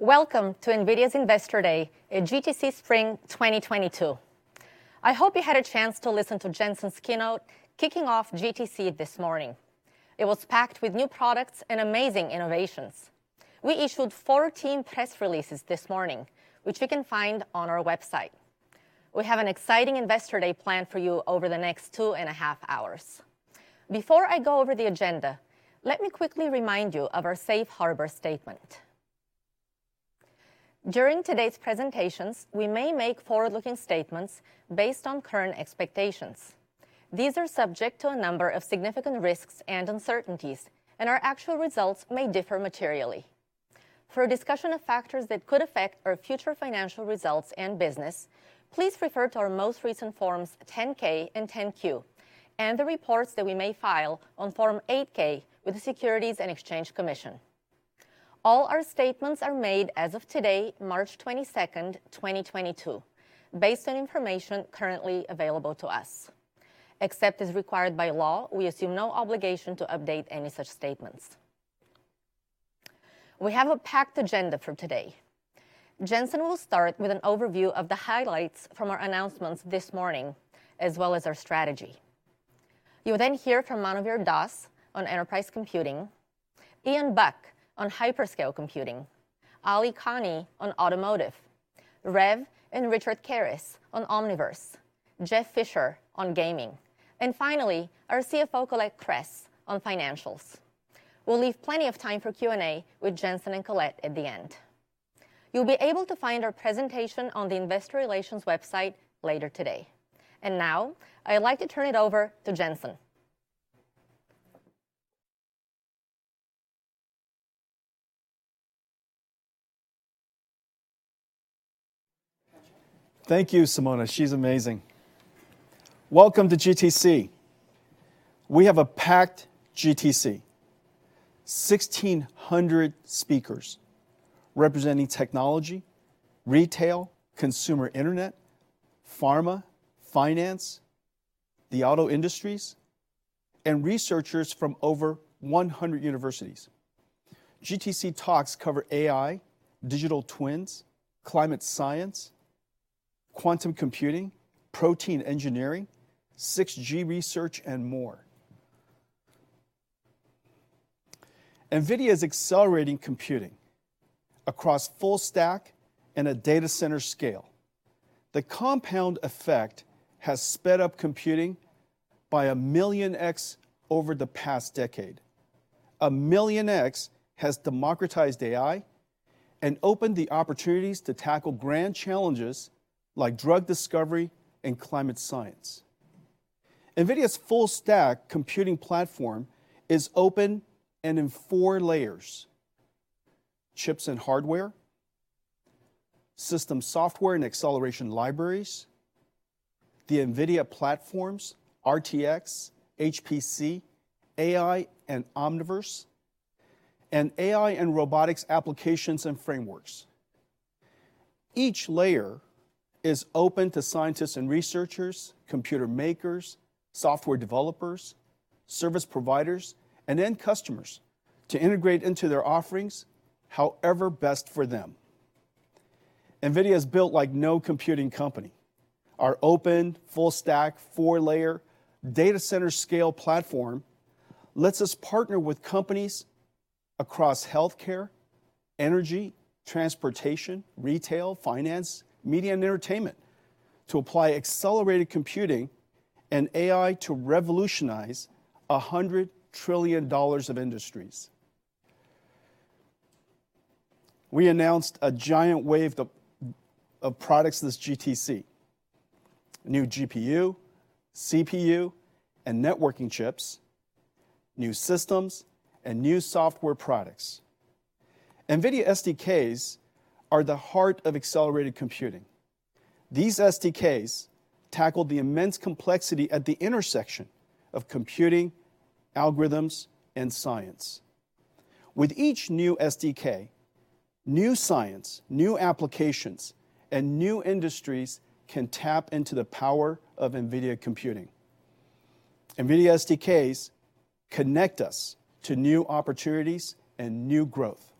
Welcome to NVIDIA's Investor Day at GTC Spring 2022. I hope you had a chance to listen to Jensen's keynote kicking off GTC this morning. It was packed with new products and amazing innovations. We issued 14 press releases this morning, which you can find on our website. We have an exciting Investor Day planned for you over the next 2.5 hours. Before I go over the agenda, let me quickly remind you of our safe harbor statement. During today's presentations, we may make forward-looking statements based on current expectations. These are subject to a number of significant risks and uncertainties, and our actual results may differ materially. For a discussion of factors that could affect our future financial results and business, please refer to our most recent Form 10-K and 10-Q, and the reports that we may file on Form 8-K with the Securities and Exchange Commission. All our statements are made as of today, March 22, 2022, based on information currently available to us. Except as required by law, we assume no obligation to update any such statements. We have a packed agenda for today. Jensen will start with an overview of the highlights from our announcements this morning, as well as our strategy. You'll then hear from Manuvir Das on enterprise computing, Ian Buck on hyperscale computing, Ali Kani on automotive, Rev and Richard Kerris on Omniverse, Jeff Fisher on gaming, and finally, our CFO, Colette Kress, on financials. We'll leave plenty of time for Q&A with Jensen and Colette at the end. You'll be able to find our presentation on the investor relations website later today. Now, I'd like to turn it over to Jensen. Thank you, Simona. She's amazing. Welcome to GTC. We have a packed GTC. 1,600 speakers representing technology, retail, consumer internet, pharma, finance, the auto industries, and researchers from over 100 universities. GTC talks cover AI, digital twins, climate science, quantum computing, protein engineering, 6G research, and more. NVIDIA is accelerating computing across full stack and a data center scale. The compound effect has sped up computing by a Million-x over the past decade. A Million-x has democratized AI and opened the opportunities to tackle grand challenges like drug discovery and climate science. NVIDIA's full stack computing platform is open and in four layers. Chips and hardware, system software and acceleration libraries, the NVIDIA platforms, RTX, HPC, AI, and Omniverse, and AI and robotics applications and frameworks. Each layer is open to scientists and researchers, computer makers, software developers, service providers, and end customers to integrate into their offerings however best for them. NVIDIA is built like no computing company. Our open, full stack, four-layer, data center scale platform lets us partner with companies across healthcare, energy, transportation, retail, finance, media, and entertainment to apply accelerated computing and AI to revolutionize $100 trillion of industries. We announced a giant wave of products this GTC. New GPU, CPU, and networking chips, new systems, and new software products. NVIDIA SDKs are the heart of accelerated computing. These SDKs tackle the immense complexity at the intersection of computing, algorithms, and science. With each new SDK, new science, new applications, and new industries can tap into the power of NVIDIA computing. NVIDIA SDKs connect us to new opportunities and new growth.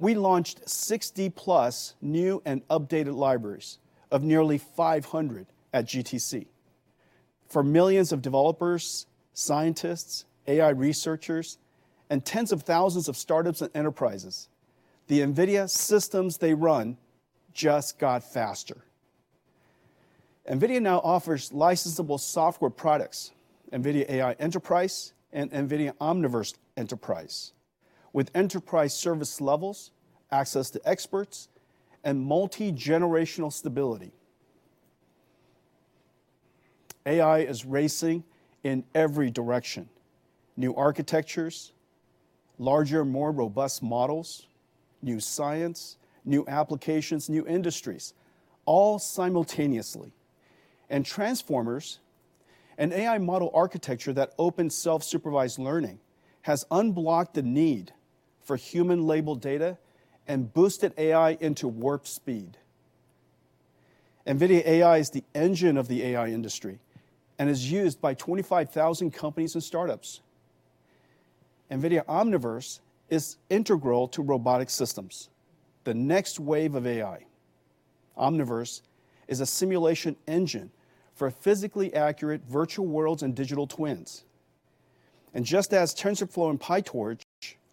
We launched 60+ new and updated libraries of nearly 500 at GTC. For millions of developers, scientists, AI researchers, and tens of thousands of startups and enterprises, the NVIDIA systems they run just got faster. NVIDIA now offers licensable software products, NVIDIA AI Enterprise and NVIDIA Omniverse Enterprise, with enterprise service levels, access to experts, and multi-generational stability. AI is racing in every direction. New architectures, larger, more robust models, new science, new applications, new industries, all simultaneously. Transformers, an AI model architecture that opens self-supervised learning, has unblocked the need for human-labeled data and boosted AI into warp speed. NVIDIA AI is the engine of the AI industry and is used by 25,000 companies and startups. NVIDIA Omniverse is integral to robotic systems, the next wave of AI. Omniverse is a simulation engine for physically accurate virtual worlds and digital twins. Just as TensorFlow and PyTorch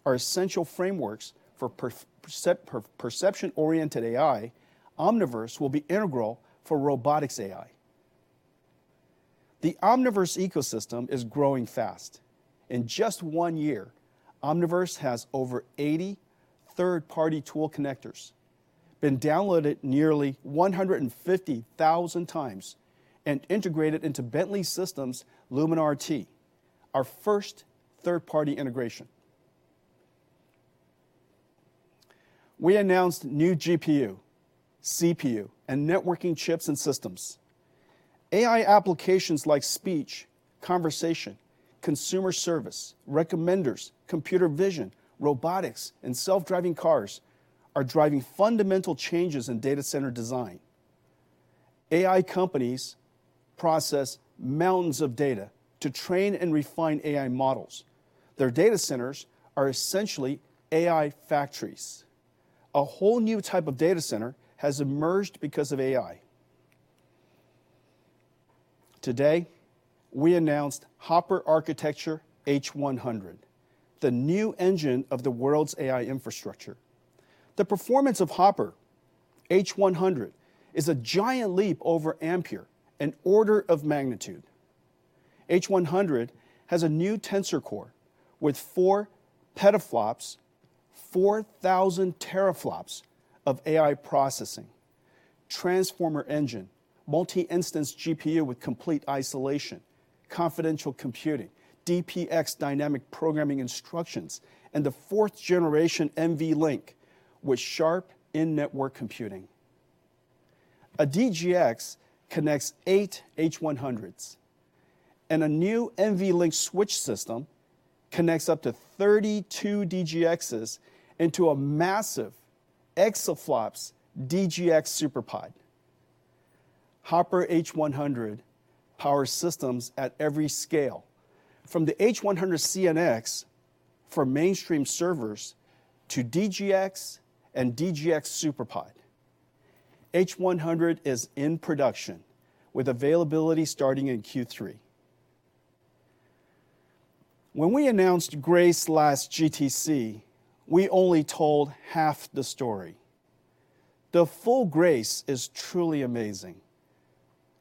are essential frameworks for perception-oriented AI, Omniverse will be integral for robotics AI. The Omniverse ecosystem is growing fast. In just one year, Omniverse has over 80 third-party tool connectors, been downloaded nearly 150,000 times, and integrated into Bentley Systems' LumenRT, our first third-party integration. We announced new GPU, CPU, and networking chips and systems. AI applications like speech, conversation, consumer service, recommenders, computer vision, robotics, and self-driving cars are driving fundamental changes in data center design. AI companies process mountains of data to train and refine AI models. Their data centers are essentially AI factories. A whole new type of data center has emerged because of AI. Today, we announced Hopper architecture H100, the new engine of the world's AI infrastructure. The performance of Hopper H100 is a giant leap over Ampere, an order of magnitude. H100 has a new Tensor Core with 4 petaflops, 4,000 teraflops of AI processing, Transformer Engine, Multi-Instance GPU with complete isolation, confidential computing, DPX dynamic programming instructions, and the fourth-generation NVLink with SHARP in-network computing. A DGX connects 8 H100s, and a new NVLink Switch System connects up to 32 DGXs into a massive exaflops DGX SuperPOD. Hopper H100 powers systems at every scale, from the H100 CNX for mainstream servers to DGX and DGX SuperPOD. H100 is in production, with availability starting in Q3. When we announced Grace last GTC, we only told half the story. The full Grace is truly amazing.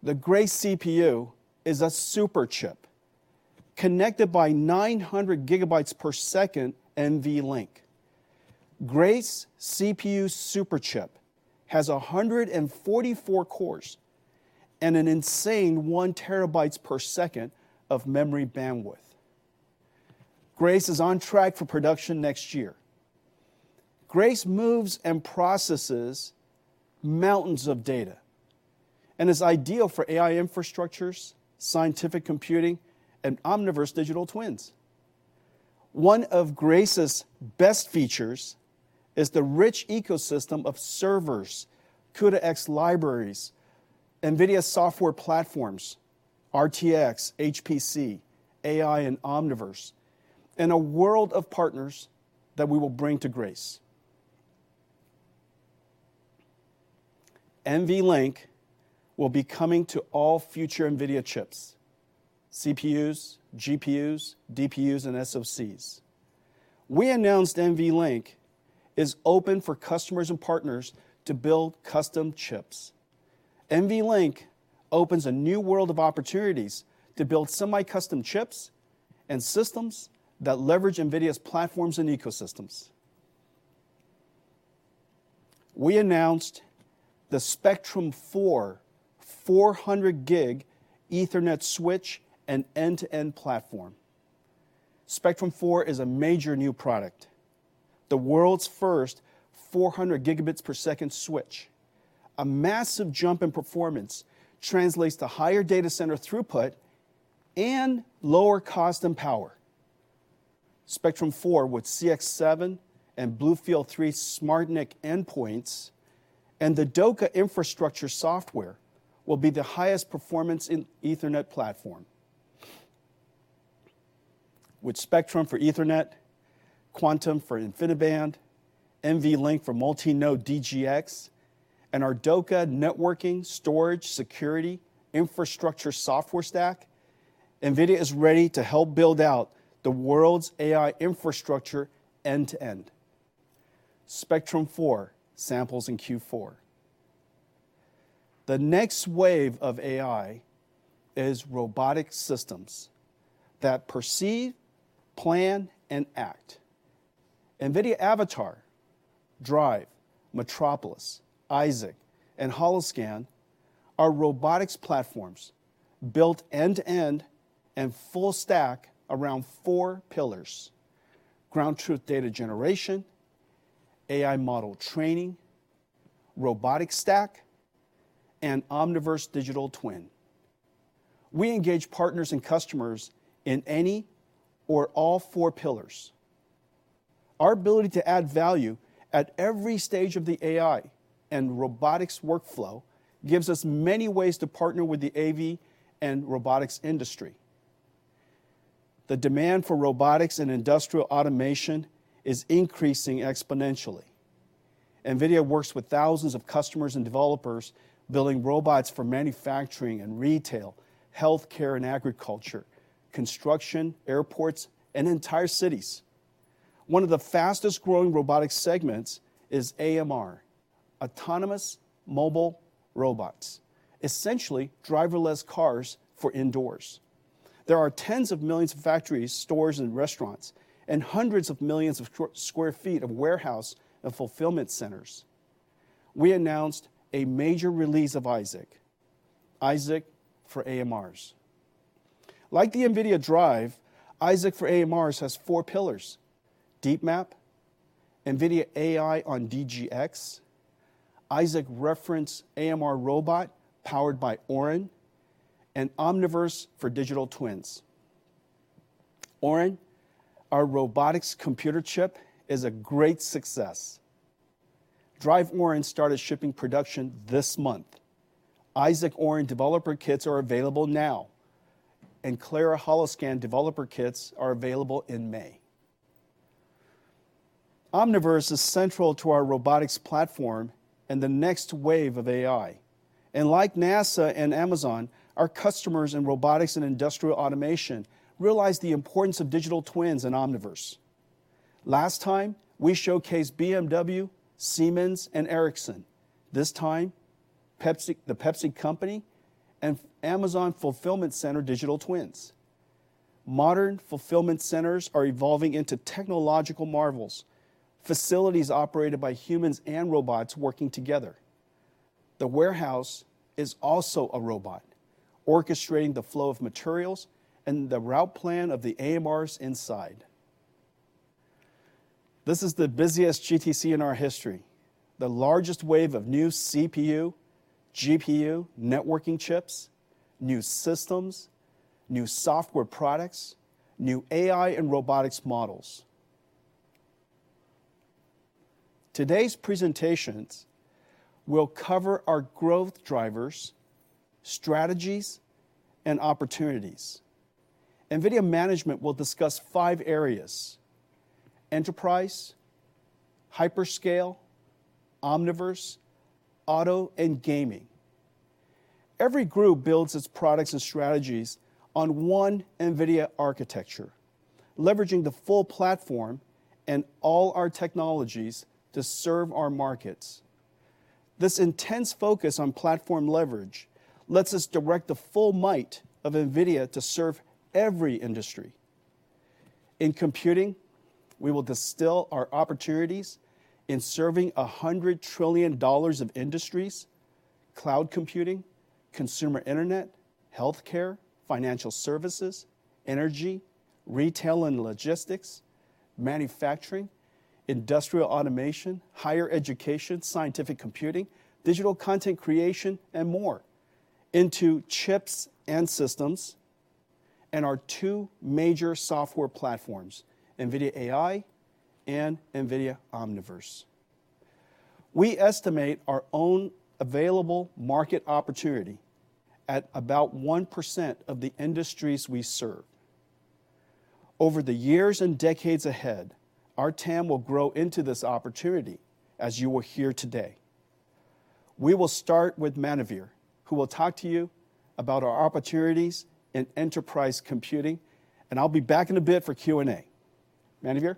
The Grace CPU is a superchip connected by 900 GB/s NVLink. Grace CPU superchip has 144 cores and an insane 1 TB/s of memory bandwidth. Grace is on track for production next year. Grace moves and processes mountains of data and is ideal for AI infrastructures, scientific computing, and Omniverse digital twins. One of Grace's best features is the rich ecosystem of servers, CUDA-X libraries, NVIDIA software platforms, RTX, HPC, AI, and Omniverse, and a world of partners that we will bring to Grace. NVLink will be coming to all future NVIDIA chips, CPUs, GPUs, DPUs, and SoCs. We announced NVLink is open for customers and partners to build custom chips. NVLink opens a new world of opportunities to build semi-custom chips and systems that leverage NVIDIA's platforms and ecosystems. We announced the Spectrum-4, 400G Ethernet switch and end-to-end platform. Spectrum-4 is a major new product, the world's first 400 Gbps per second switch. A massive jump in performance translates to higher data center throughput and lower cost and power. Spectrum-4 with ConnectX-7 and BlueField-3 SmartNIC endpoints and the DOCA infrastructure software will be the highest performance Ethernet platform. With Spectrum for Ethernet, Quantum for InfiniBand, NVLink for multi-node DGX, and our DOCA networking, storage, security, infrastructure software stack, NVIDIA is ready to help build out the world's AI infrastructure end to end. Spectrum-4 samples in Q4. The next wave of AI is robotic systems that perceive, plan, and act. Omniverse Avatar, DRIVE, Metropolis, Isaac, and Holoscan are robotics platforms built end to end and full stack around four pillars: ground truth data generation, AI model training, robotic stack, and Omniverse digital twin. We engage partners and customers in any or all four pillars. Our ability to add value at every stage of the AI and robotics workflow gives us many ways to partner with the AV and robotics industry. The demand for robotics and industrial automation is increasing exponentially. NVIDIA works with thousands of customers and developers building robots for manufacturing and retail, healthcare and agriculture, construction, airports, and entire cities. One of the fastest-growing robotic segments is AMR, autonomous mobile robots, essentially driverless cars for indoors. There are tens of millions of factories, stores, and restaurants, and hundreds of millions of square feet of warehouse and fulfillment centers. We announced a major release of Isaac for AMRs. Like the NVIDIA DRIVE, Isaac for AMRs has four pillars: DeepMap, NVIDIA AI on DGX, Isaac Reference AMR Robot powered by Orin, and Omniverse for digital twins. Orin, our robotics computer chip, is a great success. DRIVE Orin started shipping production this month. Isaac Orin developer kits are available now, and Clara Holoscan developer kits are available in May. Omniverse is central to our robotics platform and the next wave of AI. Like NASA and Amazon, our customers in robotics and industrial automation realize the importance of digital twins in Omniverse. Last time, we showcased BMW, Siemens, and Ericsson. This time, PepsiCo and Amazon fulfillment center digital twins. Modern fulfillment centers are evolving into technological marvels, facilities operated by humans and robots working together. The warehouse is also a robot, orchestrating the flow of materials and the route plan of the AMRs inside. This is the busiest GTC in our history, the largest wave of new CPU, GPU, networking chips, new systems, new software products, new AI and robotics models. Today's presentations will cover our growth drivers, strategies, and opportunities. NVIDIA management will discuss five areas, enterprise, hyperscale, Omniverse, auto, and gaming. Every group builds its products and strategies on one NVIDIA architecture, leveraging the full platform and all our technologies to serve our markets. This intense focus on platform leverage lets us direct the full might of NVIDIA to serve every industry. In computing, we will distill our opportunities in serving $100 trillion of industries, cloud computing, consumer internet, healthcare, financial services, energy, retail and logistics, manufacturing, industrial automation, higher education, scientific computing, digital content creation, and more into chips and systems and our two major software platforms, NVIDIA AI and NVIDIA Omniverse. We estimate our own available market opportunity at about 1% of the industries we serve. Over the years and decades ahead, our TAM will grow into this opportunity as you will hear today. We will start with Manuvir, who will talk to you about our opportunities in enterprise computing, and I'll be back in a bit for Q&A. Manuvir?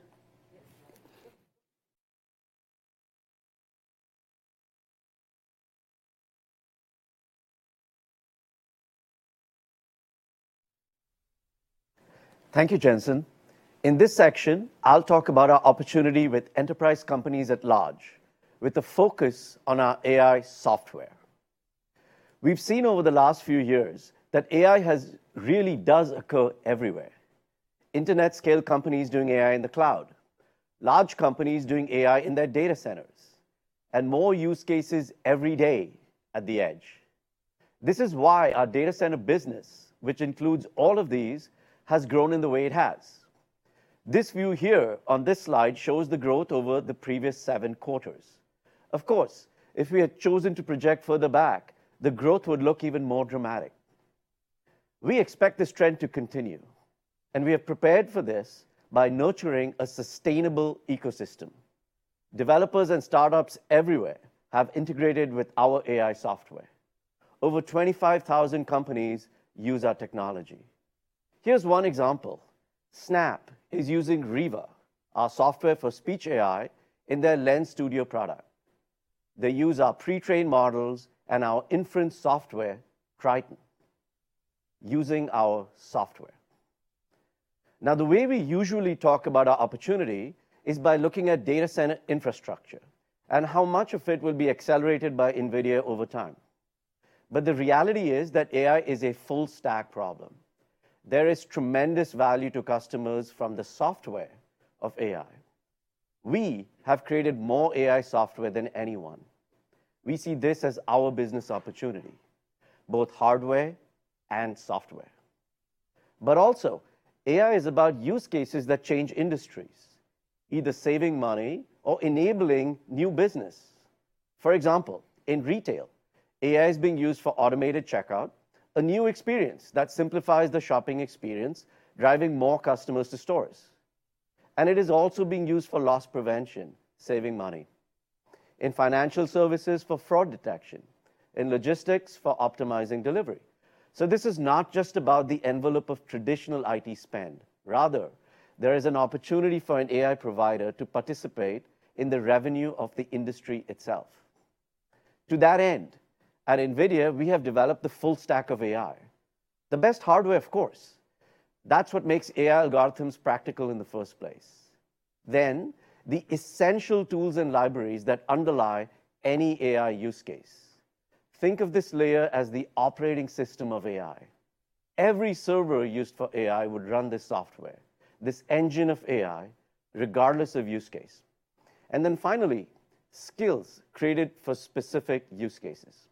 Thank you, Jensen. In this section, I'll talk about our opportunity with enterprise companies at large, with a focus on our AI software. We've seen over the last few years that AI really does occur everywhere. Internet-scale companies doing AI in the cloud, large companies doing AI in their data centers, and more use cases every day at the edge. This is why our data center business, which includes all of these, has grown in the way it has. This view here on this slide shows the growth over the previous seven quarters. Of course, if we had chosen to project further back, the growth would look even more dramatic. We expect this trend to continue, and we are prepared for this by nurturing a sustainable ecosystem. Developers and startups everywhere have integrated with our AI software. Over 25,000 companies use our technology. Here's one example. Snap is using Riva, our software for speech AI, in their Lens Studio product. They use our pre-trained models and our inference software, Triton, using our software. Now, the way we usually talk about our opportunity is by looking at data center infrastructure and how much of it will be accelerated by NVIDIA over time. The reality is that AI is a full stack problem. There is tremendous value to customers from the software of AI. We have created more AI software than anyone. We see this as our business opportunity, both hardware and software. AI is about use cases that change industries, either saving money or enabling new business. For example, in retail, AI is being used for automated checkout, a new experience that simplifies the shopping experience, driving more customers to stores. It is also being used for loss prevention, saving money. In financial services for fraud detection. In logistics for optimizing delivery. This is not just about the envelope of traditional IT spend. Rather, there is an opportunity for an AI provider to participate in the revenue of the industry itself. To that end, at NVIDIA, we have developed the full stack of AI. The best hardware, of course. That's what makes AI algorithms practical in the first place. Then the essential tools and libraries that underlie any AI use case. Think of this layer as the operating system of AI. Every server used for AI would run this software, this engine of AI, regardless of use case. Then finally, skills created for specific use cases.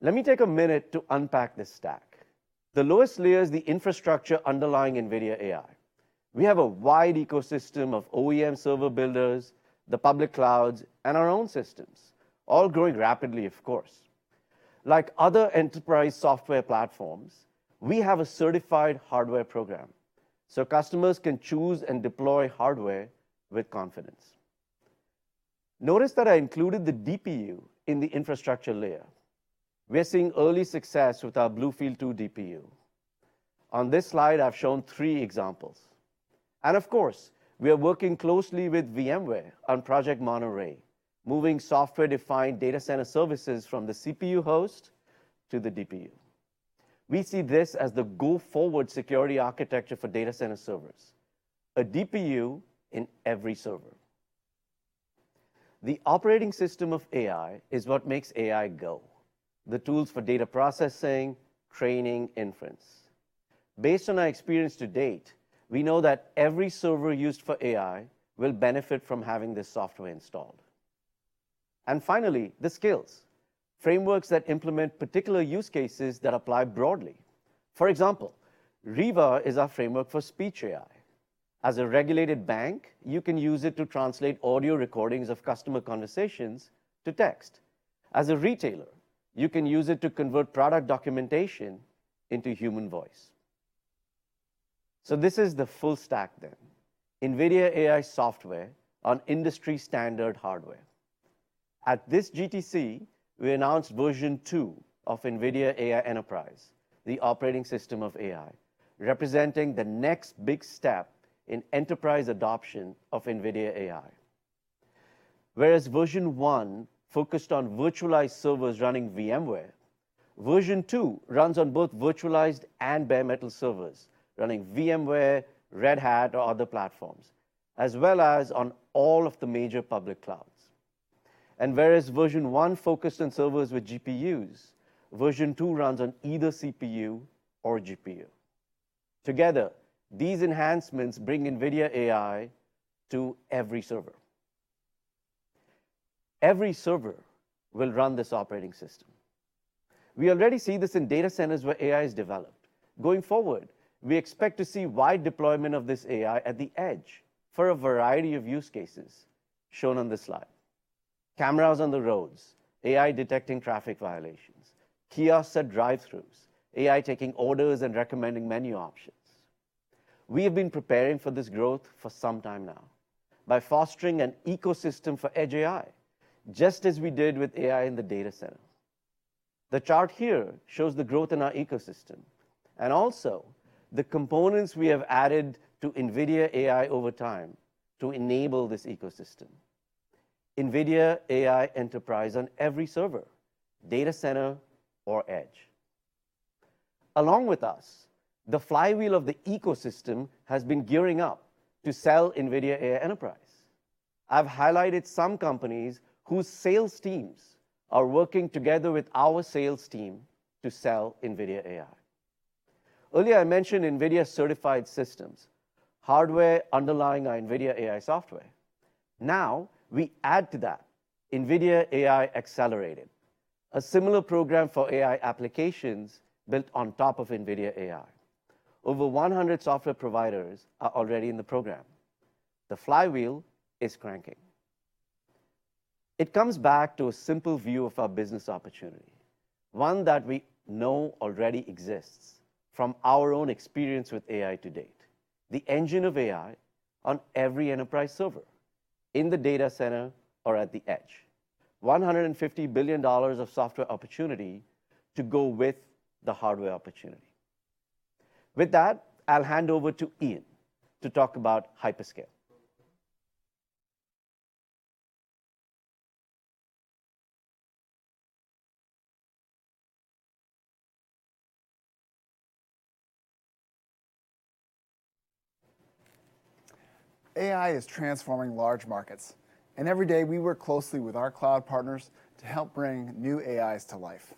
Let me take a minute to unpack this stack. The lowest layer is the infrastructure underlying NVIDIA AI. We have a wide ecosystem of OEM server builders, the public clouds, and our own systems, all growing rapidly, of course. Like other enterprise software platforms, we have a certified hardware program, so customers can choose and deploy hardware with confidence. Notice that I included the DPU in the infrastructure layer. We're seeing early success with our BlueField-2 DPU. On this slide, I've shown three examples. Of course, we are working closely with VMware on Project Monterey, moving software-defined data center services from the CPU host to the DPU. We see this as the go-forward security architecture for data center servers. A DPU in every server. The operating system of AI is what makes AI go. The tools for data processing, training, inference. Based on our experience to date, we know that every server used for AI will benefit from having this software installed. Finally, the skills, frameworks that implement particular use cases that apply broadly. For example, Riva is our framework for speech AI. As a regulated bank, you can use it to translate audio recordings of customer conversations to text. As a retailer, you can use it to convert product documentation into human voice. This is the full stack then. NVIDIA AI software on industry standard hardware. At this GTC, we announced Version 2 of NVIDIA AI Enterprise, the operating system of AI, representing the next big step in enterprise adoption of NVIDIA AI. Whereas Version 1 focused on virtualized servers running VMware, Version 2 runs on both virtualized and bare metal servers running VMware, Red Hat or other platforms, as well as on all of the major public clouds. Whereas Version 1 focused on servers with GPUs, Version 2 runs on either CPU or GPU. Together, these enhancements bring NVIDIA AI to every server. Every server will run this operating system. We already see this in data centers where AI is developed. Going forward, we expect to see wide deployment of this AI at the edge for a variety of use cases shown on this slide. Cameras on the roads, AI detecting traffic violations, kiosks at drive-throughs, AI taking orders and recommending menu options. We have been preparing for this growth for some time now by fostering an ecosystem for edge AI, just as we did with AI in the data centers. The chart here shows the growth in our ecosystem and also the components we have added to NVIDIA AI over time to enable this ecosystem. NVIDIA AI Enterprise on every server, data center or edge. Along with us, the flywheel of the ecosystem has been gearing up to sell NVIDIA AI Enterprise. I've highlighted some companies whose sales teams are working together with our sales team to sell NVIDIA AI. Earlier, I mentioned NVIDIA certified systems, hardware underlying our NVIDIA AI software. Now, we add to that NVIDIA AI Accelerated, a similar program for AI applications built on top of NVIDIA AI. Over 100 software providers are already in the program. The flywheel is cranking. It comes back to a simple view of our business opportunity, one that we know already exists from our own experience with AI to date. The engine of AI on every enterprise server in the data center or at the edge. $150 billion of software opportunity to go with the hardware opportunity. With that, I'll hand over to Ian to talk about hyperscale. AI is transforming large markets, and every day we work closely with our cloud partners to help bring new AIs to life.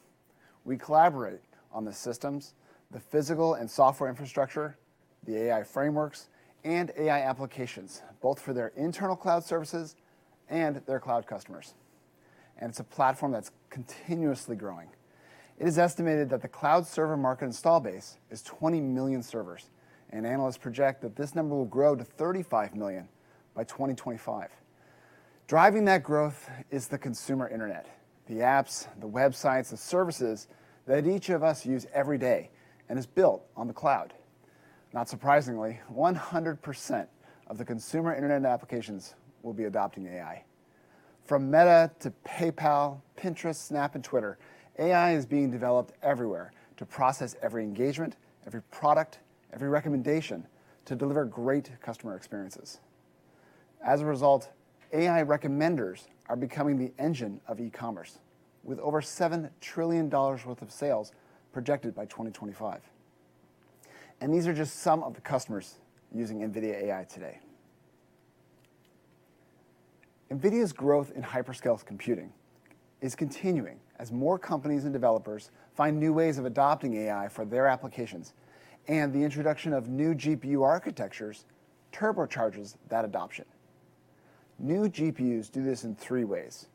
We collaborate on the systems, the physical and software infrastructure, the AI frameworks, and AI applications, both for their internal cloud services and their cloud customers. It's a platform that's continuously growing. It is estimated that the cloud server market install base is 20 million servers, and analysts project that this number will grow to 35 million by 2025. Driving that growth is the consumer internet, the apps, the websites, the services that each of us use every day and is built on the cloud. Not surprisingly, 100% of the consumer internet applications will be adopting AI. From Meta to PayPal, Pinterest, Snap, and Twitter, AI is being developed everywhere to process every engagement, every product, every recommendation to deliver great customer experiences. As a result, AI recommenders are becoming the engine of e-commerce, with over $7 trillion worth of sales projected by 2025. These are just some of the customers using NVIDIA AI today. NVIDIA's growth in hyperscale computing is continuing as more companies and developers find new ways of adopting AI for their applications and the introduction of new GPU architectures turbocharges that adoption. New GPUs do this in three ways.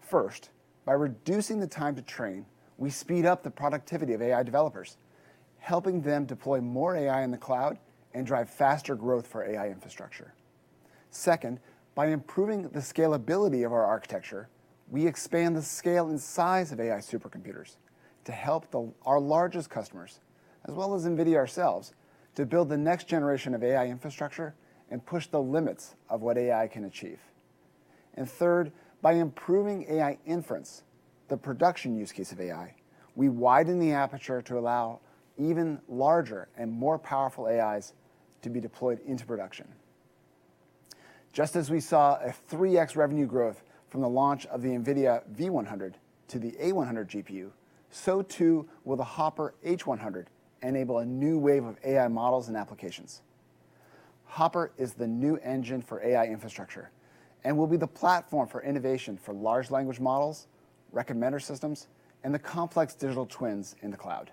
First, by reducing the time to train, we speed up the productivity of AI developers, helping them deploy more AI in the cloud and drive faster growth for AI infrastructure. Second, by improving the scalability of our architecture, we expand the scale and size of AI supercomputers to help our largest customers, as well as NVIDIA ourselves, to build the next generation of AI infrastructure and push the limits of what AI can achieve. Third, by improving AI inference, the production use case of AI, we widen the aperture to allow even larger and more powerful AIs to be deployed into production. Just as we saw a 3x revenue growth from the launch of the NVIDIA V100 to the A100 GPU, so too will the Hopper H100 enable a new wave of AI models and applications. Hopper is the new engine for AI infrastructure and will be the platform for innovation for large language models, recommender systems, and the complex digital twins in the cloud.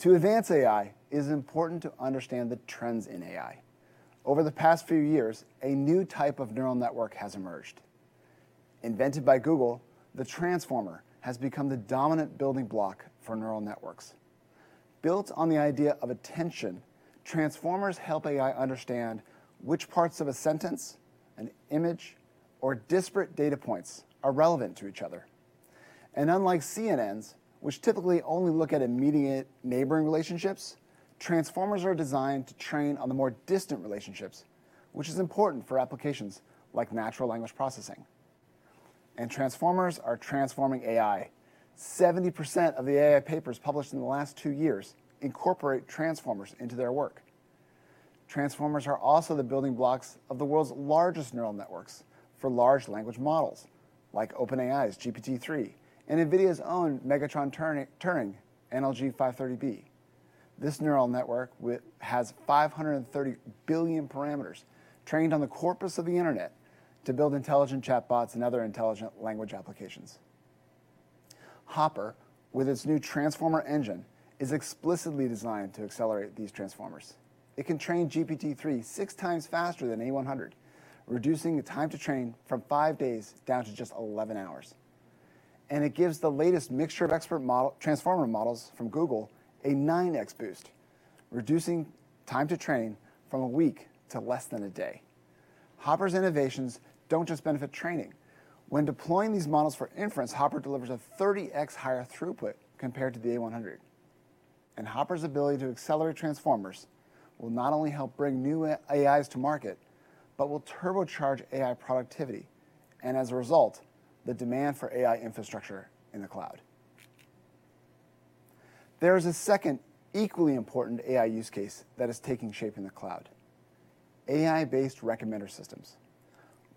To advance AI, it is important to understand the trends in AI. Over the past few years, a new type of neural network has emerged. Invented by Google, the transformer has become the dominant building block for neural networks. Built on the idea of attention, transformers help AI understand which parts of a sentence, an image, or disparate data points are relevant to each other. Unlike CNNs, which typically only look at immediate neighboring relationships, transformers are designed to train on the more distant relationships, which is important for applications like natural language processing. Transformers are transforming AI. 70% of the AI papers published in the last two years incorporate transformers into their work. Transformers are also the building blocks of the world's largest neural networks for large language models, like OpenAI's GPT-3 and NVIDIA's own Megatron-Turing NLG 530B. This neural network has 530 billion parameters trained on the corpus of the internet to build intelligent chatbots and other intelligent language applications. Hopper, with its new Transformer Engine, is explicitly designed to accelerate these transformers. It can train GPT-3 6x faster than A100, reducing the time to train from five days down to just 11 hours. It gives the latest mixture of experts model, transformer models from Google a 9x boost, reducing time to train from a week to less than a day. Hopper's innovations don't just benefit training. When deploying these models for inference, Hopper delivers a 30x higher throughput compared to the A100. Hopper's ability to accelerate transformers will not only help bring new AIs to market, but will turbocharge AI productivity and, as a result, the demand for AI infrastructure in the cloud. There is a second equally important AI use case that is taking shape in the cloud: AI-based recommender systems.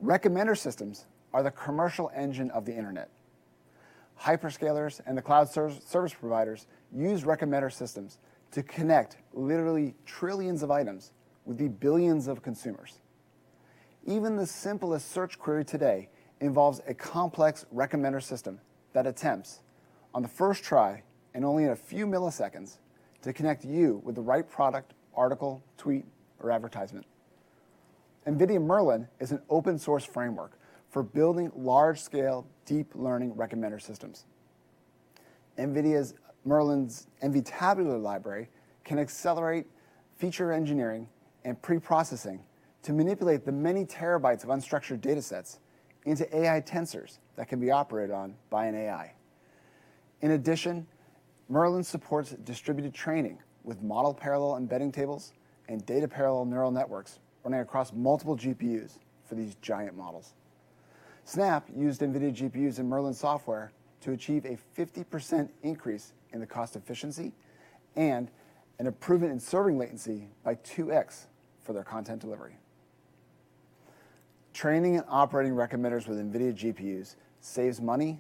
Recommender systems are the commercial engine of the internet. Hyperscalers and the cloud service providers use recommender systems to connect literally trillions of items with the billions of consumers. Even the simplest search query today involves a complex recommender system that attempts, on the first try and only in a few milliseconds, to connect you with the right product, article, tweet, or advertisement. NVIDIA Merlin is an open-source framework for building large-scale, deep learning recommender systems. NVIDIA Merlin's NVTabular library can accelerate feature engineering and preprocessing to manipulate the many terabytes of unstructured datasets into AI tensors that can be operated on by an AI. In addition, Merlin supports distributed training with model parallel embedding tables and data parallel neural networks running across multiple GPUs for these giant models. Snap used NVIDIA GPUs and Merlin software to achieve a 50% increase in the cost efficiency and an improvement in serving latency by 2x for their content delivery. Training and operating recommenders with NVIDIA GPUs saves money,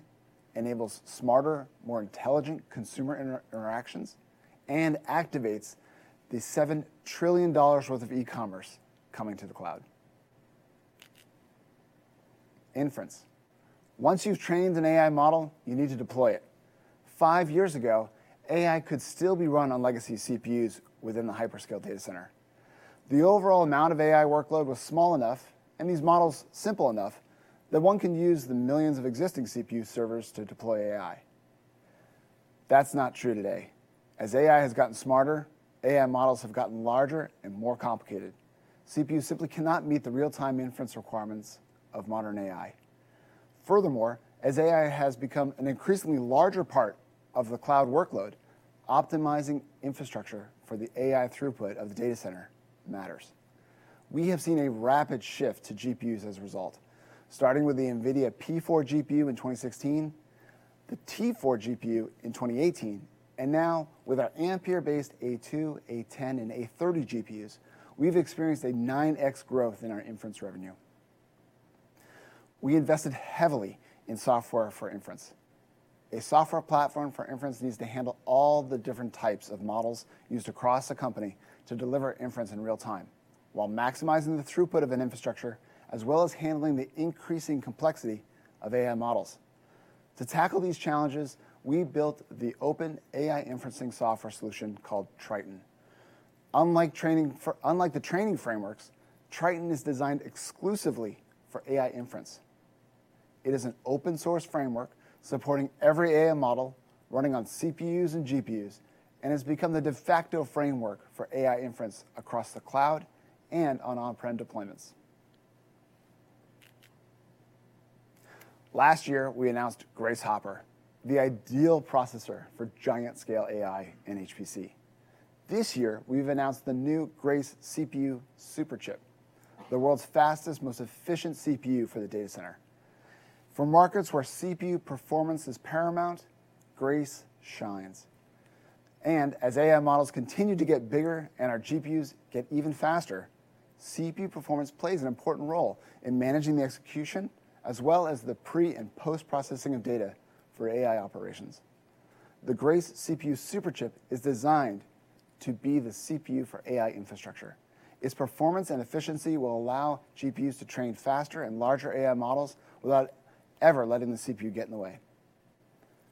enables smarter, more intelligent consumer interactions, and activates the $7 trillion worth of e-commerce coming to the cloud. Inference. Once you've trained an AI model, you need to deploy it. Five years ago, AI could still be run on legacy CPUs within the hyperscale data center. The overall amount of AI workload was small enough and these models simple enough that one can use the millions of existing CPU servers to deploy AI. That's not true today. As AI has gotten smarter, AI models have gotten larger and more complicated. CPUs simply cannot meet the real-time inference requirements of modern AI. Furthermore, as AI has become an increasingly larger part of the cloud workload, optimizing infrastructure for the AI throughput of the data center matters. We have seen a rapid shift to GPUs as a result, starting with the NVIDIA P4 GPU in 2016, the T4 GPU in 2018, and now with our Ampere-based A2, A10, and A30 GPUs, we've experienced a 9x growth in our inference revenue. We invested heavily in software for inference. A software platform for inference needs to handle all the different types of models used across a company to deliver inference in real time, while maximizing the throughput of an infrastructure, as well as handling the increasing complexity of AI models. To tackle these challenges, we built the open AI inferencing software solution called Triton. Unlike the training frameworks, Triton is designed exclusively for AI inference. It is an open source framework supporting every AI model running on CPUs and GPUs, and has become the de facto framework for AI inference across the cloud and on-prem deployments. Last year, we announced Grace Hopper, the ideal processor for giant-scale AI and HPC. This year, we've announced the new Grace CPU Superchip, the world's fastest, most efficient CPU for the data center. For markets where CPU performance is paramount, Grace shines. As AI models continue to get bigger and our GPUs get even faster, CPU performance plays an important role in managing the execution, as well as the pre- and post-processing of data for AI operations. The Grace CPU Superchip is designed to be the CPU for AI infrastructure. Its performance and efficiency will allow GPUs to train faster and larger AI models without ever letting the CPU get in the way.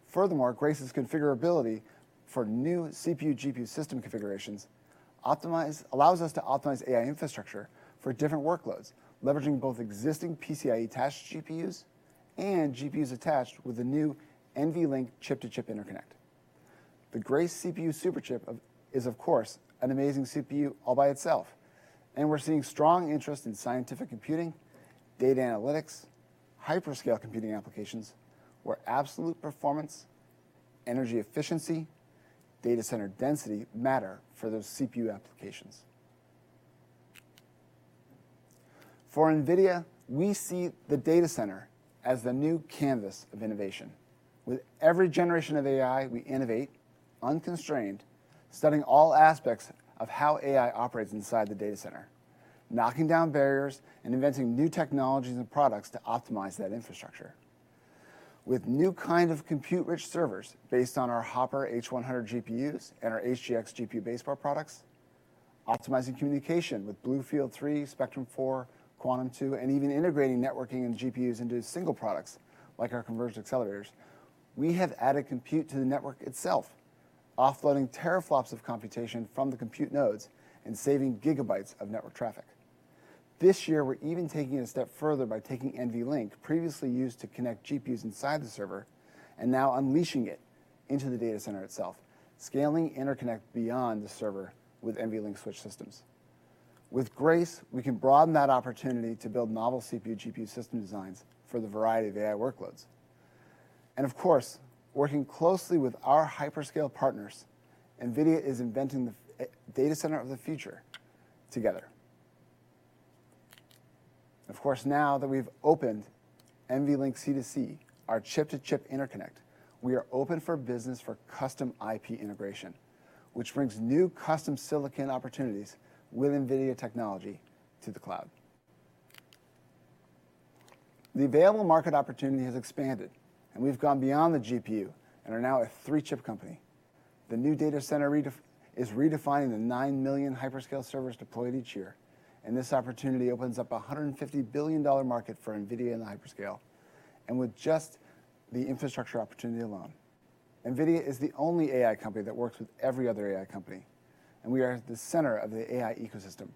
Furthermore, Grace's configurability for new CPU-GPU system configurations allows us to optimize AI infrastructure for different workloads, leveraging both existing PCIe-attached GPUs and GPUs attached with the new NVLink chip-to-chip interconnect. The Grace CPU Superchip is, of course, an amazing CPU all by itself, and we're seeing strong interest in scientific computing, data analytics, hyperscale computing applications where absolute performance, energy efficiency, data center density matter for those CPU applications. For NVIDIA, we see the data center as the new canvas of innovation. With every generation of AI, we innovate unconstrained, studying all aspects of how AI operates inside the data center, knocking down barriers and inventing new technologies and products to optimize that infrastructure. With new kind of compute-rich servers based on our Hopper H100 GPUs and our HGX GPU baseboard products, optimizing communication with BlueField-3, Spectrum-4, Quantum-2, and even integrating networking and GPUs into single products like our converged accelerators, we have added compute to the network itself, offloading teraflops of computation from the compute nodes and saving gigabytes of network traffic. This year, we're even taking it a step further by taking NVLink, previously used to connect GPUs inside the server, and now unleashing it into the data center itself, scaling interconnect beyond the server with NVLink Switch systems. With Grace, we can broaden that opportunity to build novel CPU-GPU system designs for the variety of AI workloads. Of course, working closely with our hyperscale partners, NVIDIA is inventing the data center of the future together. Of course, now that we've opened NVLink-C2C, our chip-to-chip interconnect, we are open for business for custom IP integration, which brings new custom silicon opportunities with NVIDIA technology to the cloud. The available market opportunity has expanded, and we've gone beyond the GPU and are now a three-chip company. The new data center is redefining the nine million hyperscale servers deployed each year, and this opportunity opens up a $150 billion market for NVIDIA in the hyperscale, and with just the infrastructure opportunity alone. NVIDIA is the only AI company that works with every other AI company, and we are at the center of the AI ecosystem,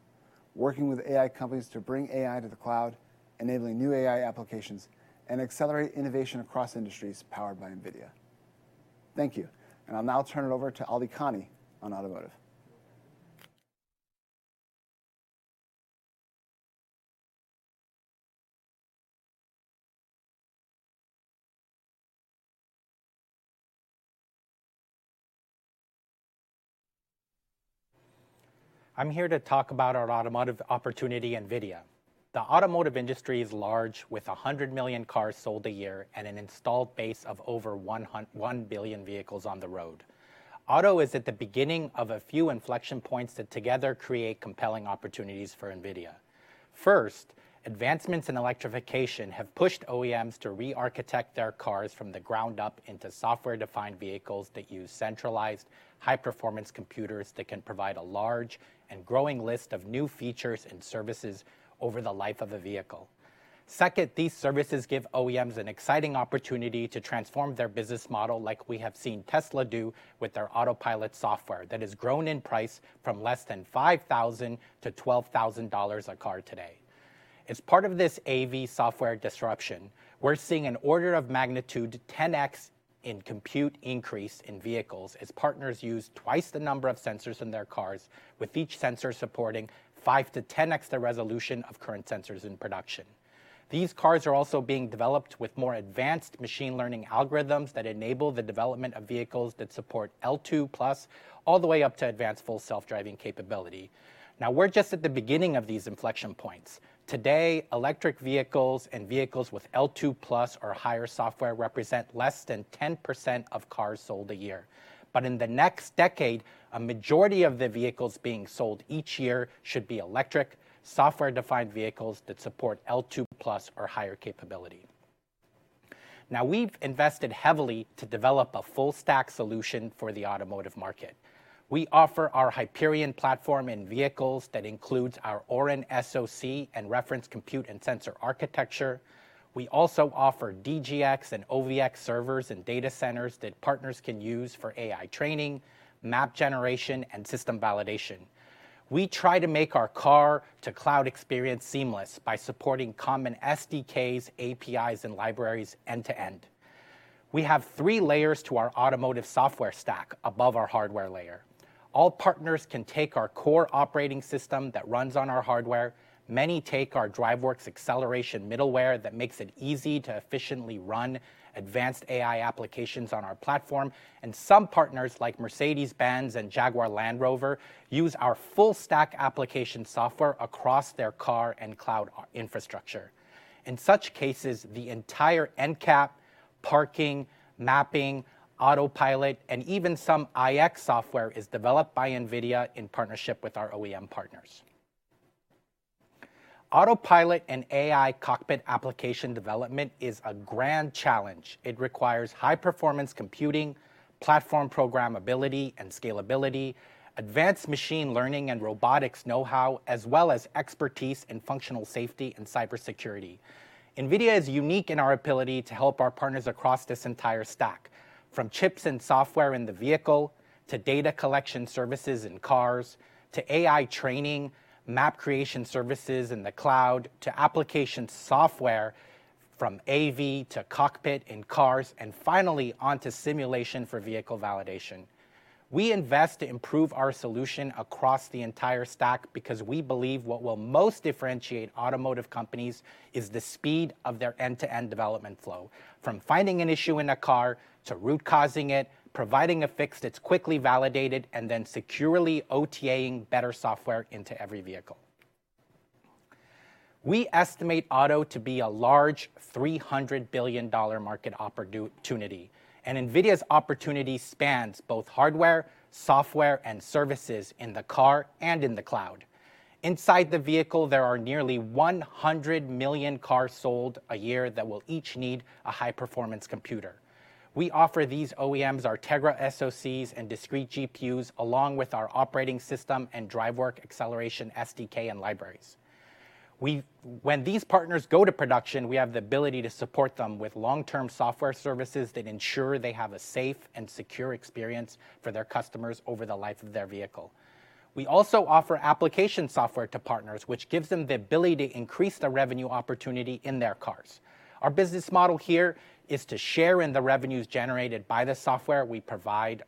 working with AI companies to bring AI to the cloud, enabling new AI applications, and accelerate innovation across industries powered by NVIDIA. Thank you. I'll now turn it over to Ali Kani on automotive. I'm here to talk about our automotive opportunity, NVIDIA. The automotive industry is large, with 100 million cars sold a year and an installed base of over one billion vehicles on the road. Auto is at the beginning of a few inflection points that together create compelling opportunities for NVIDIA. First, advancements in electrification have pushed OEMs to re-architect their cars from the ground up into software-defined vehicles that use centralized, high-performance computers that can provide a large and growing list of new features and services over the life of a vehicle. Second, these services give OEMs an exciting opportunity to transform their business model like we have seen Tesla do with their autopilot software that has grown in price from less than $5,000-$12,000 a car today. As part of this AV software disruption, we're seeing an order of magnitude 10x in compute increase in vehicles as partners use twice the number of sensors in their cars, with each sensor supporting 5x-10x the resolution of current sensors in production. These cars are also being developed with more advanced machine learning algorithms that enable the development of vehicles that support L2+ all the way up to advanced full self-driving capability. Now we're just at the beginning of these inflection points. Today, electric vehicles and vehicles with L2+ or higher software represent less than 10% of cars sold a year. In the next decade, a majority of the vehicles being sold each year should be electric, software-defined vehicles that support L2+ or higher capability. Now we've invested heavily to develop a full stack solution for the automotive market. We offer our DRIVE Hyperion platform in vehicles that includes our Orin SoC and reference compute and sensor architecture. We also offer DGX and OVX servers and data centers that partners can use for AI training, map generation, and system validation. We try to make our car-to-cloud experience seamless by supporting common SDKs, APIs, and libraries end-to-end. We have three layers to our automotive software stack above our hardware layer. All partners can take our core operating system that runs on our hardware. Many take our DriveWorks acceleration middleware that makes it easy to efficiently run advanced AI applications on our platform. Some partners like Mercedes-Benz and Jaguar Land Rover use our full stack application software across their car and cloud infrastructure. In such cases, the entire NCAP, parking, mapping, autopilot, and even some IVI software is developed by NVIDIA in partnership with our OEM partners. Autopilot and AI cockpit application development is a grand challenge. It requires high performance computing, platform programmability and scalability, advanced machine learning and robotics know-how, as well as expertise in functional safety and cybersecurity. NVIDIA is unique in our ability to help our partners across this entire stack, from chips and software in the vehicle, to data collection services in cars, to AI training, map creation services in the cloud, to application software from AV to cockpit in cars, and finally, onto simulation for vehicle validation. We invest to improve our solution across the entire stack because we believe what will most differentiate automotive companies is the speed of their end-to-end development flow, from finding an issue in a car, to root causing it, providing a fix that's quickly validated, and then securely OTA-ing better software into every vehicle. We estimate auto to be a large $300 billion market opportunity. NVIDIA's opportunity spans both hardware, software, and services in the car and in the cloud. Inside the vehicle, there are nearly 100 million cars sold a year that will each need a high-performance computer. We offer these OEMs our Tegra SoCs and discrete GPUs, along with our operating system and DriveWorks acceleration SDK and libraries. When these partners go to production, we have the ability to support them with long-term software services that ensure they have a safe and secure experience for their customers over the life of their vehicle. We also offer application software to partners, which gives them the ability to increase the revenue opportunity in their cars. Our business model here is to share in the revenues generated by the software we provide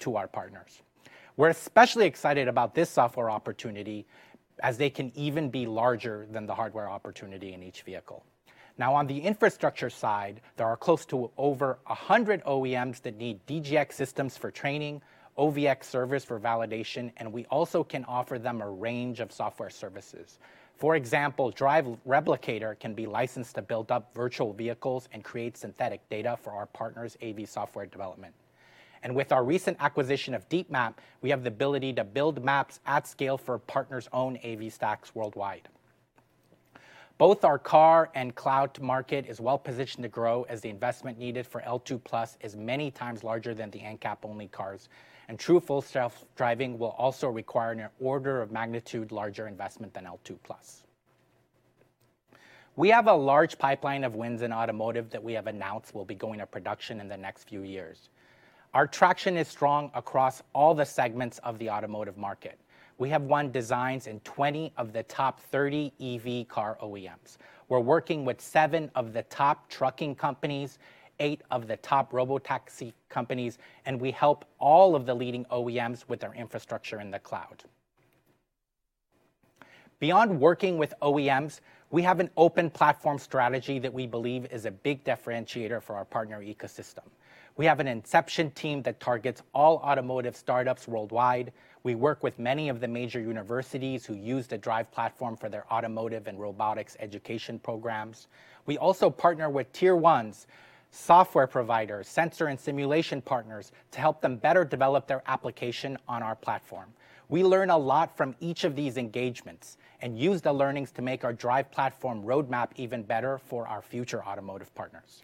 to our partners. We're especially excited about this software opportunity as they can even be larger than the hardware opportunity in each vehicle. Now, on the infrastructure side, there are close to over 100 OEMs that need DGX systems for training, OVX servers for validation, and we also can offer them a range of software services. For example, DRIVE Replicator can be licensed to build up virtual vehicles and create synthetic data for our partners' AV software development. With our recent acquisition of DeepMap, we have the ability to build maps at scale for partners' own AV stacks worldwide. Both our car and cloud market is well-positioned to grow as the investment needed for L2+ is many times larger than the NCAP-only cars. True full self-driving will also require an order of magnitude larger investment than L2+. We have a large pipeline of wins in automotive that we have announced will be going to production in the next few years. Our traction is strong across all the segments of the automotive market. We have won designs in 20 of the top 30 EV car OEMs. We're working with seven of the top trucking companies, eight of the top robotaxi companies, and we help all of the leading OEMs with their infrastructure in the cloud. Beyond working with OEMs, we have an open platform strategy that we believe is a big differentiator for our partner ecosystem. We have an inception team that targets all automotive startups worldwide. We work with many of the major universities who use the DRIVE platform for their automotive and robotics education programs. We also partner with Tier 1s, software providers, sensor and simulation partners to help them better develop their application on our platform. We learn a lot from each of these engagements and use the learnings to make our Drive platform roadmap even better for our future automotive partners.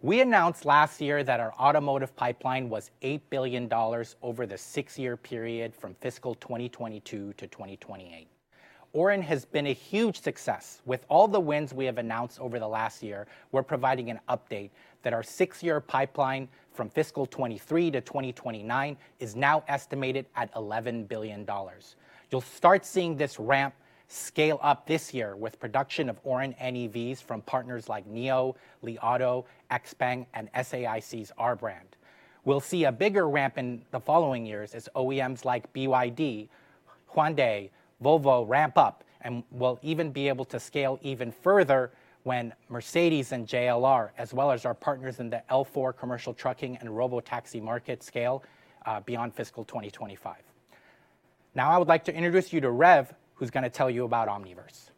We announced last year that our automotive pipeline was $8 billion over the six-year period from fiscal 2022 to 2028. Orin has been a huge success. With all the wins we have announced over the last year, we're providing an update that our six-year pipeline from fiscal 2023-2029 is now estimated at $11 billion. You'll start seeing this ramp scale up this year with production of Orin NEVs from partners like NIO, Li Auto, XPENG, and SAIC's R brand. We'll see a bigger ramp in the following years as OEMs like BYD, Hyundai, Volvo ramp up, and we'll even be able to scale even further when Mercedes and JLR, as well as our partners in the L4 commercial trucking and robotaxi market scale beyond fiscal 2025. Now I would like to introduce you to Rev, who's gonna tell you about Omniverse.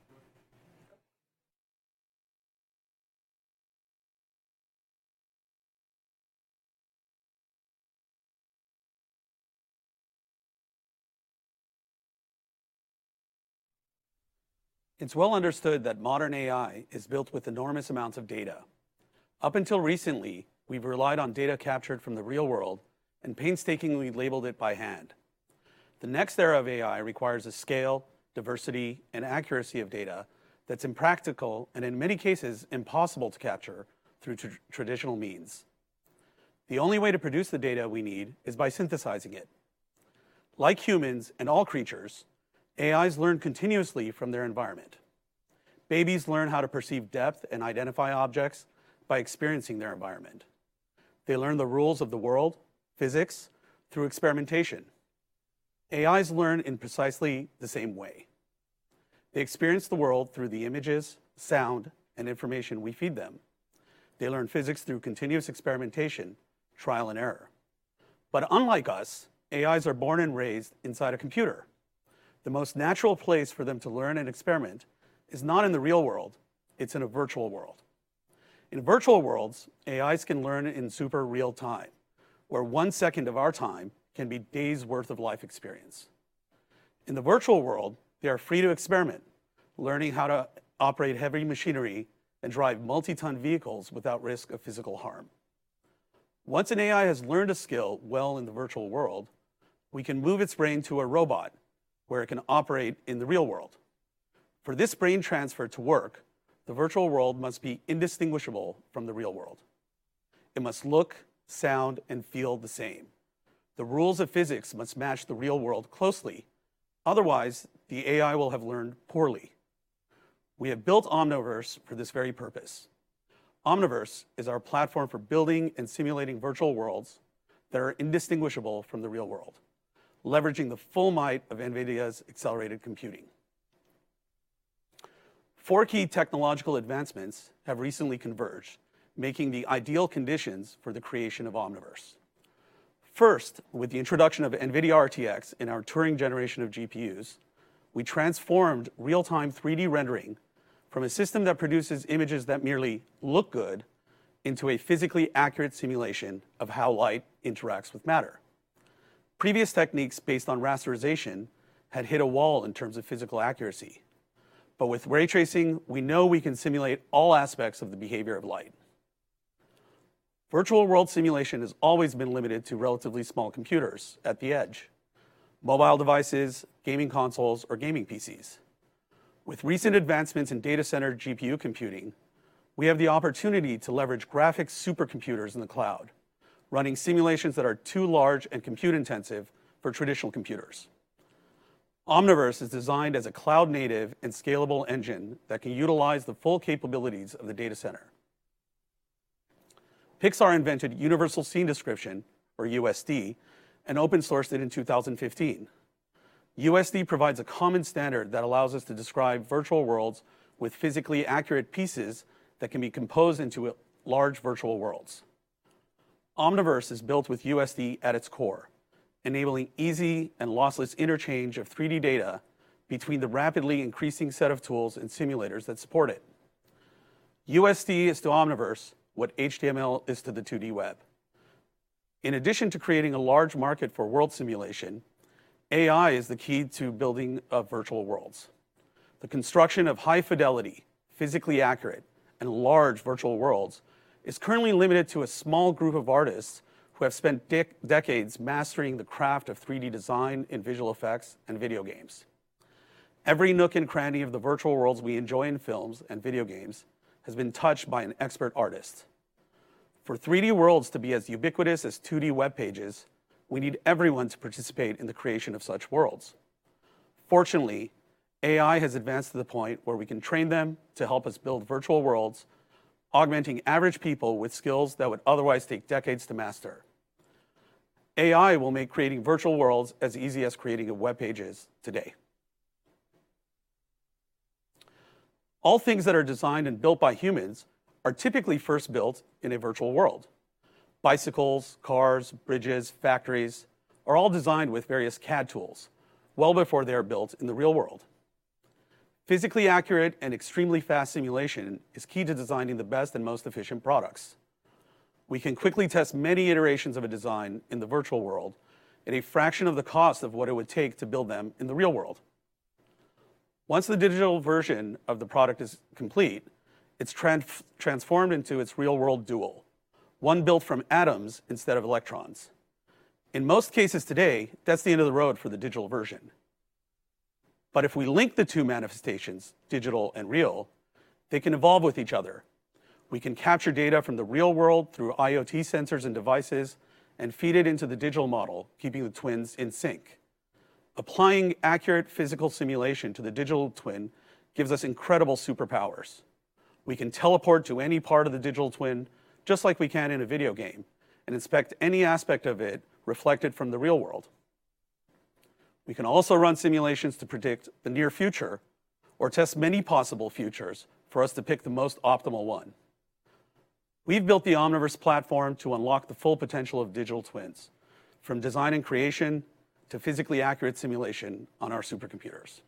It's well understood that modern AI is built with enormous amounts of data. Up until recently, we've relied on data captured from the real world and painstakingly labeled it by hand. The next era of AI requires a scale, diversity, and accuracy of data that's impractical and in many cases impossible to capture through traditional means. The only way to produce the data we need is by synthesizing it. Like humans and all creatures, AIs learn continuously from their environment. Babies learn how to perceive depth and identify objects by experiencing their environment. They learn the rules of the world, physics, through experimentation. AIs learn in precisely the same way. They experience the world through the images, sound, and information we feed them. They learn physics through continuous experimentation, trial and error. Unlike us, AIs are born and raised inside a computer. The most natural place for them to learn and experiment is not in the real world, it's in a virtual world. In virtual worlds, AIs can learn in super real time, where one second of our time can be days' worth of life experience. In the virtual world, they are free to experiment, learning how to operate heavy machinery and drive multi-ton vehicles without risk of physical harm. Once an AI has learned a skill well in the virtual world, we can move its brain to a robot where it can operate in the real world. For this brain transfer to work, the virtual world must be indistinguishable from the real world. It must look, sound, and feel the same. The rules of physics must match the real world closely, otherwise the AI will have learned poorly. We have built Omniverse for this very purpose. Omniverse is our platform for building and simulating virtual worlds that are indistinguishable from the real world, leveraging the full might of NVIDIA's accelerated computing. Four key technological advancements have recently converged, making the ideal conditions for the creation of Omniverse. First, with the introduction of NVIDIA RTX in our Turing generation of GPUs, we transformed real-time 3D rendering from a system that produces images that merely look good into a physically accurate simulation of how light interacts with matter. Previous techniques based on rasterization had hit a wall in terms of physical accuracy. With ray tracing, we know we can simulate all aspects of the behavior of light. Virtual world simulation has always been limited to relatively small computers at the edge, mobile devices, gaming consoles, or gaming PCs. With recent advancements in data center GPU computing, we have the opportunity to leverage graphic supercomputers in the cloud, running simulations that are too large and compute-intensive for traditional computers. Omniverse is designed as a cloud-native and scalable engine that can utilize the full capabilities of the data center. Pixar invented Universal Scene Description, or USD, and open-sourced it in 2015. USD provides a common standard that allows us to describe virtual worlds with physically accurate pieces that can be composed into a large virtual worlds. Omniverse is built with USD at its core, enabling easy and lossless interchange of 3D data between the rapidly increasing set of tools and simulators that support it. USD is to Omniverse what HTML is to the 2D web. In addition to creating a large market for world simulation, AI is the key to building of virtual worlds. The construction of high-fidelity, physically accurate, and large virtual worlds is currently limited to a small group of artists who have spent decades mastering the craft of 3D design in visual effects and video games. Every nook and cranny of the virtual worlds we enjoy in films and video games has been touched by an expert artist. For 3D worlds to be as ubiquitous as 2D web pages, we need everyone to participate in the creation of such worlds. Fortunately, AI has advanced to the point where we can train them to help us build virtual worlds, augmenting average people with skills that would otherwise take decades to master. AI will make creating virtual worlds as easy as creating a web page is today. All things that are designed and built by humans are typically first built in a virtual world. Bicycles, cars, bridges, factories are all designed with various CAD tools well before they are built in the real world. Physically accurate and extremely fast simulation is key to designing the best and most efficient products. We can quickly test many iterations of a design in the virtual world at a fraction of the cost of what it would take to build them in the real world. Once the digital version of the product is complete, it's transformed into its real-world dual, one built from atoms instead of electrons. In most cases today, that's the end of the road for the digital version. If we link the two manifestations, digital and real, they can evolve with each other. We can capture data from the real world through IoT sensors and devices and feed it into the digital model, keeping the twins in sync. Applying accurate physical simulation to the digital twin gives us incredible superpowers. We can teleport to any part of the digital twin, just like we can in a video game, and inspect any aspect of it reflected from the real world. We can also run simulations to predict the near future or test many possible futures for us to pick the most optimal one. We've built the Omniverse platform to unlock the full potential of digital twins, from design and creation to physically accurate simulation on our supercomputers.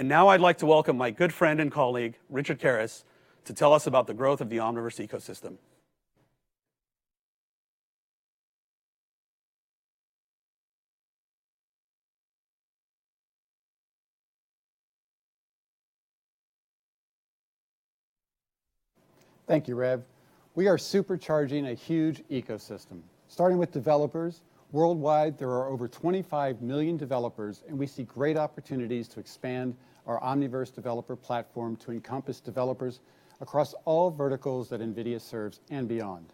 Now I'd like to welcome my good friend and colleague, Richard Kerris, to tell us about the growth of the Omniverse ecosystem. Thank you, Rev. We are supercharging a huge ecosystem. Starting with developers, worldwide, there are over 25 million developers, and we see great opportunities to expand our Omniverse developer platform to encompass developers across all verticals that NVIDIA serves and beyond.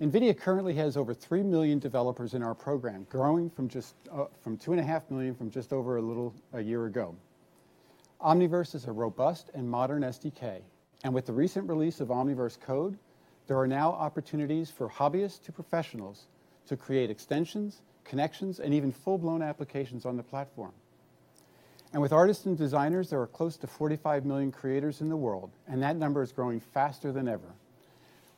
NVIDIA currently has over three million developers in our program, growing from just 2.5 million a little over a year ago. Omniverse is a robust and modern SDK, and with the recent release of Omniverse Code, there are now opportunities for hobbyists to professionals to create extensions, connections, and even full-blown applications on the platform. With artists and designers, there are close to 45 million creators in the world, and that number is growing faster than ever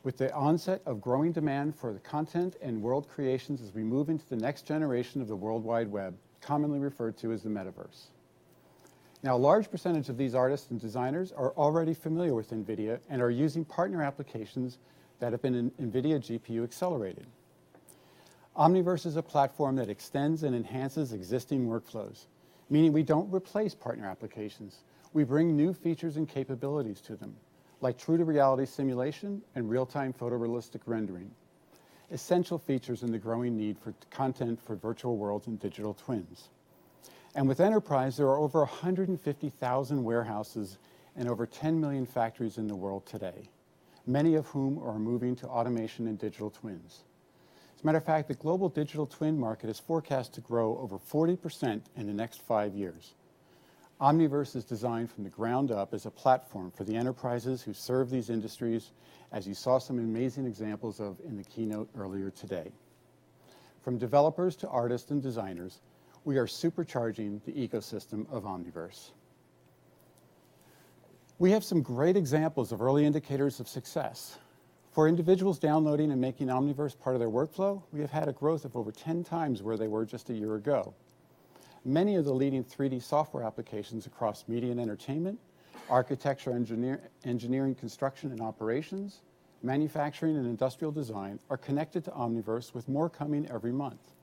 with the onset of growing demand for the content and world creations as we move into the next generation of the World Wide Web, commonly referred to as the Metaverse. Now, a large percentage of these artists and designers are already familiar with NVIDIA and are using partner applications that have been NVIDIA GPU accelerated. Omniverse is a platform that extends and enhances existing workflows, meaning we don't replace partner applications. We bring new features and capabilities to them, like true-to-reality simulation and real-time photorealistic rendering, essential features in the growing need for content for virtual worlds and digital twins. With enterprise, there are over 150,000 warehouses and over 10 million factories in the world today, many of whom are moving to automation and digital twins. As a matter of fact, the global digital twin market is forecast to grow over 40% in the next five years. Omniverse is designed from the ground up as a platform for the enterprises who serve these industries, as you saw some amazing examples of in the keynote earlier today. From developers to artists and designers, we are supercharging the ecosystem of Omniverse. We have some great examples of early indicators of success. For individuals downloading and making Omniverse part of their workflow, we have had a growth of over 10x where they were just a year ago. Many of the leading 3D software applications across media and entertainment, architecture, engineering, construction, and operations, manufacturing, and industrial design are connected to Omniverse with more coming every month.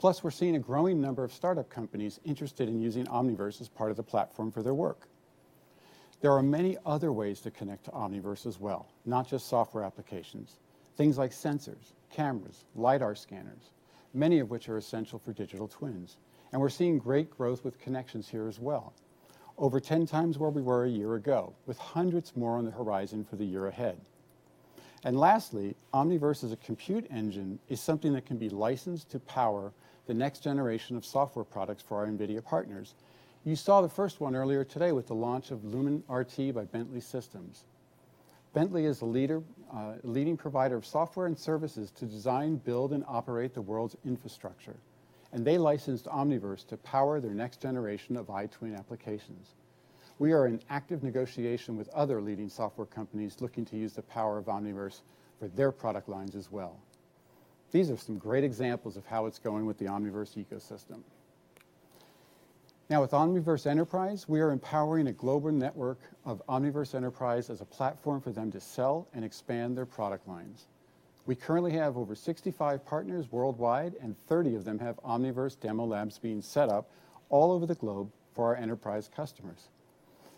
Plus, we're seeing a growing number of startup companies interested in using Omniverse as part of the platform for their work. There are many other ways to connect to Omniverse as well, not just software applications, things like sensors, cameras, LIDAR scanners, many of which are essential for digital twins. We're seeing great growth with connections here as well, over 10x where we were a year ago, with hundreds more on the horizon for the year ahead. Lastly, Omniverse as a compute engine is something that can be licensed to power the next generation of software products for our NVIDIA partners. You saw the first one earlier today with the launch of LumenRT by Bentley Systems. Bentley is a leader, leading provider of software and services to design, build, and operate the world's infrastructure, and they licensed Omniverse to power their next generation of iTwin applications. We are in active negotiation with other leading software companies looking to use the power of Omniverse for their product lines as well. These are some great examples of how it's going with the Omniverse ecosystem. Now, with Omniverse Enterprise, we are empowering a global network of Omniverse Enterprise as a platform for them to sell and expand their product lines. We currently have over 65 partners worldwide, and 30 of them have Omniverse demo labs being set up all over the globe for our enterprise customers.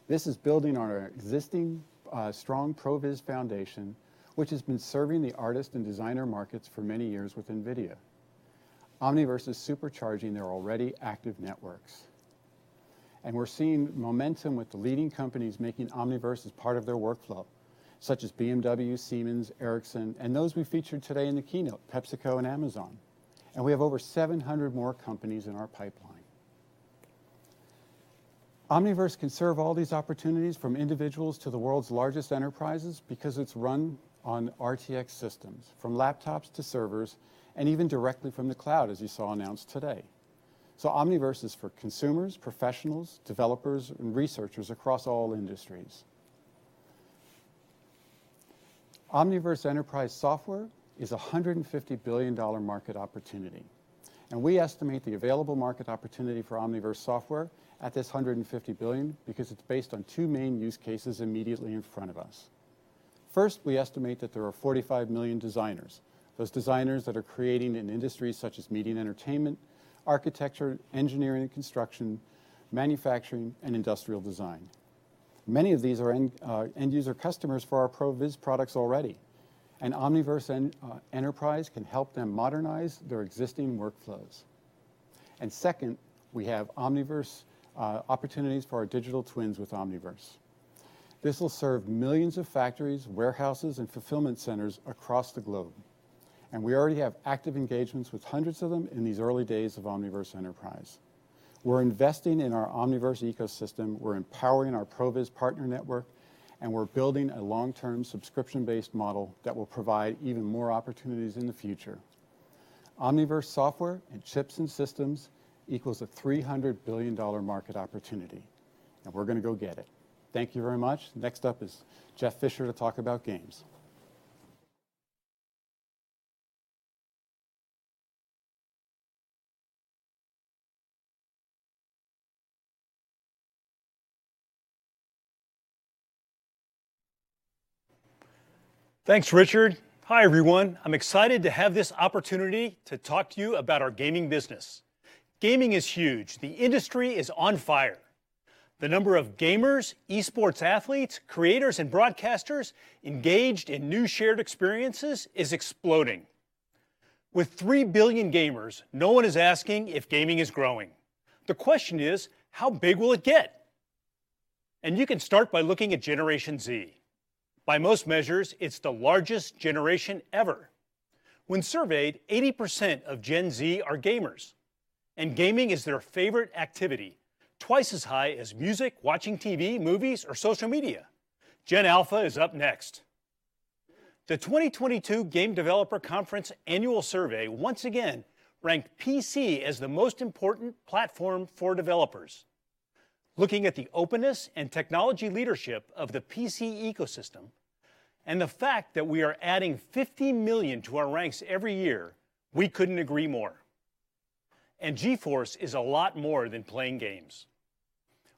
This is building on our existing, strong ProViz foundation, which has been serving the artist and designer markets for many years with NVIDIA. Omniverse is supercharging their already active networks. We're seeing momentum with the leading companies making Omniverse as part of their workflow, such as BMW, Siemens, Ericsson, and those we featured today in the keynote, PepsiCo and Amazon. We have over 700 more companies in our pipeline. Omniverse can serve all these opportunities from individuals to the world's largest enterprises because it's run on RTX systems, from laptops to servers and even directly from the cloud, as you saw announced today. Omniverse is for consumers, professionals, developers, and researchers across all industries. Omniverse enterprise software is a $150 billion market opportunity, and we estimate the available market opportunity for Omniverse software at this $150 billion because it's based on two main use cases immediately in front of us. First, we estimate that there are 45 million designers. Those designers that are creating in industries such as media and entertainment, architecture, engineering and construction, manufacturing, and industrial design. Many of these are end user customers for our ProViz products already. Omniverse and Enterprise can help them modernize their existing workflows. Second, we have Omniverse opportunities for our digital twins with Omniverse. This will serve millions of factories, warehouses, and fulfillment centers across the globe, and we already have active engagements with hundreds of them in these early days of Omniverse Enterprise. We're investing in our Omniverse ecosystem, we're empowering our ProViz partner network, and we're building a long-term subscription-based model that will provide even more opportunities in the future. Omniverse software and chips and systems equals a $300 billion market opportunity, and we're gonna go get it. Thank you very much. Next up is Jeff Fisher to talk about games. Thanks, Richard. Hi, everyone. I'm excited to have this opportunity to talk to you about our gaming business. Gaming is huge. The industry is on fire. The number of gamers, esports athletes, creators, and broadcasters engaged in new shared experiences is exploding. With three billion gamers, no one is asking if gaming is growing. The question is, how big will it get? You can start by looking at Generation Z. By most measures, it's the largest generation ever. When surveyed, 80% of Gen Z are gamers, and gaming is their favorite activity, twice as high as music, watching TV, movies, or social media. Gen Alpha is up next. The 2022 Game Developers Conference Annual Survey once again ranked PC as the most important platform for developers. Looking at the openness and technology leadership of the PC ecosystem and the fact that we are adding 50 million to our ranks every year, we couldn't agree more. GeForce is a lot more than playing games.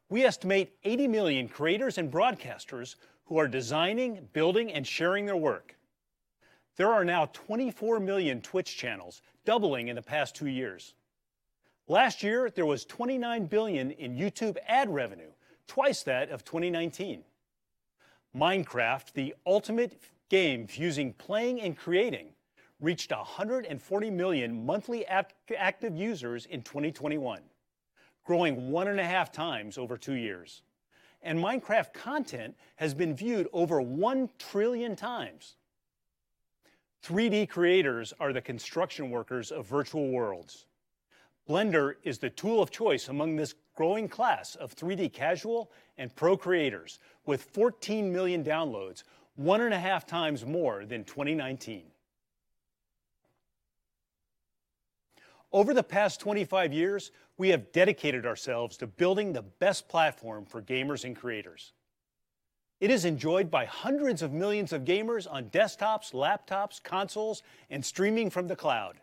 We estimate 80 million creators and broadcasters who are designing, building, and sharing their work. There are now 24 million Twitch channels, doubling in the past two years. Last year, there was $29 billion in YouTube ad revenue, twice that of 2019. Minecraft, the ultimate game fusing playing and creating, reached 140 million monthly active users in 2021, growing 1.5x over two years. Minecraft content has been viewed over 1x trillion. 3D creators are the construction workers of virtual worlds. Blender is the tool of choice among this growing class of 3D casual and pro creators, with 14 million downloads, 1.5x more than 2019. Over the past 25 years, we have dedicated ourselves to building the best platform for gamers and creators. It is enjoyed by hundreds of millions of gamers on desktops, laptops, consoles, and streaming from the cloud.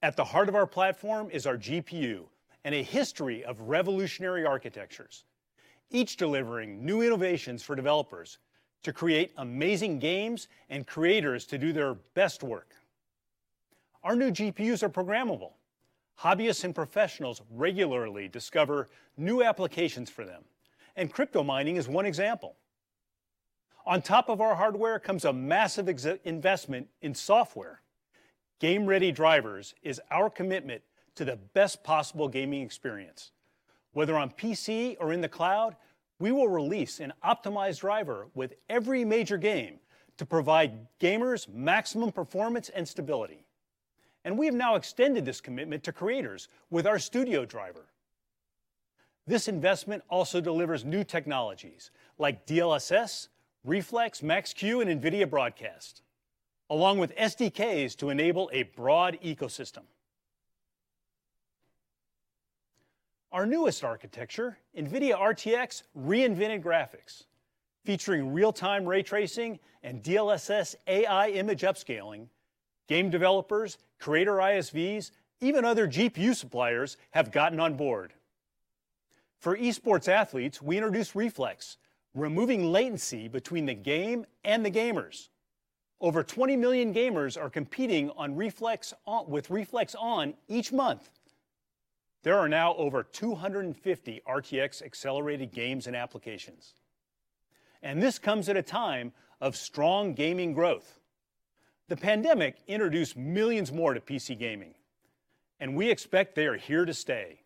At the heart of our platform is our GPU and a history of revolutionary architectures, each delivering new innovations for developers to create amazing games and creators to do their best work. Our new GPUs are programmable. Hobbyists and professionals regularly discover new applications for them, and crypto mining is one example. On top of our hardware comes a massive investment in software. Game Ready Drivers is our commitment to the best possible gaming experience. Whether on PC or in the cloud, we will release an optimized driver with every major game to provide gamers maximum performance and stability. We have now extended this commitment to creators with our Studio Driver. This investment also delivers new technologies like DLSS, Reflex, Max-Q, and NVIDIA Broadcast, along with SDKs to enable a broad ecosystem. Our newest architecture, NVIDIA RTX, reinvented graphics featuring real-time ray tracing and DLSS AI image upscaling. Game developers, creator ISVs, even other GPU suppliers have gotten on board. For esports athletes, we introduced Reflex, removing latency between the game and the gamers. Over 20 million gamers are competing with Reflex each month. There are now over 250 RTX-accelerated games and applications. This comes at a time of strong gaming growth. The pandemic introduced millions more to PC gaming, and we expect they are here to stay.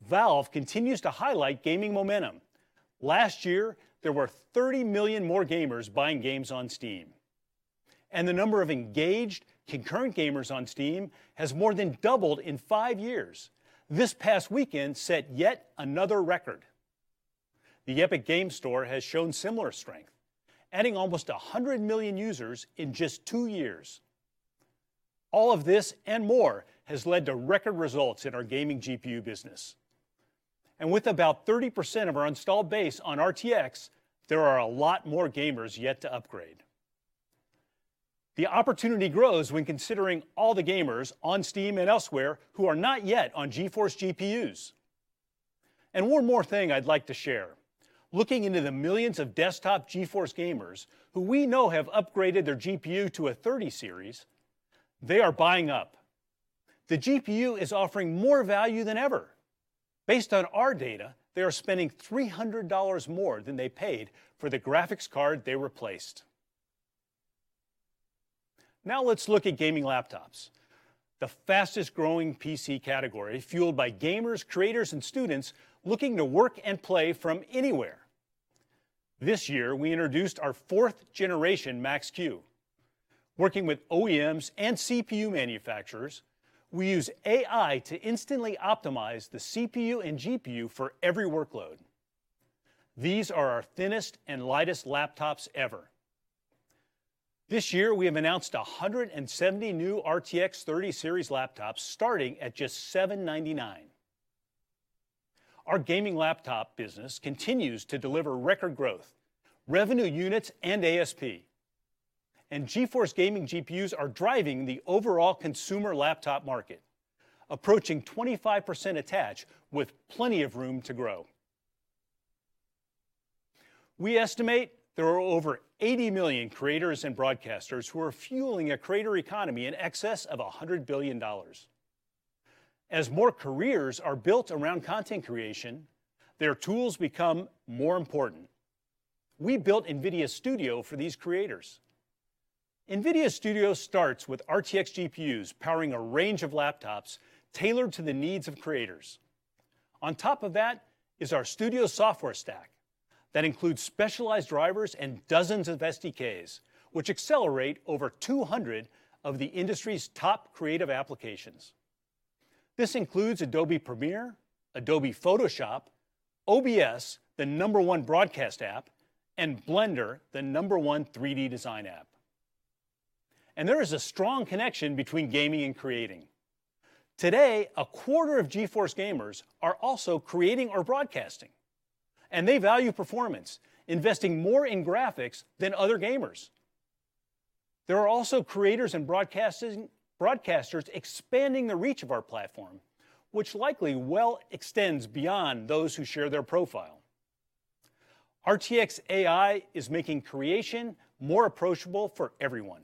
Valve continues to highlight gaming momentum. Last year, there were 30 million more gamers buying games on Steam, and the number of engaged concurrent gamers on Steam has more than doubled in five years. This past weekend set yet another record. The Epic Games Store has shown similar strength, adding almost 100 million users in just two years. All of this and more has led to record results in our gaming GPU business. With about 30% of our installed base on RTX, there are a lot more gamers yet to upgrade. The opportunity grows when considering all the gamers on Steam and elsewhere who are not yet on GeForce GPUs. One more thing I'd like to share. Looking into the millions of desktop GeForce gamers who we know have upgraded their GPU to a 30 series, they are buying up. The GPU is offering more value than ever. Based on our data, they are spending $300 more than they paid for the graphics card they replaced. Now let's look at gaming laptops, the fastest growing PC category fueled by gamers, creators and students looking to work and play from anywhere. This year we introduced our fourth generation Max-Q. Working with OEMs and CPU manufacturers, we use AI to instantly optimize the CPU and GPU for every workload. These are our thinnest and lightest laptops ever. This year we have announced 170 new RTX 30 series laptops starting at just $799. Our gaming laptop business continues to deliver record growth, revenue units and ASP. GeForce gaming GPUs are driving the overall consumer laptop market, approaching 25% attach with plenty of room to grow. We estimate there are over 80 million creators and broadcasters who are fueling a creator economy in excess of $100 billion. As more careers are built around content creation, their tools become more important. We built NVIDIA Studio for these creators. NVIDIA Studio starts with RTX GPUs powering a range of laptops tailored to the needs of creators. On top of that is our studio software stack that includes specialized drivers and dozens of SDKs, which accelerate over 200 of the industry's top creative applications. This includes Adobe Premiere, Adobe Photoshop, OBS, the number one broadcast app, and Blender, the number one 3D design app. There is a strong connection between gaming and creating. Today, 1/4 of GeForce gamers are also creating or broadcasting. They value performance, investing more in graphics than other gamers. There are also creators and broadcasting, broadcasters expanding the reach of our platform, which likely well extends beyond those who share their profile. RTX AI is making creation more approachable for everyone.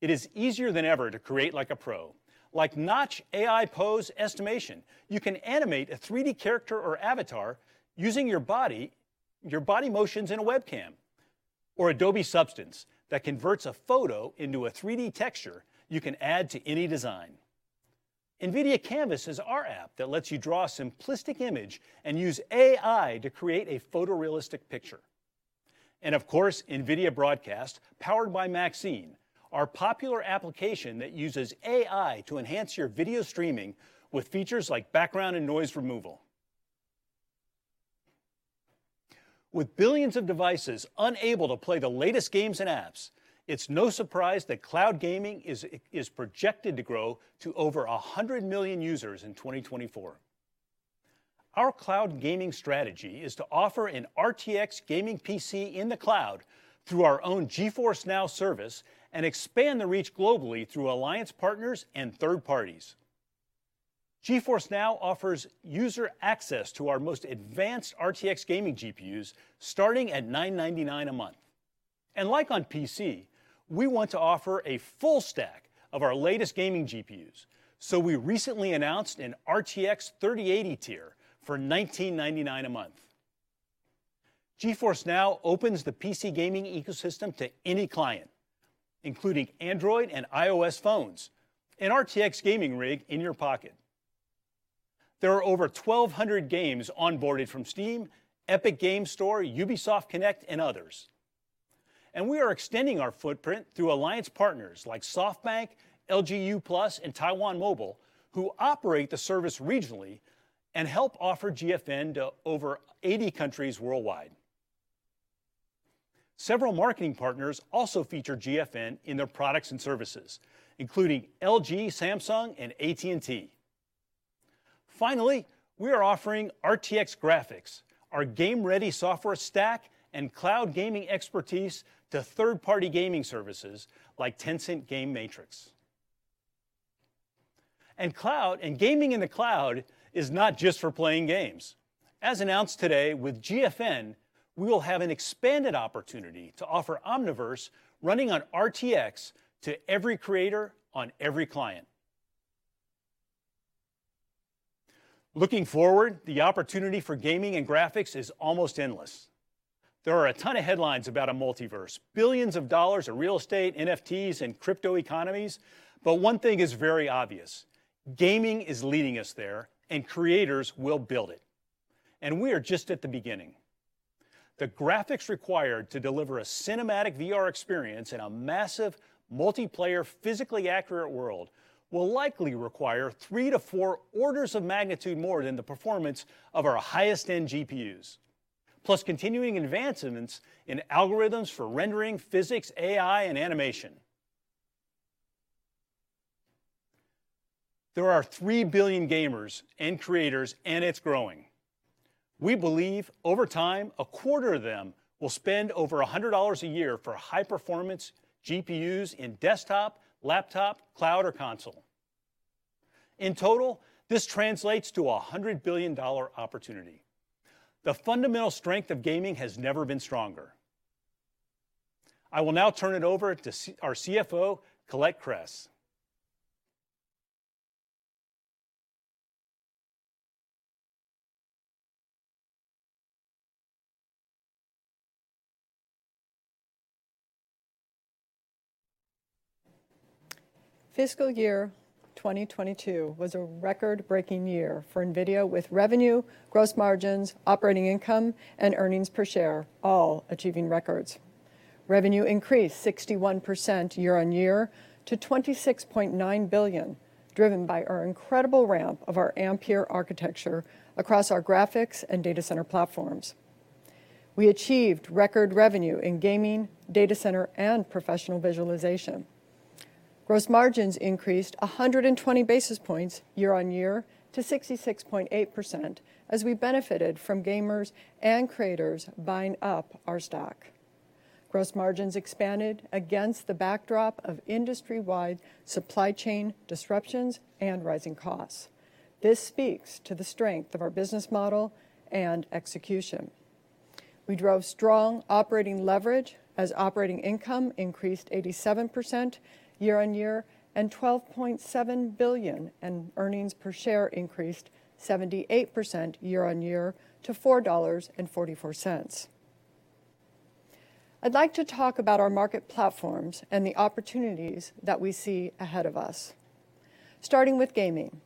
It is easier than ever to create like a pro. Like Notch AI pose estimation. You can animate a 3D character or avatar using your body, your body motions in a webcam. Or Adobe Substance that converts a photo into a 3D texture you can add to any design. NVIDIA Canvas is our app that lets you draw a simplistic image and use AI to create a photorealistic picture. Of course, NVIDIA Broadcast, powered by Maxine, our popular application that uses AI to enhance your video streaming with features like background and noise removal. With billions of devices unable to play the latest games and apps, it's no surprise that cloud gaming is projected to grow to over 100 million users in 2024. Our cloud gaming strategy is to offer an RTX gaming PC in the cloud through our own GeForce NOW service and expand the reach globally through alliance partners and third parties. GeForce NOW offers user access to our most advanced RTX gaming GPUs starting at $9.99 a month. Like on PC, we want to offer a full stack of our latest gaming GPUs, so we recently announced an RTX 3080 tier for $19.99 a month. GeForce NOW opens the PC gaming ecosystem to any client, including Android and iOS phones, an RTX gaming rig in your pocket. There are over 1,200 games onboarded from Steam, Epic Games Store, Ubisoft Connect and others. We are extending our footprint through alliance partners like SoftBank, LG Uplus and Taiwan Mobile, who operate the service regionally and help offer GFN to over 80 countries worldwide. Several marketing partners also feature GFN in their products and services, including LG, Samsung and AT&T. Finally, we are offering RTX Graphics, our game-ready software stack and cloud gaming expertise to third-party gaming services like Tencent GameMatrix. Cloud gaming in the cloud is not just for playing games. As announced today with GFN, we will have an expanded opportunity to offer Omniverse running on RTX to every creator on every client. Looking forward, the opportunity for gaming and graphics is almost endless. There are a ton of headlines about a multiverse, billions of dollars of real estate, NFTs and crypto economies, but one thing is very obvious. Gaming is leading us there, and creators will build it. We are just at the beginning. The graphics required to deliver a cinematic VR experience in a massive multiplayer physically accurate world will likely require three to four orders of magnitude more than the performance of our highest-end GPUs, plus continuing advancements in algorithms for rendering physics, AI and animation. There are three billion gamers and creators, and it's growing. We believe over time, a quarter of them will spend over $100 a year for high performance GPUs in desktop, laptop, cloud or console. In total, this translates to a $100 billion opportunity. The fundamental strength of gaming has never been stronger. I will now turn it over to our CFO, Colette Kress. Fiscal year 2022 was a record-breaking year for NVIDIA with revenue, gross margins, operating income and earnings per share, all achieving records. Revenue increased 61% year-on-year to $26.9 billion, driven by our incredible ramp of our Ampere architecture across our graphics and data center platforms. We achieved record revenue in gaming, data center and professional visualization. Gross margins increased 120 basis points year-on-year to 66.8% as we benefited from gamers and creators buying up our stock. Gross margins expanded against the backdrop of industry-wide supply chain disruptions and rising costs. This speaks to the strength of our business model and execution. We drove strong operating leverage as operating income increased 87% year-on-year to $12.7 billion, and earnings per share increased 78% year-on-year to $4.44. I'd like to talk about our market platforms and the opportunities that we see ahead of us. Starting with gaming.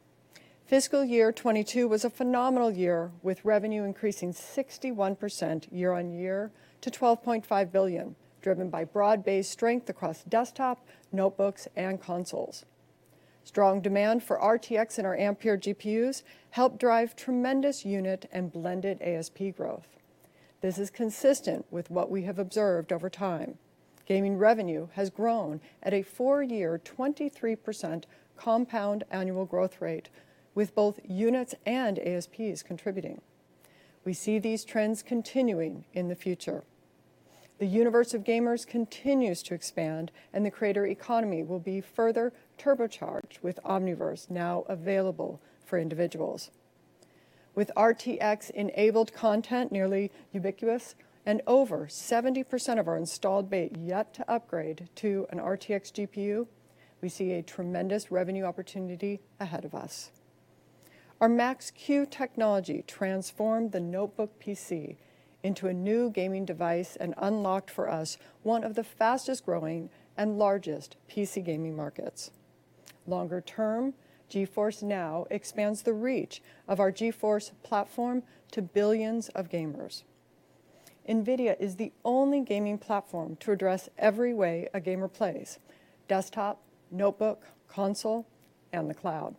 Fiscal year 2022 was a phenomenal year, with revenue increasing 61% year-on-year to $12.5 billion, driven by broad-based strength across desktop, notebooks and consoles. Strong demand for RTX and our Ampere GPUs helped drive tremendous unit and blended ASP growth. This is consistent with what we have observed over time. Gaming revenue has grown at a four-year 23% compound annual growth rate with both units and ASPs contributing. We see these trends continuing in the future. The universe of gamers continues to expand and the creator economy will be further turbocharged with Omniverse now available for individuals. With RTX-enabled content nearly ubiquitous and over 70% of our installed base yet to upgrade to an RTX GPU, we see a tremendous revenue opportunity ahead of us. Our Max-Q technology transformed the notebook PC into a new gaming device and unlocked for us one of the fastest-growing and largest PC gaming markets. Longer-term, GeForce NOW expands the reach of our GeForce platform to billions of gamers. NVIDIA is the only gaming platform to address every way a gamer plays, desktop, notebook, console, and the cloud.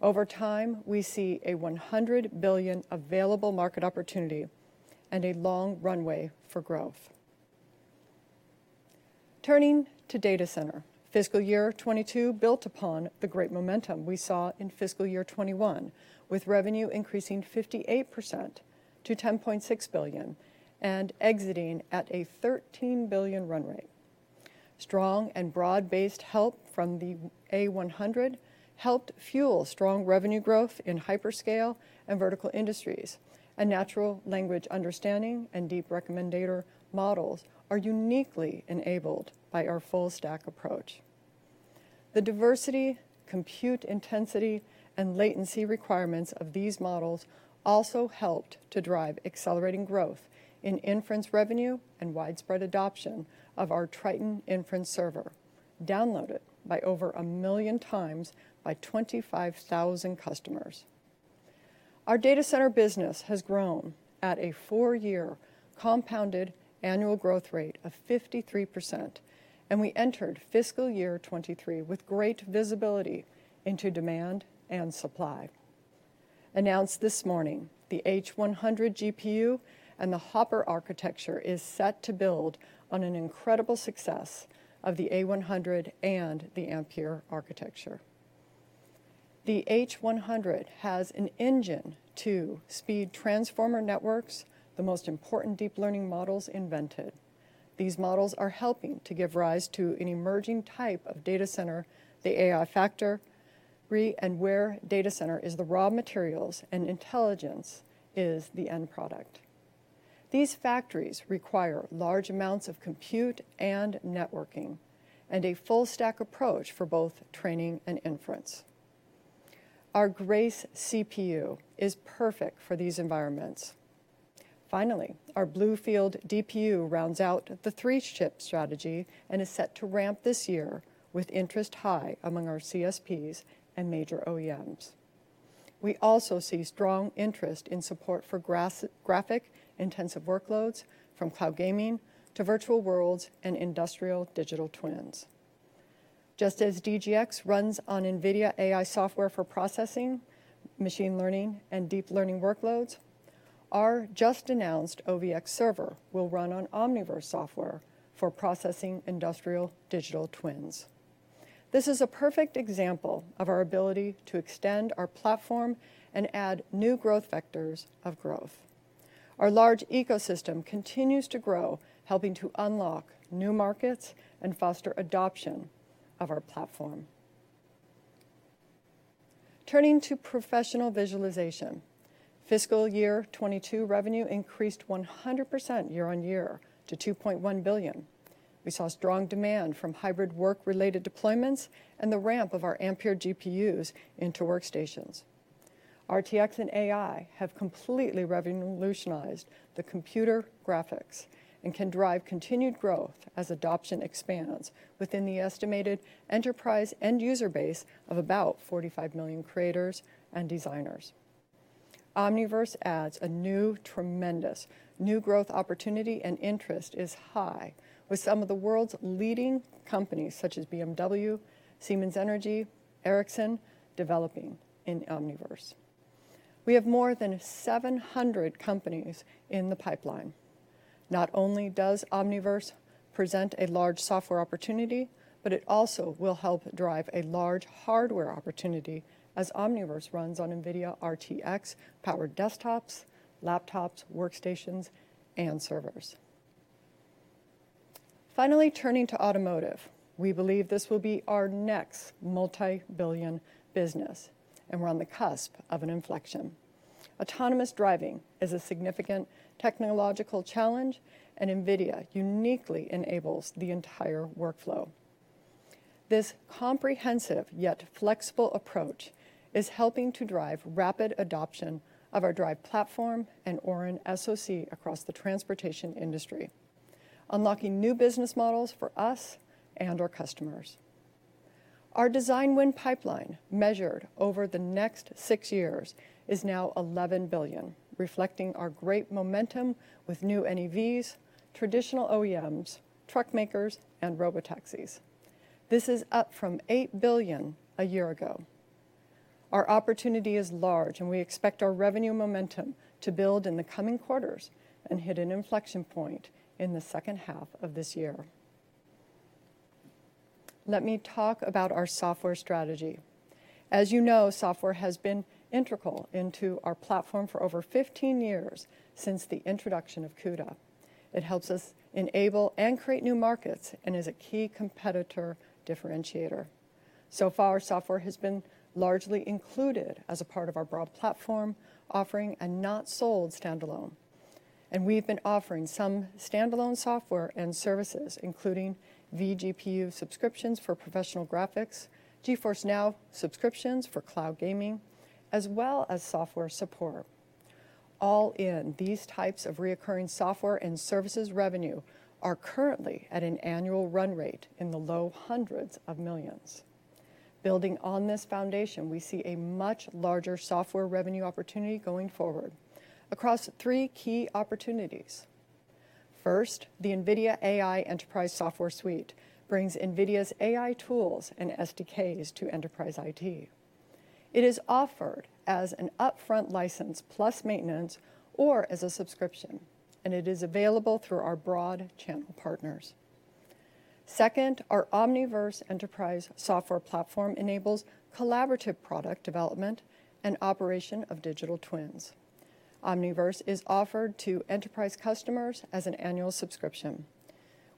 Over time, we see a $100 billion available market opportunity and a long runway for growth. Turning to data center. Fiscal year 2022 built upon the great momentum we saw in fiscal year 2021, with revenue increasing 58% to $10.6 billion and exiting at a $13 billion run rate. Strong and broad-based help from the A100 helped fuel strong revenue growth in hyperscale and vertical industries, and natural language understanding and deep recommender models are uniquely enabled by our full stack approach. The diversity, compute intensity, and latency requirements of these models also helped to drive accelerating growth in inference revenue and widespread adoption of our Triton Inference Server, downloaded over 1x million by 25,000 customers. Our data center business has grown at a four-year compounded annual growth rate of 53%, and we entered fiscal year 2023 with great visibility into demand and supply. Announced this morning, the H100 GPU and the Hopper architecture is set to build on an incredible success of the A100 and the Ampere architecture. The H100 has a Transformer Engine to speed transformer networks, the most important deep learning models invented. These models are helping to give rise to an emerging type of data center, the AI factory, where data is the raw materials and intelligence is the end product. These factories require large amounts of compute and networking and a full stack approach for both training and inference. Our Grace CPU is perfect for these environments. Our BlueField DPU rounds out the three-chip strategy and is set to ramp this year with interest high among our CSPs and major OEMs. We also see strong interest in support for graphic-intensive workloads from cloud gaming to virtual worlds and industrial digital twins. Just as DGX runs on NVIDIA AI software for processing, machine learning, and deep learning workloads. Our just announced OVX server will run on Omniverse software for processing industrial digital twins. This is a perfect example of our ability to extend our platform and add new growth vectors of growth. Our large ecosystem continues to grow, helping to unlock new markets and foster adoption of our platform. Turning to professional visualization, fiscal year 2022 revenue increased 100% year-on-year to $2.1 billion. We saw strong demand from hybrid work-related deployments and the ramp of our Ampere GPUs into workstations. RTX and AI have completely revolutionized the computer graphics and can drive continued growth as adoption expands within the estimated enterprise end user base of about 45 million creators and designers. Omniverse adds a new tremendous new growth opportunity, and interest is high with some of the world's leading companies such as BMW, Siemens Energy, Ericsson developing in Omniverse. We have more than 700 companies in the pipeline. Not only does Omniverse present a large software opportunity, but it also will help drive a large hardware opportunity as Omniverse runs on NVIDIA RTX-powered desktops, laptops, workstations, and servers. Finally, turning to automotive, we believe this will be our next multi-billion business, and we're on the cusp of an inflection. Autonomous driving is a significant technological challenge, and NVIDIA uniquely enables the entire workflow. This comprehensive yet flexible approach is helping to drive rapid adoption of our DRIVE platform and Orin SoC across the transportation industry, unlocking new business models for us and our customers. Our design win pipeline measured over the next six years is now $11 billion, reflecting our great momentum with new NEVs, traditional OEMs, truck makers, and robotaxis. This is up from $8 billion a year ago. Our opportunity is large, and we expect our revenue momentum to build in the coming quarters and hit an inflection point in the second half of this year. Let me talk about our software strategy. As you know, software has been integral to our platform for over 15 years since the introduction of CUDA. It helps us enable and create new markets and is a key competitive differentiator. So far, software has been largely included as a part of our broad platform offering and not sold standalone. We've been offering some standalone software and services, including vGPU subscriptions for professional graphics, GeForce NOW subscriptions for cloud gaming, as well as software support. All in, these types of recurring software and services revenue are currently at an annual run rate in the low $100s of millions. Building on this foundation, we see a much larger software revenue opportunity going forward across three key opportunities. First, the NVIDIA AI Enterprise Software Suite brings NVIDIA's AI tools and SDKs to enterprise IT. It is offered as an upfront license plus maintenance or as a subscription, and it is available through our broad channel partners. Second, our Omniverse Enterprise Software Platform enables collaborative product development and operation of digital twins. Omniverse is offered to enterprise customers as an annual subscription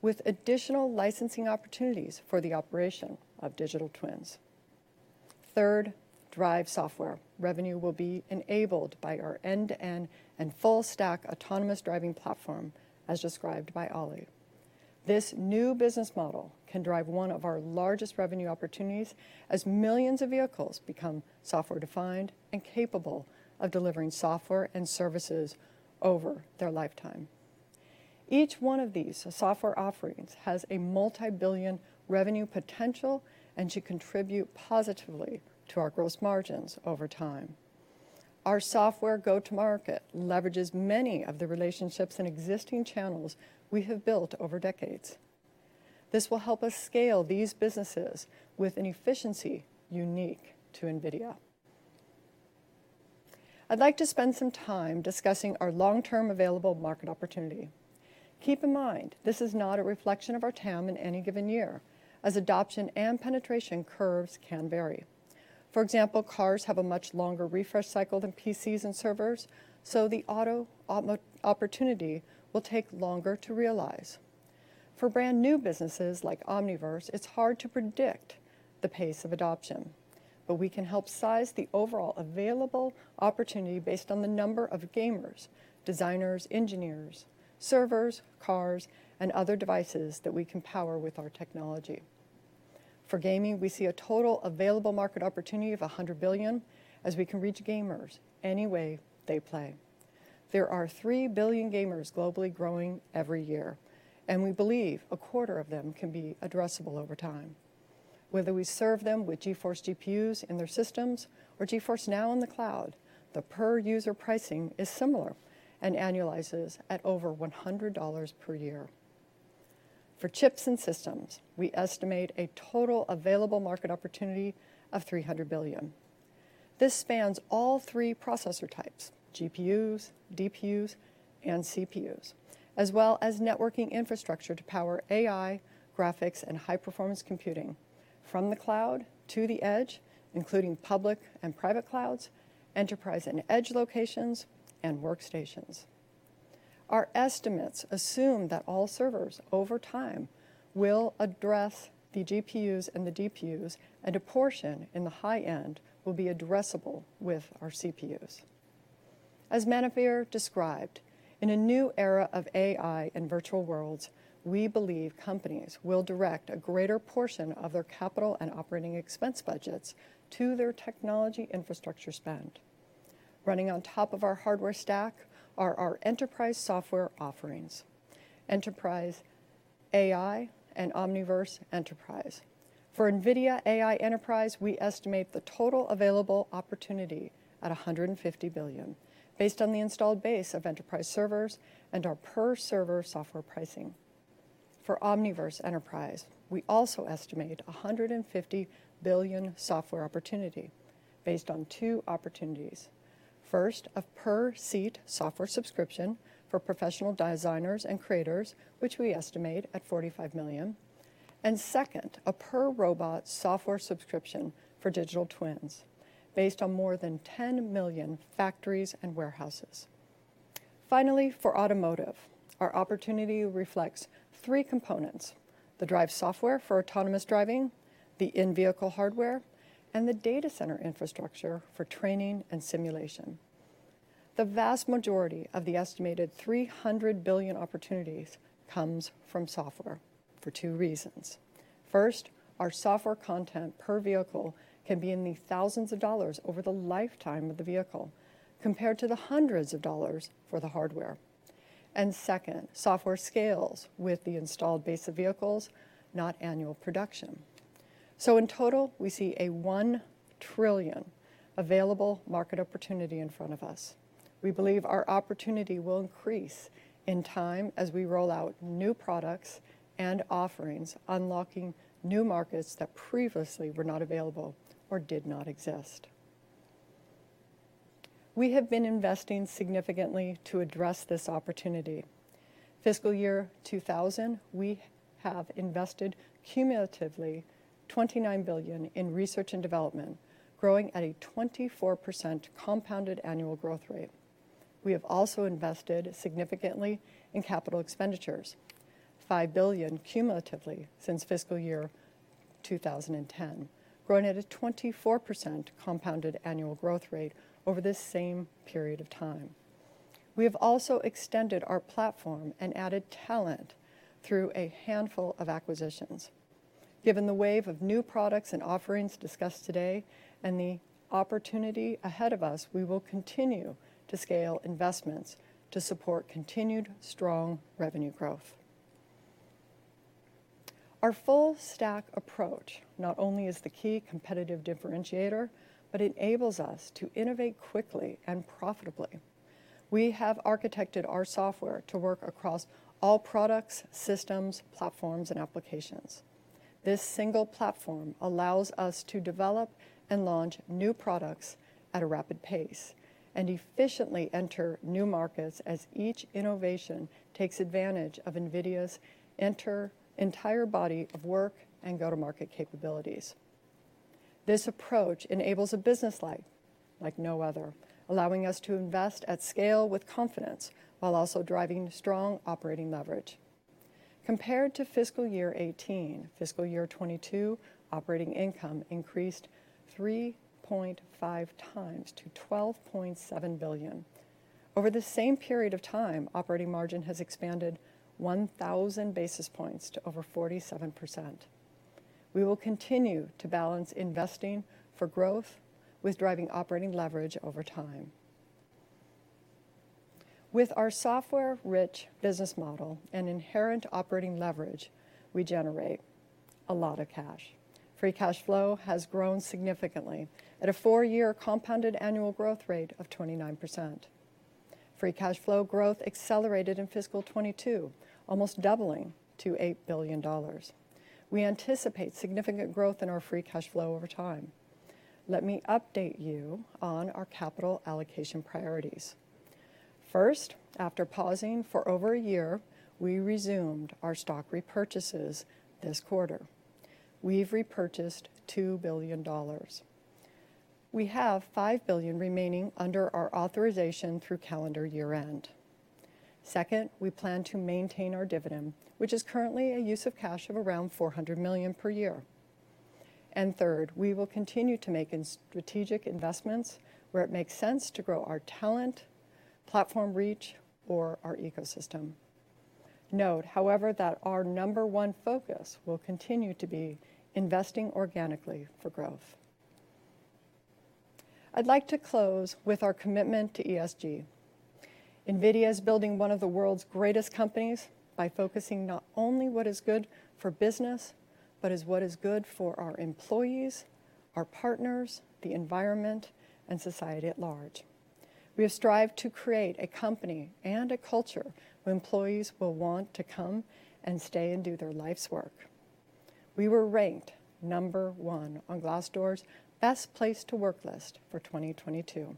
with additional licensing opportunities for the operation of digital twins. Third, DRIVE Software revenue will be enabled by our end-to-end and full stack autonomous driving platform, as described by Ali Kani. This new business model can drive one of our largest revenue opportunities as millions of vehicles become software-defined and capable of delivering software and services over their lifetime. Each one of these software offerings has a multi-billion revenue potential and should contribute positively to our gross margins over time. Our software go-to-market leverages many of the relationships and existing channels we have built over decades. This will help us scale these businesses with an efficiency unique to NVIDIA. I'd like to spend some time discussing our long-term available market opportunity. Keep in mind, this is not a reflection of our TAM in any given year as adoption and penetration curves can vary. For example, cars have a much longer refresh cycle than PCs and servers, so the auto opportunity will take longer to realize. For brand new businesses like Omniverse, it's hard to predict the pace of adoption, but we can help size the overall available opportunity based on the number of gamers, designers, engineers, servers, cars, and other devices that we can power with our technology. For gaming, we see a total available market opportunity of $100 billion as we can reach gamers any way they play. There are three billion gamers globally growing every year, and we believe a quarter of them can be addressable over time. Whether we serve them with GeForce GPUs in their systems or GeForce NOW in the cloud, the per user pricing is similar and annualizes at over $100 per year. For chips and systems, we estimate a total available market opportunity of $300 billion. This spans all three processor types, GPUs, DPUs, and CPUs, as well as networking infrastructure to power AI, graphics, and high-performance computing from the cloud to the edge, including public and private clouds, enterprise and edge locations, and workstations. Our estimates assume that all servers over time will address the GPUs and the DPUs, and a portion in the high end will be addressable with our CPUs. As Manuvir described, in a new era of AI and virtual worlds, we believe companies will direct a greater portion of their capital and operating expense budgets to their technology infrastructure spend. Running on top of our hardware stack are our enterprise software offerings, Enterprise AI and Omniverse Enterprise. For NVIDIA AI Enterprise, we estimate the total available opportunity at $150 billion based on the installed base of enterprise servers and our per-server software pricing. For Omniverse Enterprise, we also estimate a $150 billion software opportunity based on two opportunities. First, a per-seat software subscription for professional designers and creators, which we estimate at 45 million. Second, a per-robot software subscription for digital twins based on more than 10 million factories and warehouses. Finally, for automotive, our opportunity reflects three components, the drive software for autonomous driving, the in-vehicle hardware, and the data center infrastructure for training and simulation. The vast majority of the estimated $300 billion opportunities comes from software for two reasons. First, our software content per vehicle can be in the thousands of dollars over the lifetime of the vehicle compared to the hundreds of dollars for the hardware. Second, software scales with the installed base of vehicles, not annual production. In total, we see a $1 trillion available market opportunity in front of us. We believe our opportunity will increase in time as we roll out new products and offerings, unlocking new markets that previously were not available or did not exist. We have been investing significantly to address this opportunity. Fiscal year 2000, we have invested cumulatively $29 billion in research and development, growing at a 24% compounded annual growth rate. We have also invested significantly in capital expenditures, $5 billion cumulatively since fiscal year 2010, growing at a 24% compounded annual growth rate over this same period of time. We have also extended our platform and added talent through a handful of acquisitions. Given the wave of new products and offerings discussed today and the opportunity ahead of us, we will continue to scale investments to support continued strong revenue growth. Our full stack approach not only is the key competitive differentiator, but enables us to innovate quickly and profitably. We have architected our software to work across all products, systems, platforms, and applications. This single platform allows us to develop and launch new products at a rapid pace and efficiently enter new markets as each innovation takes advantage of NVIDIA's entire body of work and go-to-market capabilities. This approach enables a business life like no other, allowing us to invest at scale with confidence while also driving strong operating leverage. Compared to fiscal year 2018, fiscal year 2022 operating income increased 3.5x to $12.7 billion. Over the same period of time, operating margin has expanded 1,000 basis points to over 47%. We will continue to balance investing for growth with driving operating leverage over time. With our software-rich business model and inherent operating leverage, we generate a lot of cash. Free cash flow has grown significantly at a four-year compounded annual growth rate of 29%. Free cash flow growth accelerated in fiscal 2022, almost doubling to $8 billion. We anticipate significant growth in our free cash flow over time. Let me update you on our capital allocation priorities. First, after pausing for over a year, we resumed our stock repurchases this quarter. We've repurchased $2 billion. We have $5 billion remaining under our authorization through calendar year-end. Second, we plan to maintain our dividend, which is currently a use of cash of around $400 million per year. Third, we will continue to make strategic investments where it makes sense to grow our talent, platform reach, or our ecosystem. Note, however, that our number one focus will continue to be investing organically for growth. I'd like to close with our commitment to ESG. NVIDIA is building one of the world's greatest companies by focusing not only on what is good for business, but on what is good for our employees, our partners, the environment, and society at large. We have strived to create a company and a culture where employees will want to come and stay and do their life's work. We were ranked number one on Glassdoor's Best Place to Work list for 2022.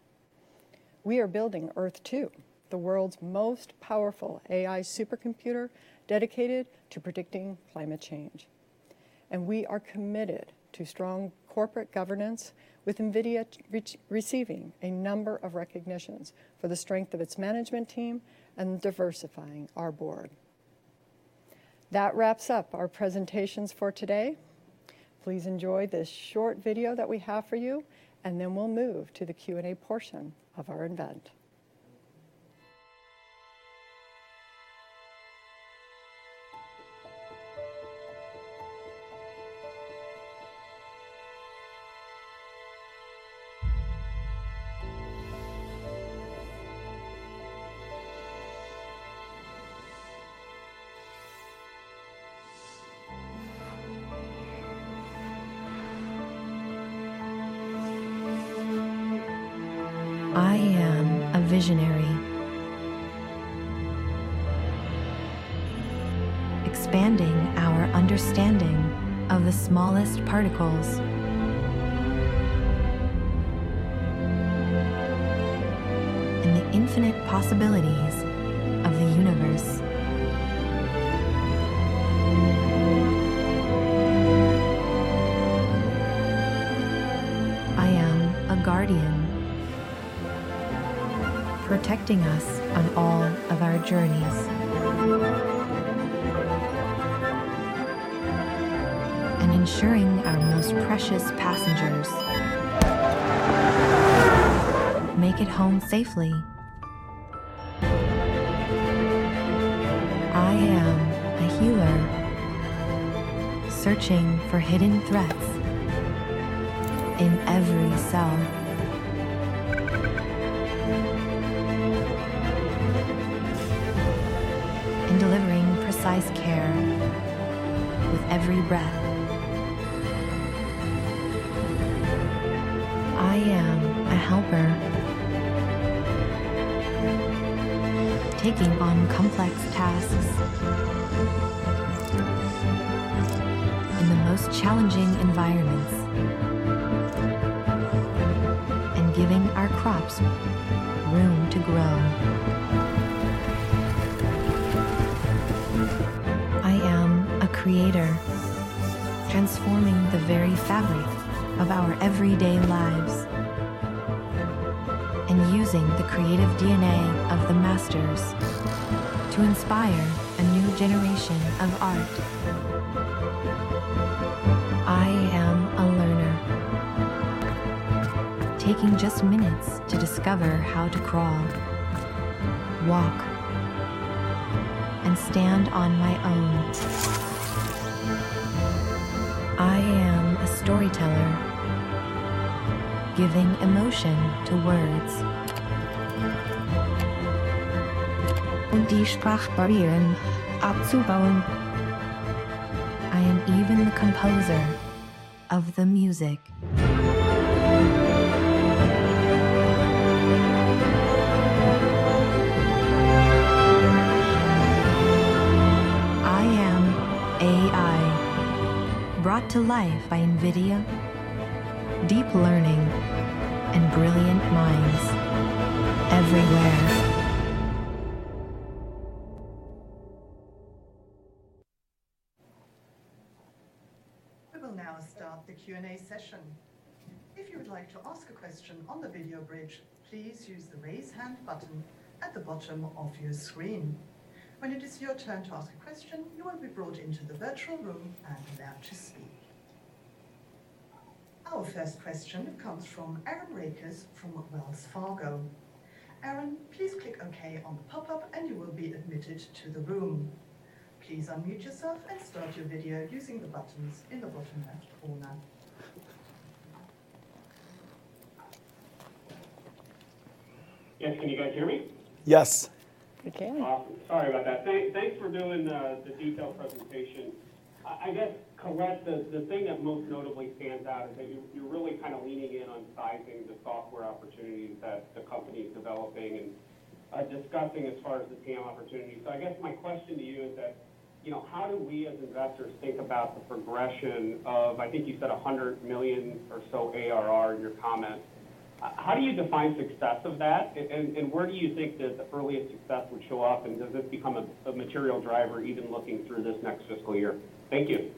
We are building Earth-2, the world's most powerful AI supercomputer dedicated to predicting climate change. We are committed to strong corporate governance with NVIDIA receiving a number of recognitions for the strength of its management team and diversifying our board. That wraps up our presentations for today. Please enjoy this short video that we have for you, and then we'll move to the Q&A portion of our event. I am a visionary. Expanding our understanding of the smallest particles and the infinite possibilities of the universe. I am a guardian. Protecting us on all of our journeys and ensuring our most precious passengers make it home safely. I am a healer. Searching for hidden threats in every cell and delivering precise care with every breath. I am a helper. Taking on complex tasks in the most challenging environments and giving our crops room to grow. I am a creator. Transforming the very fabric of our everyday lives and using the creative DNA of the masters to inspire a new generation of art. I am a learner. Taking just minutes to discover how to crawl, walk, and stand on my own. I am a storyteller. Giving emotion to words. I am even the composer of the music. I am AI, brought to life by NVIDIA, deep learning, and brilliant minds everywhere. We will now start the Q&A session. If you would like to ask a question on the video bridge, please use the Raise Hand button at the bottom of your screen. When it is your turn to ask a question, you will be brought into the virtual room and allowed to speak. Our first question comes from Aaron Rakers from Wells Fargo. Aaron, please click Okay on the pop-up, and you will be admitted to the room. Please unmute yourself and start your video using the buttons in the bottom right corner. Yes. Can you guys hear me? Yes. We can. Awesome. Sorry about that. Thanks for doing the detailed presentation. I guess, Colette, the thing that most notably stands out is that you're really kind of leaning in on sizing the software opportunities that the company is developing and discussing as far as the TAM opportunity. I guess my question to you is that, you know, how do we as investors think about the progression of, I think you said $100 million or so ARR in your comments. How do you define success of that? And where do you think that the earliest success would show up? And does this become a material driver even looking through this next fiscal year? Thank you.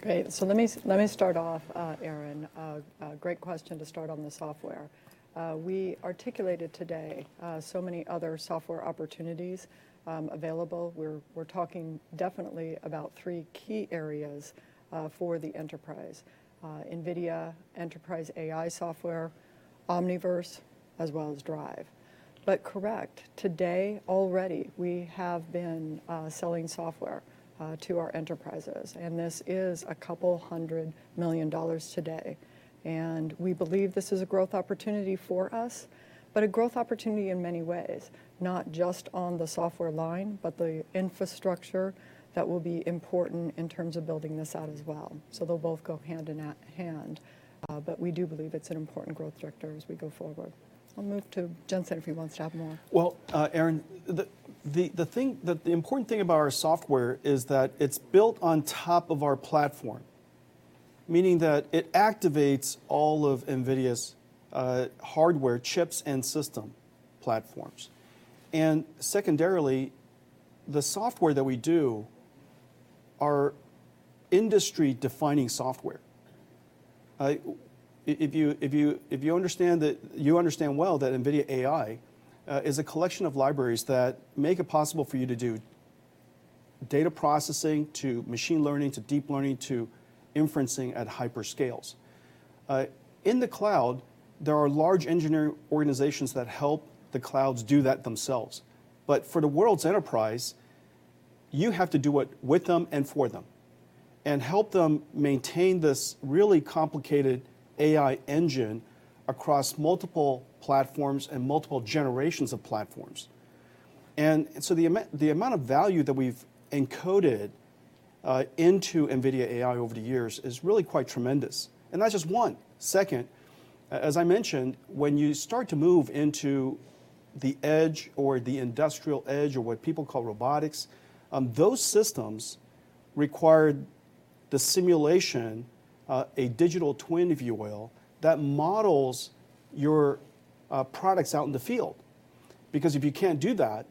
Great. Let me start off, Aaron. A great question to start on the software. We articulated today so many other software opportunities available. We're talking definitely about three key areas for the enterprise: NVIDIA AI Enterprise software, Omniverse, as well as DRIVE. Correct. Today, already, we have been selling software to our enterprises, and this is $200 million today. We believe this is a growth opportunity for us, but a growth opportunity in many ways, not just on the software line, but the infrastructure that will be important in terms of building this out as well. They'll both go hand in hand. We do believe it's an important growth driver as we go forward. I'll move to Jensen if he wants to add more. Aaron, the important thing about our software is that it's built on top of our platform, meaning that it activates all of NVIDIA's hardware, chips, and system platforms. Secondarily, the software that we do are industry-defining software. If you understand that, you understand well that NVIDIA AI is a collection of libraries that make it possible for you to do data processing, to machine learning, to deep learning, to inferencing at hyper scales. In the cloud, there are large engineering organizations that help the clouds do that themselves. For the world's enterprise, you have to do it with them and for them, and help them maintain this really complicated AI engine across multiple platforms and multiple generations of platforms. The amount of value that we've encoded into NVIDIA AI over the years is really quite tremendous, and that's just one. Second, as I mentioned, when you start to move into the edge or the industrial edge or what people call robotics, those systems require the simulation, a digital twin, if you will, that models your products out in the field. Because if you can't do that,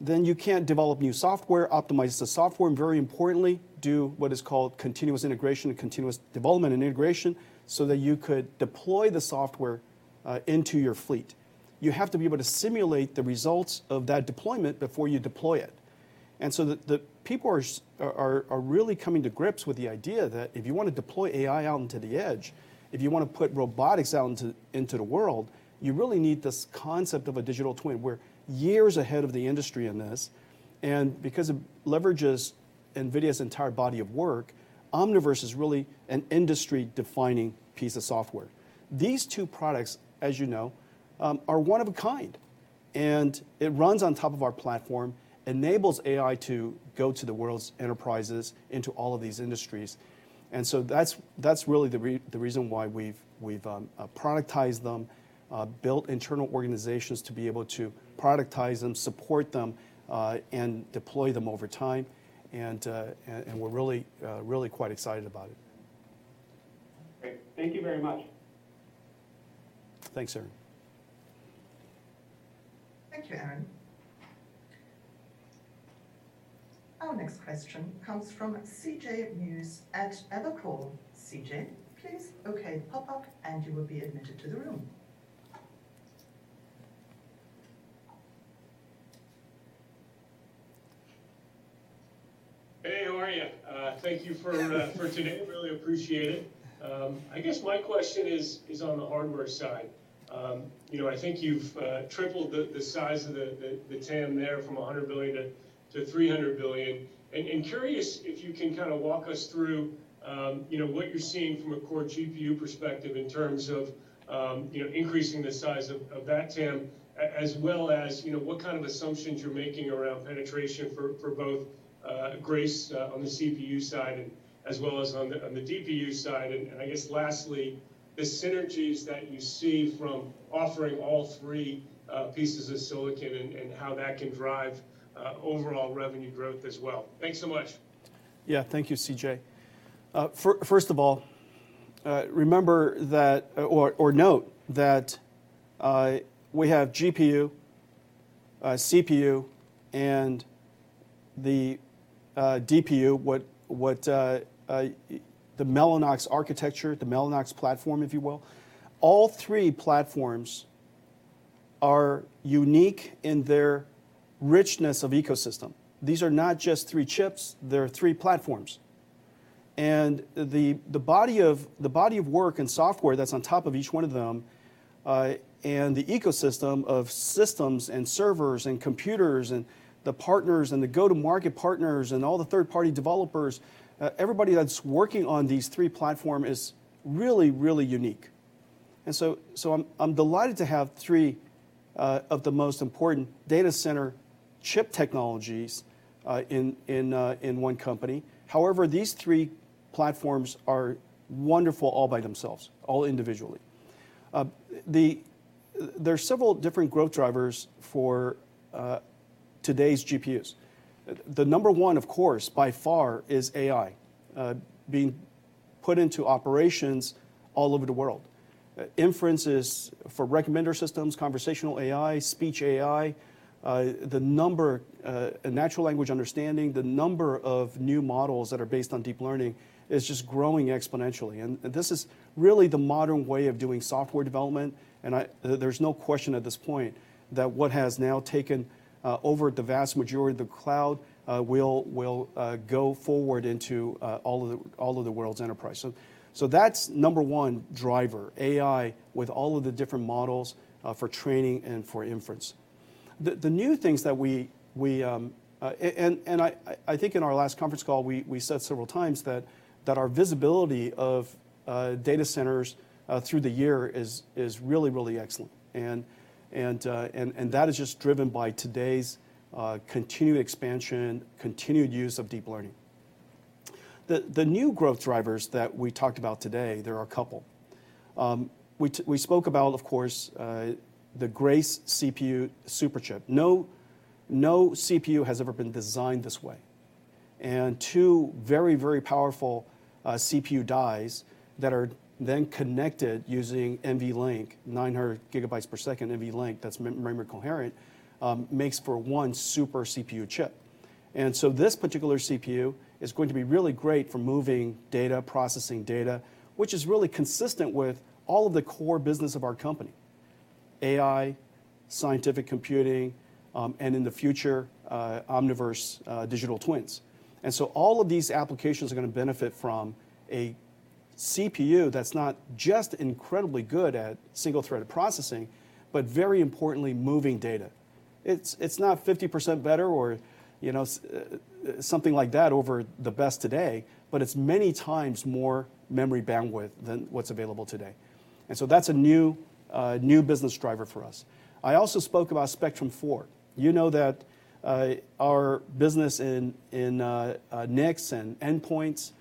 then you can't develop new software, optimize the software, and very importantly, do what is called continuous integration and continuous development and integration so that you could deploy the software into your fleet. You have to be able to simulate the results of that deployment before you deploy it. People are really coming to grips with the idea that if you wanna deploy AI out into the edge, if you wanna put robotics out into the world, you really need this concept of a digital twin. We're years ahead of the industry in this, and because it leverages NVIDIA's entire body of work, Omniverse is really an industry-defining piece of software. These two products, as you know, are one of a kind, and it runs on top of our platform, enables AI to go to the world's enterprises into all of these industries. That's really the reason why we've productized them, built internal organizations to be able to productize them, support them, and deploy them over time. We're really quite excited about it. Great. Thank you very much. Thanks, Aaron. Thank you, Aaron. Our next question comes from CJ Muse at Evercore. CJ, please OK pop up and you will be admitted to the room. Hey, how are you? Thank you for today. Really appreciate it. I guess my question is on the hardware side. You know, I think you've tripled the size of the TAM there from $100 billion-$300 billion. Curious if you can kinda walk us through, you know, what you're seeing from a core GPU perspective in terms of, you know, increasing the size of that TAM, as well as, you know, what kind of assumptions you're making around penetration for both Grace on the CPU side and as well as on the DPU side. I guess lastly, the synergies that you see from offering all three pieces of silicon and how that can drive overall revenue growth as well. Thanks so much. Yeah. Thank you, CJ. First of all, remember that, or note that, we have GPU, CPU, and the DPU, the Mellanox architecture, the Mellanox platform, if you will. All three platforms are unique in their richness of ecosystem. These are not just three chips, they're three platforms. The body of work and software that's on top of each one of them, and the ecosystem of systems and servers and computers, and the partners, and the go-to-market partners, and all the third-party developers, everybody that's working on these three platform is really unique. So I'm delighted to have three of the most important data center chip technologies in one company. However, these three platforms are wonderful all by themselves, all individually. The... There are several different growth drivers for today's GPUs. The number one, of course, by far, is AI being put into operations all over the world. Inferences for recommender systems, conversational AI, speech AI, natural language understanding, the number of new models that are based on deep learning is just growing exponentially. This is really the modern way of doing software development. There's no question at this point that what has now taken over the vast majority of the cloud will go forward into all of the world's enterprise. That's number one driver, AI with all of the different models for training and for inference. The new things that we... I think in our last conference call, we said several times that our visibility of data centers through the year is really excellent. That is just driven by today's continued expansion, continued use of deep learning. The new growth drivers that we talked about today, there are a couple. We spoke about, of course, the Grace CPU Superchip. No CPU has ever been designed this way. Two very powerful CPU dies that are then connected using NVLink, 900 gigabytes per second NVLink that's memory coherent, makes for one super CPU chip. This particular CPU is going to be really great for moving data, processing data, which is really consistent with all of the core business of our company, AI, scientific computing, and in the future, Omniverse, digital twins. All of these applications are gonna benefit from a CPU that's not just incredibly good at single-threaded processing, but very importantly, moving data. It's not 50% better or, you know, something like that over the best today, but it's many times more memory bandwidth than what's available today. That's a new business driver for us. I also spoke about Spectrum-4. You know our business in NICs and endpoints,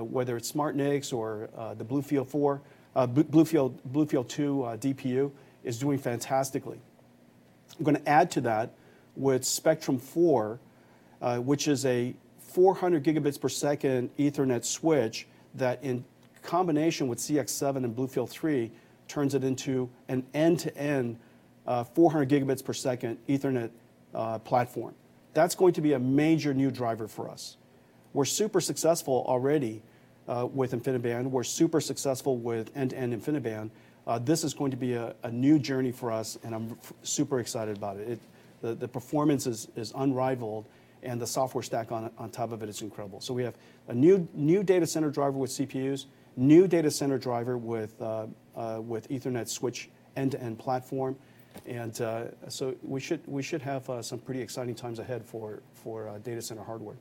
whether it's smart NICs or the BlueField-4, BlueField-2 DPU is doing fantastically. I'm gonna add to that with Spectrum-4, which is a 400 Gb/s Ethernet switch that, in combination with ConnectX-7 and BlueField-3, turns it into an end-to-end 400 Gb/s Ethernet platform. That's going to be a major new driver for us. We're super successful already with InfiniBand. We're super successful with end-to-end InfiniBand. This is going to be a new journey for us, and I'm super excited about it. The performance is unrivaled, and the software stack on top of it is incredible. We have a new data center driver with CPUs, new data center driver with Ethernet switch end-to-end platform, and we should have some pretty exciting times ahead for data center hardware.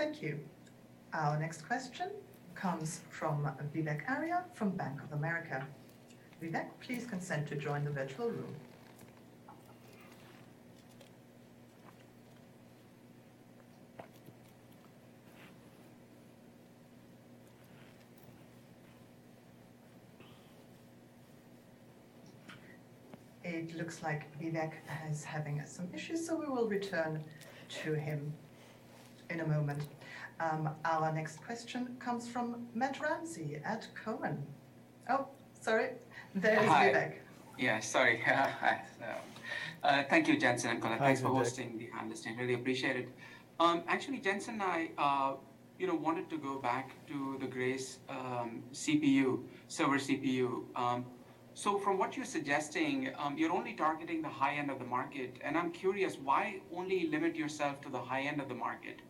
Thank you. Our next question comes from Vivek Arya from Bank of America. Vivek, please consent to join the virtual room. It looks like Vivek is having some issues, so we will return to him in a moment. Our next question comes from Matt Ramsay at Cowen. Oh, sorry. There is Vivek. Hi. Thank you, Jensen Huang and Colette Kress. Hi, Vivek. Thanks for hosting behind the scenes. Really appreciate it. Actually, Jensen, you know, I wanted to go back to the Grace CPU, server CPU. So from what you're suggesting, you're only targeting the high end of the market, and I'm curious why only limit yourself to the high end of the market?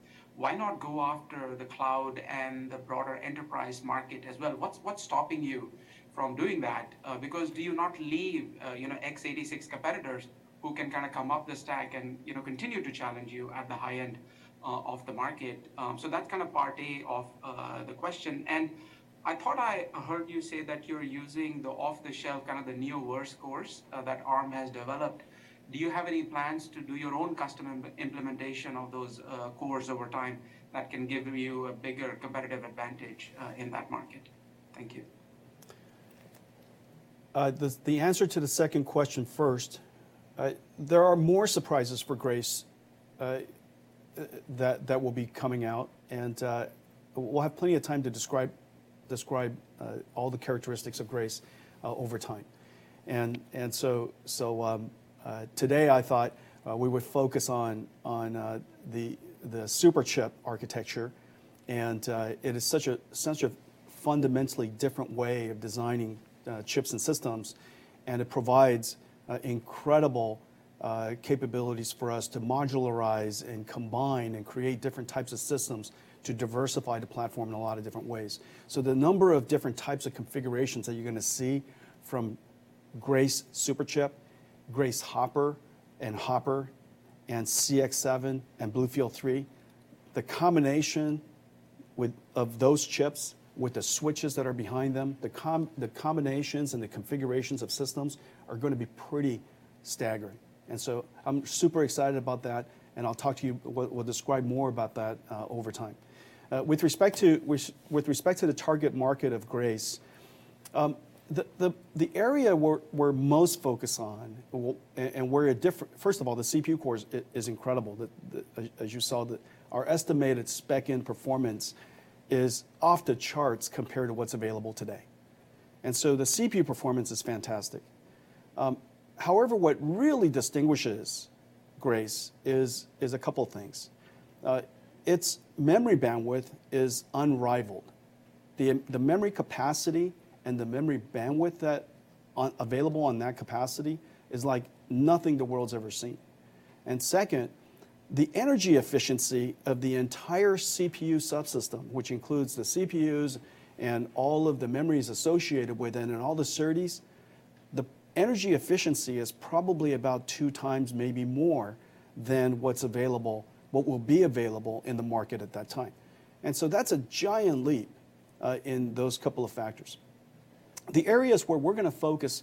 Why not go after the cloud and the broader enterprise market as well? What's stopping you from doing that? Because do you not leave, you know, x86 competitors who can kinda come up the stack and, you know, continue to challenge you at the high end of the market? So that's kind of part A of the question. I thought I heard you say that you're using the off-the-shelf, kind of the Neoverse cores that Arm has developed. Do you have any plans to do your own custom implementation of those cores over time that can give you a bigger competitive advantage in that market? Thank you. The answer to the second question first, there are more surprises for Grace that will be coming out, and we'll have plenty of time to describe all the characteristics of Grace over time. Today I thought we would focus on the Superchip architecture, and it is such a fundamentally different way of designing chips and systems, and it provides incredible capabilities for us to modularize and combine and create different types of systems to diversify the platform in a lot of different ways. The number of different types of configurations that you're gonna see from Grace Superchip, Grace Hopper and Hopper, and ConnectX-7 and BlueField-3, the combination of those chips with the switches that are behind them, the combinations and the configurations of systems are gonna be pretty staggering. I'm super excited about that, and we'll describe more about that over time. With respect to the target market of Grace, the area we're most focused on. First of all, the CPU cores is incredible. As you saw, our estimated spec in performance is off the charts compared to what's available today, and the CPU performance is fantastic. However, what really distinguishes Grace is a couple things. Its memory bandwidth is unrivaled. The memory capacity and the memory bandwidth available on that capacity is like nothing the world's ever seen. Second, the energy efficiency of the entire CPU subsystem, which includes the CPUs and all of the memories associated with it and all the SerDes, the energy efficiency is probably about 2x, maybe more, than what will be available in the market at that time. That's a giant leap in those couple of factors. The areas where we're gonna focus,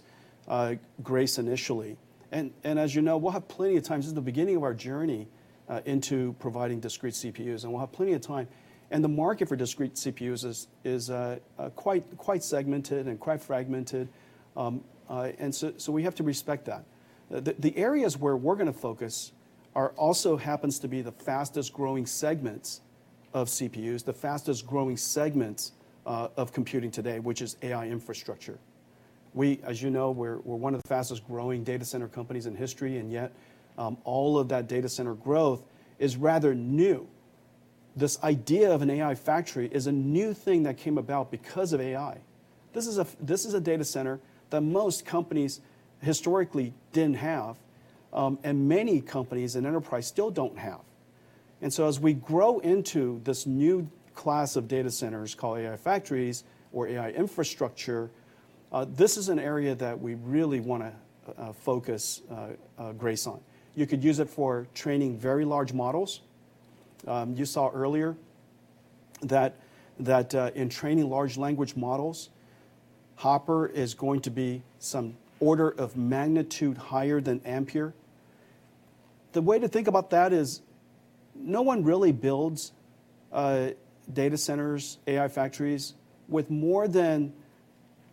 Grace initially, and as you know, we'll have plenty of time. This is the beginning of our journey into providing discrete CPUs, and we'll have plenty of time, and the market for discrete CPUs is quite segmented and quite fragmented, and so we have to respect that. The areas where we're gonna focus are also happens to be the fastest-growing segments of CPUs of computing today, which is AI infrastructure. As you know, we're one of the fastest-growing data center companies in history, and yet all of that data center growth is rather new. This idea of an AI factory is a new thing that came about because of AI. This is a data center that most companies historically didn't have, and many companies and enterprise still don't have. As we grow into this new class of data centers called AI factories or AI infrastructure, this is an area that we really wanna focus Grace on. You could use it for training very large models. You saw earlier that in training large language models, Hopper is going to be some order of magnitude higher than Ampere. The way to think about that is no one really builds data centers, AI factories with more than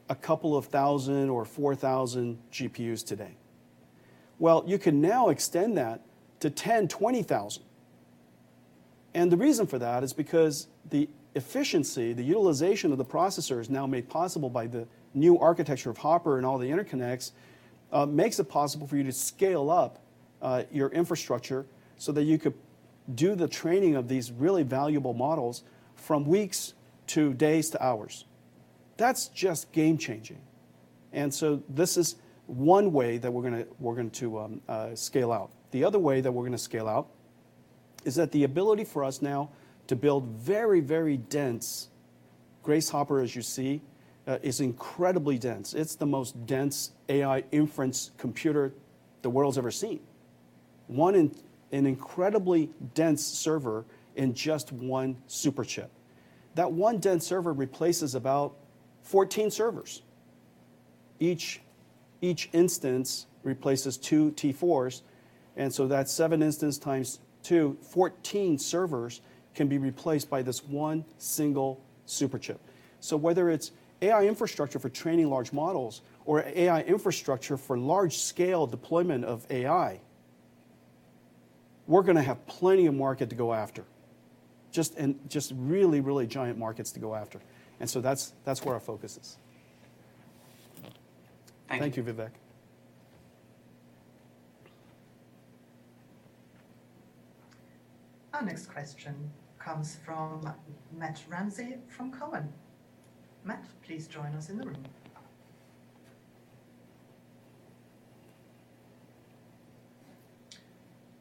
a couple thousand or 4,000 GPUs today. Well, you can now extend that to 10,000, 20,000. The reason for that is because the efficiency, the utilization of the processor is now made possible by the new architecture of Hopper and all the interconnects makes it possible for you to scale up your infrastructure so that you could do the training of these really valuable models from weeks to days to hours. That's just game-changing. This is one way that we're going to scale out. The other way that we're gonna scale out is that the ability for us now to build very, very dense Grace Hopper, as you see, is incredibly dense. It's the most dense AI inference computer the world's ever seen. An incredibly dense server in just one superchip. That one dense server replaces about 14 servers. Each instance replaces 2 T4s, and so that's 7 instance x2. 14 servers can be replaced by this one single superchip. Whether it's AI infrastructure for training large models or AI infrastructure for large-scale deployment of AI, we're gonna have plenty of market to go after. Just and just really, really giant markets to go after. That's where our focus is. Thank you. Thank you, Vivek. Our next question comes from Matt Ramsay from Cowen. Matt, please join us in the room.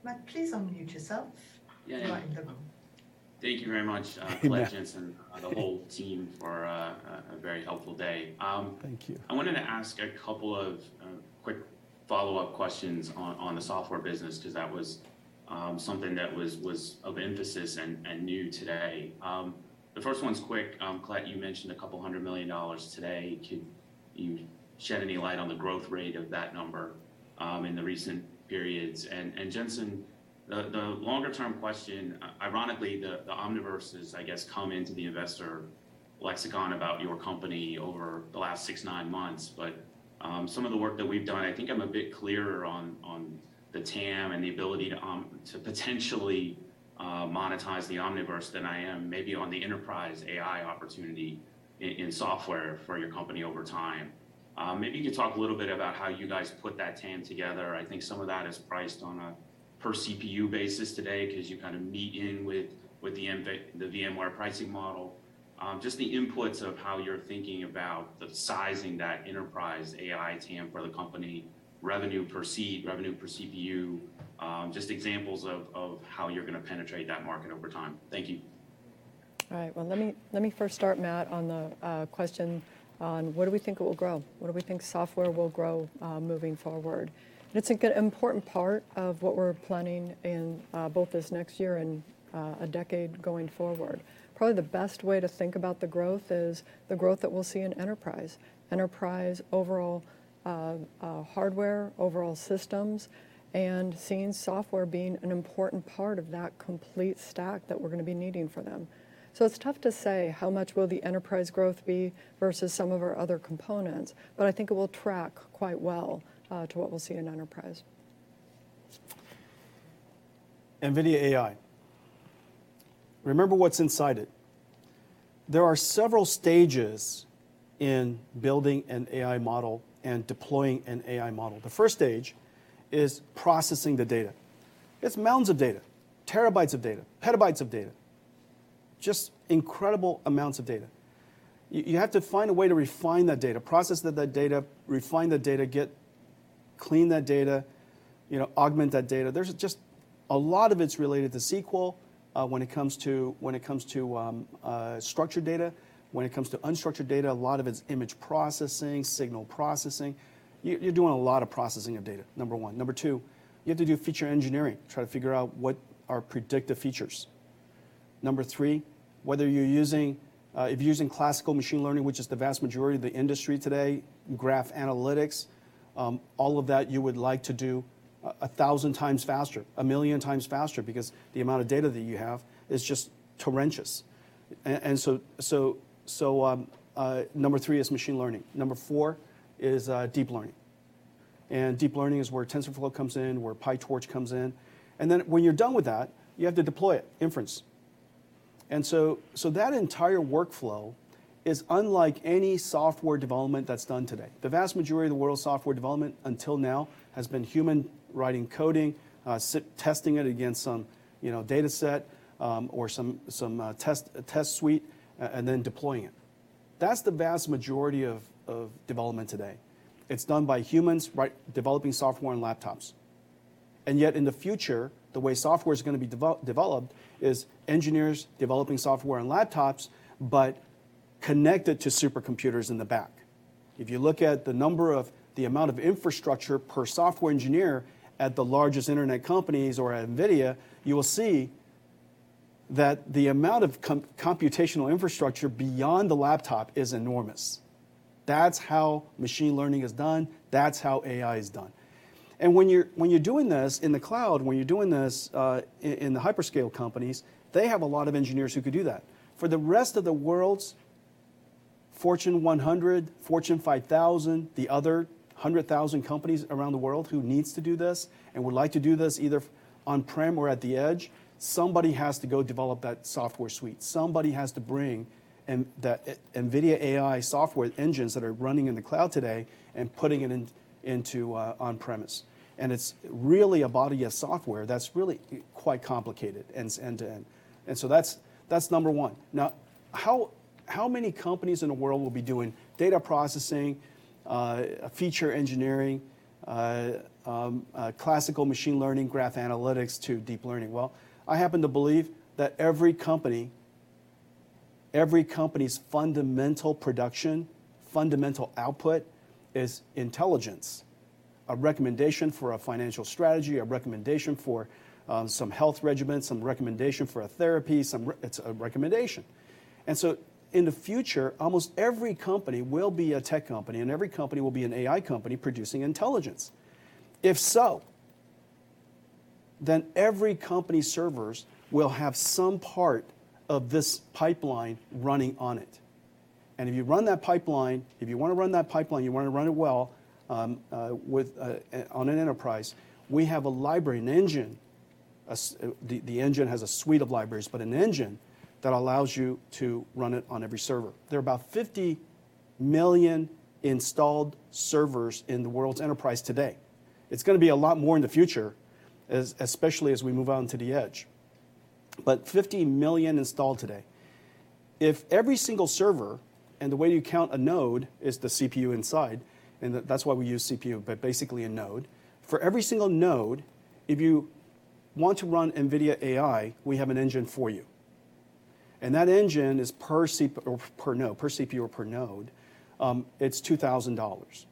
Matt, please unmute yourself. Yeah, yeah. You are in the room. Thank you very much, Colette, Jensen, and the whole team for a very helpful day. Thank you. I wanted to ask a couple of quick follow-up questions on the software business 'cause that was something that was of emphasis and new today. The first one's quick. Colette, you mentioned a couple hundred million dollars today. Could you shed any light on the growth rate of that number in the recent periods? Jensen, the longer term question, ironically, the Omniverse has, I guess, come into the investor lexicon about your company over the last six to nine months. But some of the work that we've done, I think I'm a bit clearer on the TAM and the ability to potentially monetize the Omniverse than I am maybe on the enterprise AI opportunity in software for your company over time. Maybe you could talk a little bit about how you guys put that TAM together. I think some of that is priced on a per CPU basis today 'cause you kinda meet in the middle with the VMware pricing model. Just the inputs of how you're thinking about the sizing of that enterprise AI TAM for the company, revenue per seat, revenue per CPU, just examples of how you're gonna penetrate that market over time. Thank you. All right. Well, let me first start, Matt, on the question on what do we think it will grow? What do we think software will grow moving forward? It's important part of what we're planning in both this next year and a decade going forward. Probably the best way to think about the growth is the growth that we'll see in enterprise. Enterprise overall, hardware, overall systems, and seeing software being an important part of that complete stack that we're gonna be needing for them. It's tough to say how much will the enterprise growth be versus some of our other components, but I think it will track quite well to what we'll see in enterprise. NVIDIA AI. Remember what's inside it. There are several stages in building an AI model and deploying an AI model. The first stage is processing the data. It's mountains of data, terabytes of data, petabytes of data, just incredible amounts of data. You have to find a way to refine that data, process the data, refine the data, clean that data, you know, augment that data. There's a lot of it's related to SQL, when it comes to structured data. When it comes to unstructured data, a lot of it's image processing, signal processing. You're doing a lot of processing of data, number one. Number two, you have to do feature engineering, try to figure out what are predictive features. Number three, whether you're using, if you're using classical machine learning, which is the vast majority of the industry today, graph analytics, all of that you would like to do 1,000x faster, 1,000,000x faster because the amount of data that you have is just torrential. Number three is machine learning. Number four is deep learning. Deep learning is where TensorFlow comes in, where PyTorch comes in, and then when you're done with that, you have to deploy it, inference. That entire workflow is unlike any software development that's done today. The vast majority of the world's software development until now has been humans writing code, testing it against some, you know, dataset, or some test suite and then deploying it. That's the vast majority of development today. It's done by humans, right, developing software on laptops. Yet in the future, the way software's gonna be developed is engineers developing software on laptops, but connected to supercomputers in the back. If you look at the amount of infrastructure per software engineer at the largest internet companies or at NVIDIA, you will see that the amount of computational infrastructure beyond the laptop is enormous. That's how machine learning is done. That's how AI is done. When you're doing this in the cloud, in the hyperscale companies, they have a lot of engineers who could do that. For the rest of the world's Fortune 100, Fortune 5,000, the other 100,000 companies around the world who needs to do this and would like to do this either on-prem or at the edge, somebody has to go develop that software suite. Somebody has to bring the NVIDIA AI software engines that are running in the cloud today and putting it into on-premise. It's really a body of software that's really quite complicated end to end. That's number one. Now, how many companies in the world will be doing data processing, feature engineering, classical machine learning, graph analytics to deep learning? Well, I happen to believe that every company's fundamental production, fundamental output is intelligence. A recommendation for a financial strategy, a recommendation for some health regimen, some recommendation for a therapy, it's a recommendation. In the future, almost every company will be a tech company, and every company will be an AI company producing intelligence. If so, then every company's servers will have some part of this pipeline running on it. If you run that pipeline, if you wanna run that pipeline, you wanna run it well with NVIDIA AI Enterprise. We have a library, an engine, the engine has a suite of libraries, but an engine that allows you to run it on every server. There are about 50 million installed servers in the world's enterprise today. It's gonna be a lot more in the future, especially as we move on to the edge, but 50 million installed today. If every single server, and the way you count a node is the CPU inside, and that's why we use CPU, but basically a node. For every single node, if you want to run NVIDIA AI, we have an engine for you. That engine is per CPU or per node, it's $2,000.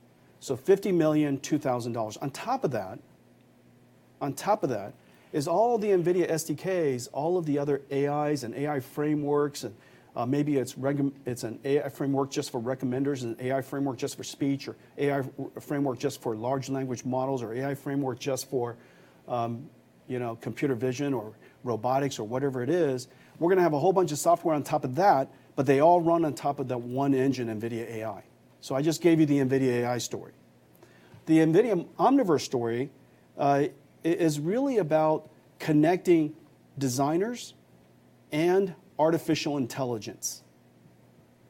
50 million, $2,000. On top of that is all the NVIDIA SDKs, all of the other AIs and AI frameworks, and maybe it's an AI framework just for recommenders and AI framework just for speech or AI framework just for large language models or AI framework just for, you know, computer vision or robotics or whatever it is. We're gonna have a whole bunch of software on top of that, but they all run on top of that one engine, NVIDIA AI. I just gave you the NVIDIA AI story. The NVIDIA Omniverse story is really about connecting designers and artificial intelligence.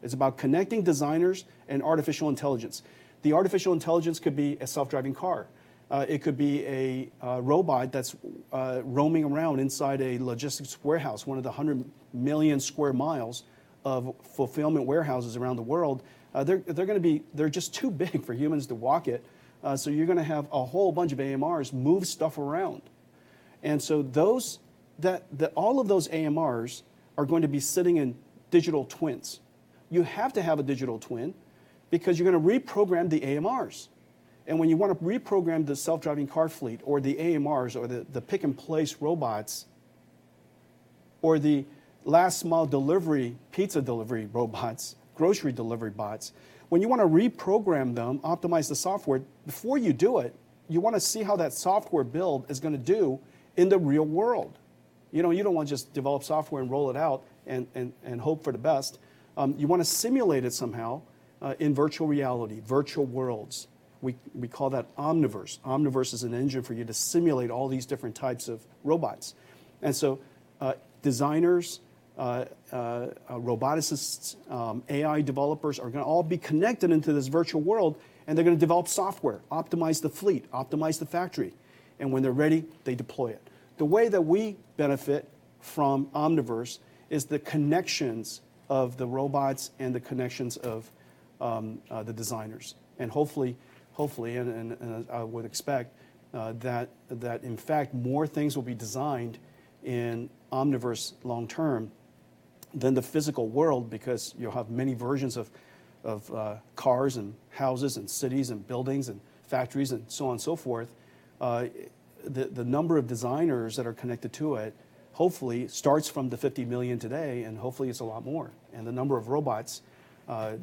It's about connecting designers and artificial intelligence. The artificial intelligence could be a self-driving car. It could be a robot that's roaming around inside a logistics warehouse, one of the 100 million sq mi of fulfillment warehouses around the world. They're just too big for humans to walk it, so you're gonna have a whole bunch of AMRs move stuff around. All of those AMRs are going to be sitting in digital twins. You have to have a digital twin because you're gonna reprogram the AMRs. When you wanna reprogram the self-driving car fleet or the AMRs or the pick-and-place robots, or the last mile delivery, pizza delivery robots, grocery delivery bots, when you wanna reprogram them, optimize the software, before you do it, you wanna see how that software build is gonna do in the real world. You know, you don't wanna just develop software and roll it out and hope for the best. You wanna simulate it somehow in virtual reality, virtual worlds. We call that Omniverse. Omniverse is an engine for you to simulate all these different types of robots. Designers, roboticists, AI developers are gonna all be connected into this virtual world, and they're gonna develop software, optimize the fleet, optimize the factory. When they're ready, they deploy it. The way that we benefit from Omniverse is the connections of the robots and the connections of the designers. Hopefully, I would expect that in fact, more things will be designed in Omniverse long term than the physical world because you'll have many versions of cars and houses and cities and buildings and factories and so on and so forth. The number of designers that are connected to it hopefully starts from the 50 million today, and hopefully it's a lot more. The number of robots, I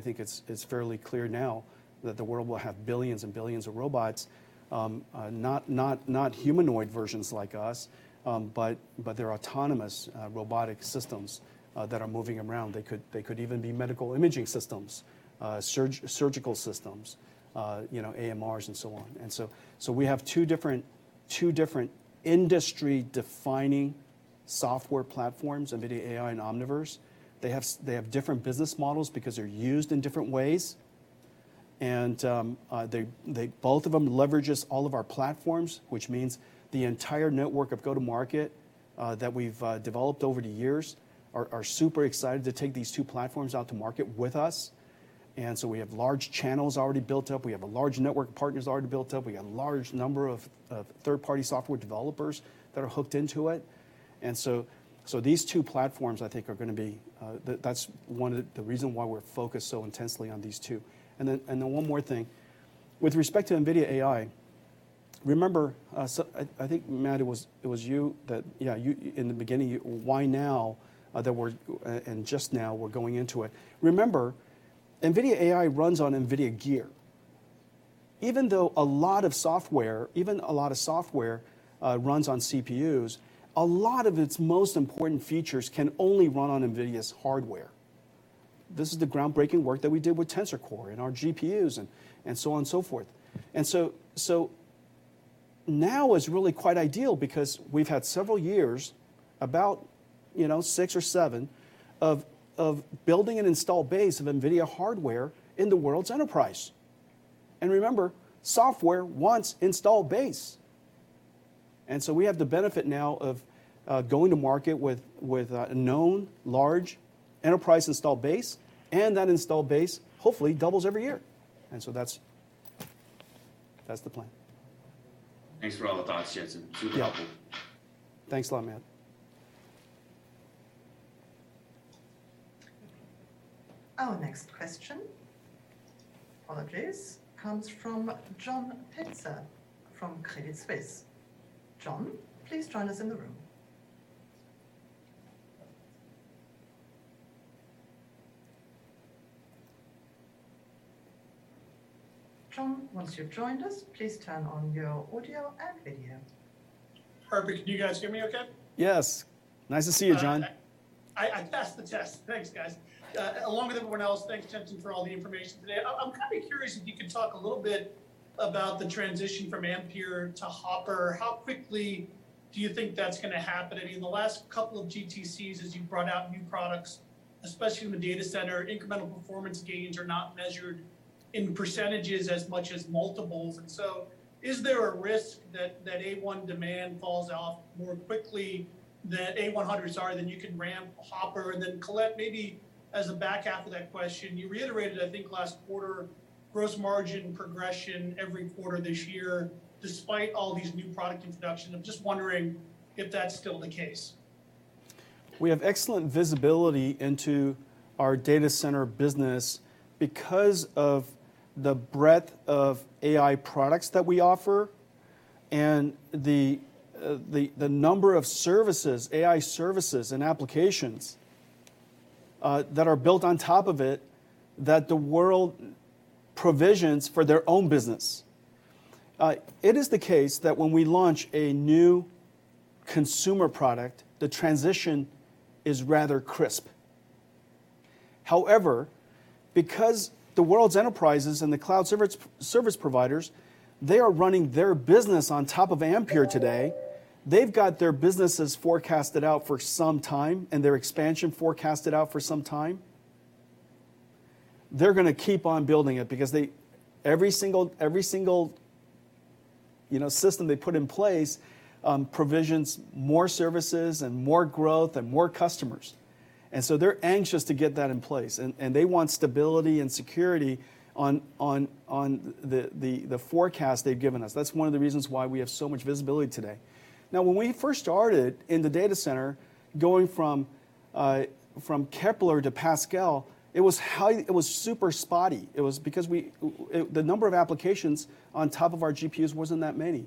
think it's fairly clear now that the world will have billions and billions of robots. Not humanoid versions like us, but they're autonomous robotic systems that are moving around. They could even be medical imaging systems, surgical systems, you know, AMRs and so on. We have two different industry-defining software platforms, NVIDIA AI and Omniverse. They have different business models because they're used in different ways. Both of them leverages all of our platforms, which means the entire network of go-to-market that we've developed over the years are super excited to take these two platforms out to market with us. We have large channels already built up. We have a large network partners already built up. We got a large number of third-party software developers that are hooked into it. These two platforms I think are gonna be that's one of the reason why we're focused so intensely on these two. One more thing. With respect to NVIDIA AI, remember, I think, Matt, it was you in the beginning, why now that we're going into it. Remember, NVIDIA AI runs on NVIDIA gear. Even though a lot of software runs on CPUs, a lot of its most important features can only run on NVIDIA's hardware. This is the groundbreaking work that we did with Tensor Core and our GPUs and so on and so forth. So now is really quite ideal because we've had several years, about six or seven, of building an install base of NVIDIA hardware in the world's enterprise. Remember, software wants install base. We have the benefit now of going to market with a known large enterprise install base, and that install base hopefully doubles every year. That's the plan. Thanks for all the thoughts, Jensen. Super helpful. Yeah. Thanks a lot, Matt. Our next question, apologies, comes from John Pitzer from Credit Suisse. John, please join us in the room. John, once you've joined us, please turn on your audio and video. Perfect. Can you guys hear me okay? Yes. Nice to see you, John. I passed the test. Thanks, guys. Along with everyone else, thanks, Jensen, for all the information today. I'm kinda curious if you could talk a little bit about the transition from Ampere to Hopper. How quickly do you think that's gonna happen? I mean, the last couple of GTCs as you've brought out new products, especially in the data center, incremental performance gains are not measured in percentages as much as multiples. Is there a risk that A100 demand falls off more quickly than A100s are than you can ramp Hopper? Then Colette, maybe as a back half of that question, you reiterated, I think, last quarter gross margin progression every quarter this year despite all these new product introductions. I'm just wondering if that's still the case. We have excellent visibility into our data center business because of the breadth of AI products that we offer and the number of services, AI services and applications that are built on top of it that the world provisions for their own business. It is the case that when we launch a new consumer product, the transition is rather crisp. However, because the world's enterprises and the cloud service providers, they are running their business on top of Ampere today. They've got their businesses forecasted out for some time, and their expansion forecasted out for some time. They're gonna keep on building it because every single you know system they put in place provisions more services and more growth and more customers. They're anxious to get that in place and they want stability and security on the forecast they've given us. That's one of the reasons why we have so much visibility today. Now, when we first started in the data center going from Kepler to Pascal, it was super spotty. It was because the number of applications on top of our GPUs wasn't that many.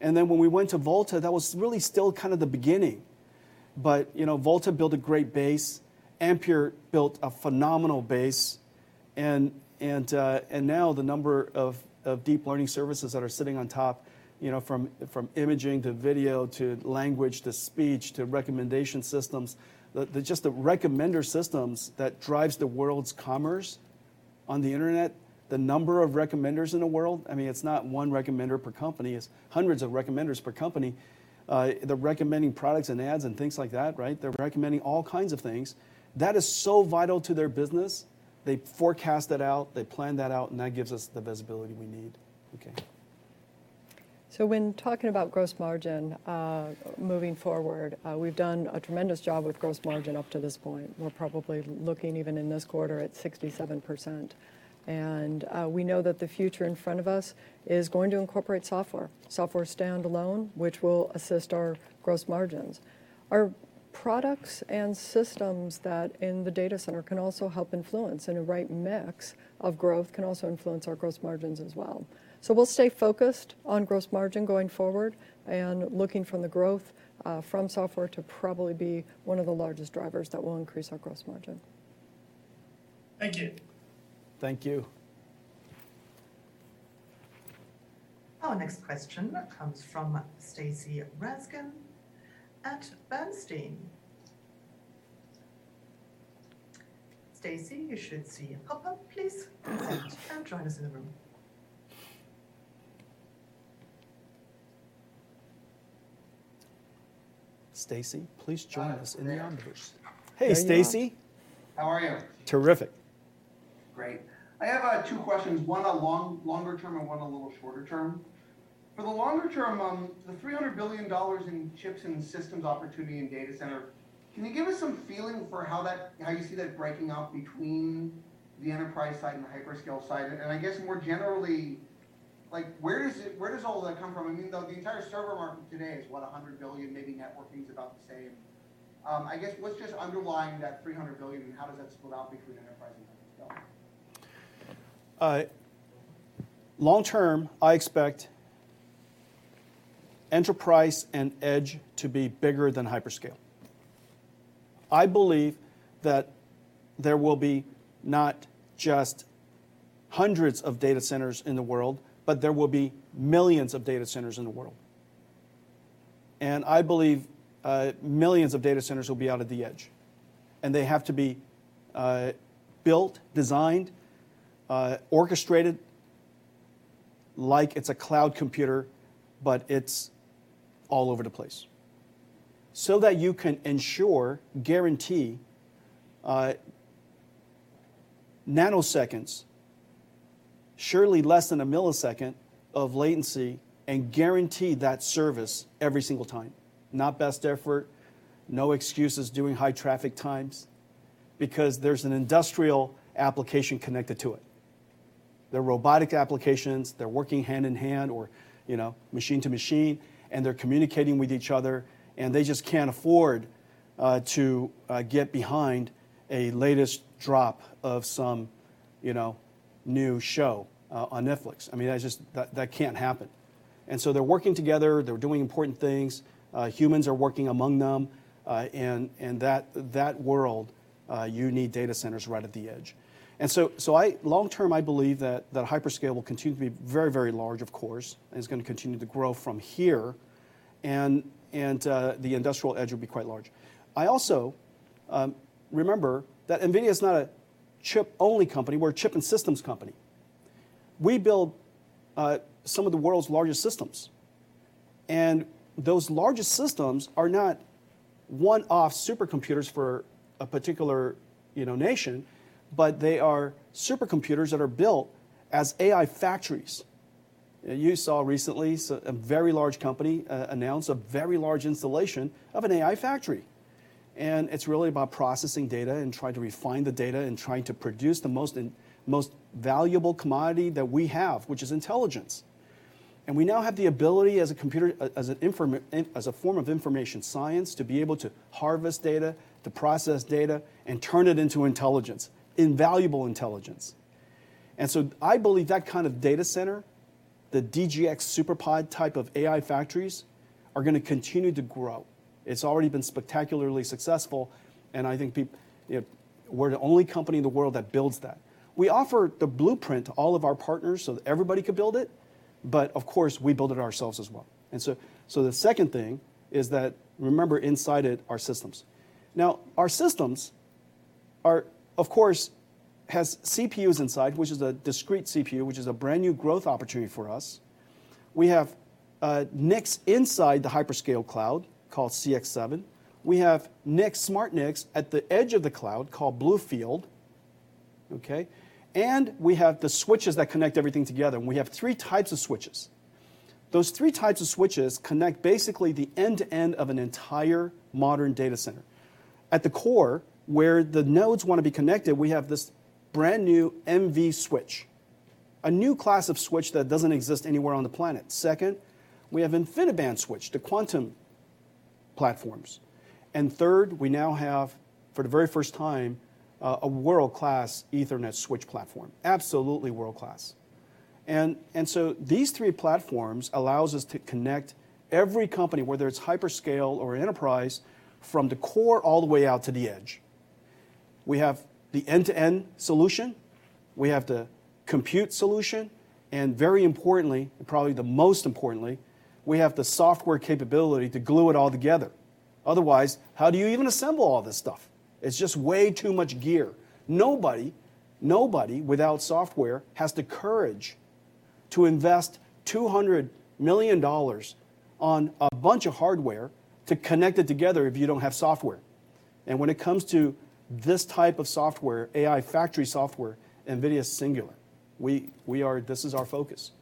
When we went to Volta, that was really still kind of the beginning. You know, Volta built a great base. Ampere built a phenomenal base. And now the number of deep learning services that are sitting on top, you know, from imaging to video to language to speech to recommendation systems. Just the recommender systems that drives the world's commerce on the internet, the number of recommenders in the world, I mean, it's not one recommender per company. It's hundreds of recommenders per company. They're recommending products and ads and things like that, right? They're recommending all kinds of things. That is so vital to their business. They forecast that out, they plan that out, and that gives us the visibility we need. Okay. When talking about gross margin, moving forward, we've done a tremendous job with gross margin up to this point. We're probably looking even in this quarter at 67%. We know that the future in front of us is going to incorporate software standalone, which will assist our gross margins. Products and systems that in the data center can also help influence, and a right mix of growth can also influence our gross margins as well. We'll stay focused on gross margin going forward and looking for the growth from software to probably be one of the largest drivers that will increase our gross margin. Thank you. Thank you. Our next question comes from Stacy Rasgon at Bernstein. Stacy, you should see a pop-up. Please present and join us in the room. Stacy, please join us in the onwards. Hi. There you are. Hey, Stacy. How are you? Terrific. Great. I have two questions, one a longer term, and one a little shorter term. For the longer term, the $300 billion in chips and systems opportunity in data center, can you give us some feeling for how you see that breaking out between the enterprise side and the hyperscale side? And I guess more generally, like, where does all of that come from? I mean, the entire server market today is, what, $100 billion, maybe networking's about the same. I guess what's just underlying that $300 billion, and how does that split out between enterprise and hyperscale? Long term, I expect enterprise and edge to be bigger than hyperscale. I believe that there will be not just hundreds of data centers in the world, but there will be millions of data centers in the world. I believe millions of data centers will be out at the edge, and they have to be built, designed, orchestrated like it's a cloud computer, but it's all over the place. That you can ensure, guarantee nanoseconds, surely less than a millisecond of latency, and guarantee that service every single time. Not best effort, no excuses during high traffic times because there's an industrial application connected to it. They're robotic applications. They're working hand-in-hand or, you know, machine to machine, and they're communicating with each other, and they just can't afford to get behind the latest drop of some, you know, new show on Netflix. I mean, that just can't happen. They're working together. They're doing important things. Humans are working among them. That world you need data centers right at the edge. Long term, I believe that the hyperscale will continue to be very, very large, of course, and it's gonna continue to grow from here and the industrial edge will be quite large. I also remember that NVIDIA is not a chip-only company. We're a chip and systems company. We build some of the world's largest systems, and those largest systems are not one-off supercomputers for a particular, you know, nation, but they are supercomputers that are built as AI factories. You saw recently a very large company announce a very large installation of an AI factory. It's really about processing data and trying to refine the data and trying to produce the most valuable commodity that we have, which is intelligence. We now have the ability as a form of information science to be able to harvest data, to process data, and turn it into intelligence, invaluable intelligence. I believe that kind of data center, the DGX SuperPOD type of AI factories, are gonna continue to grow. It's already been spectacularly successful. You know, we're the only company in the world that builds that. We offer the blueprint to all of our partners so everybody could build it. But of course, we build it ourselves as well. So the second thing is that, remember inside it, our systems. Our systems are, of course, have CPUs inside, which is a discrete CPU, which is a brand-new growth opportunity for us. We have NICs inside the hyperscale cloud called ConnectX-7. We have NICs, smart NICs at the edge of the cloud called BlueField. Okay? We have the switches that connect everything together, and we have three types of switches. Those three types of switches connect basically the end-to-end of an entire modern data center. At the core, where the nodes wanna be connected, we have this brand-new NVSwitch, a new class of switch that doesn't exist anywhere on the planet. Second, we have InfiniBand switch to Quantum platforms. Third, we now have, for the very first time, a world-class Ethernet switch platform, absolutely world-class. So these three platforms allows us to connect every company, whether it's hyperscale or enterprise, from the core all the way out to the edge. We have the end-to-end solution, we have the compute solution, and very importantly, probably the most importantly, we have the software capability to glue it all together. Otherwise, how do you even assemble all this stuff? It's just way too much gear. Nobody without software has the courage to invest $200 million on a bunch of hardware to connect it together if you don't have software. When it comes to this type of software, AI factory software, NVIDIA is singular. We are. This is our focus.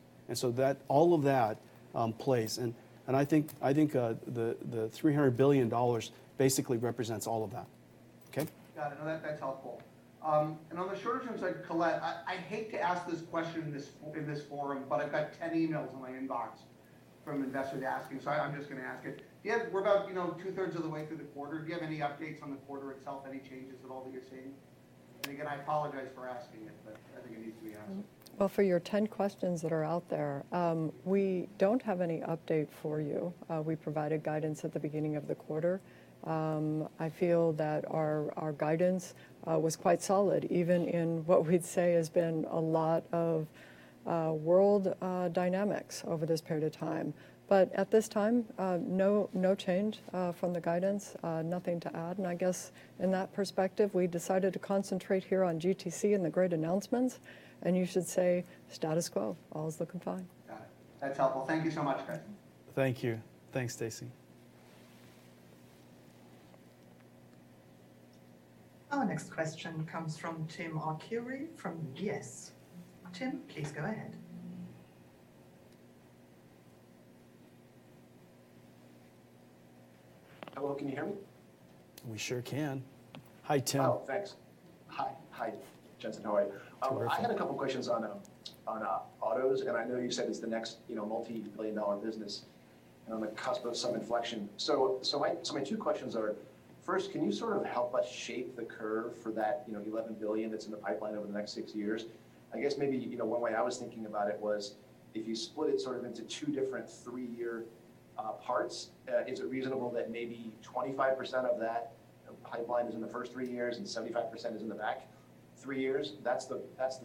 All of that plays. I think the $300 billion basically represents all of that. Okay. Got it. No, that's helpful. On the shorter term side, Colette, I hate to ask this question in this forum, but I've got 10 emails in my inbox from investors asking, so I'm just gonna ask it. We're about two-thirds of the way through the quarter. Do you have any updates on the quarter itself? Any changes at all that you're seeing? I apologize for asking it, but I think it needs to be asked. Well, for your 10 questions that are out there, we don't have any update for you. We provided guidance at the beginning of the quarter. I feel that our guidance was quite solid even in what we'd say has been a lot of world dynamics over this period of time. At this time, no change from the guidance, nothing to add. I guess in that perspective, we decided to concentrate here on GTC and the great announcements, and you should say status quo. All's looking fine. Got it. That's helpful. Thank you so much, guys. Thank you. Thanks, Stacy. Our next question comes from Tim Arcuri from UBS. Tim, please go ahead. Hello, can you hear me? We sure can. Hi, Tim. Oh, thanks. Hi. Hi, Jensen. How are you? It's wonderful. I had a couple questions on autos, and I know you said it's the next, you know, multi-billion dollar business on the cusp of some inflection. My two questions are, first, can you sort of help us shape the curve for that $11 billion that's in the pipeline over the next six years? I guess maybe, you know, one way I was thinking about it was if you split it sort of into two different three-year parts, is it reasonable that maybe 25% of that pipeline is in the first three years and 75% is in the back three years? That's the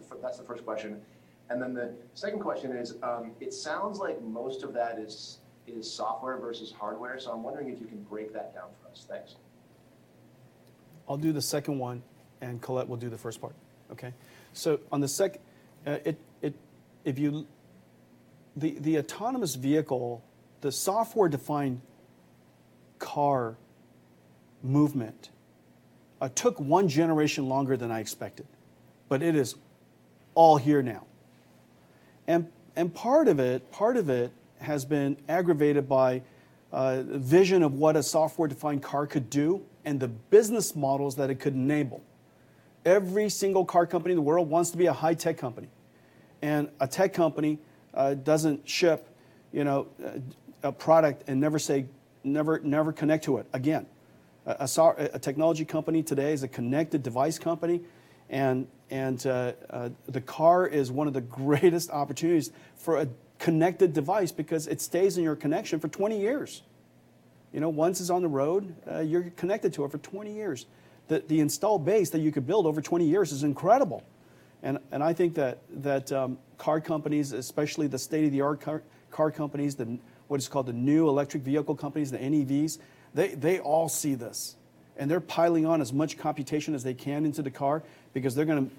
first question. The second question is, it sounds like most of that is software versus hardware, so I'm wondering if you can break that down for us. Thanks. I'll do the second one, and Colette will do the first part. Okay? The autonomous vehicle, the software-defined car movement, took one generation longer than I expected, but it is all here now. Part of it has been accelerated by a vision of what a software-defined car could do and the business models that it could enable. Every single car company in the world wants to be a high-tech company, and a tech company doesn't ship, you know, a product and never connect to it again. A technology company today is a connected device company, and the car is one of the greatest opportunities for a connected device because it stays in your connection for 20 years. You know, once it's on the road, you're connected to it for 20 years. The install base that you could build over 20 years is incredible. I think that car companies, especially the state-of-the-art car companies, what is called the new electric vehicle companies, the NEVs, they all see this. They're piling on as much computation as they can into the car because they're going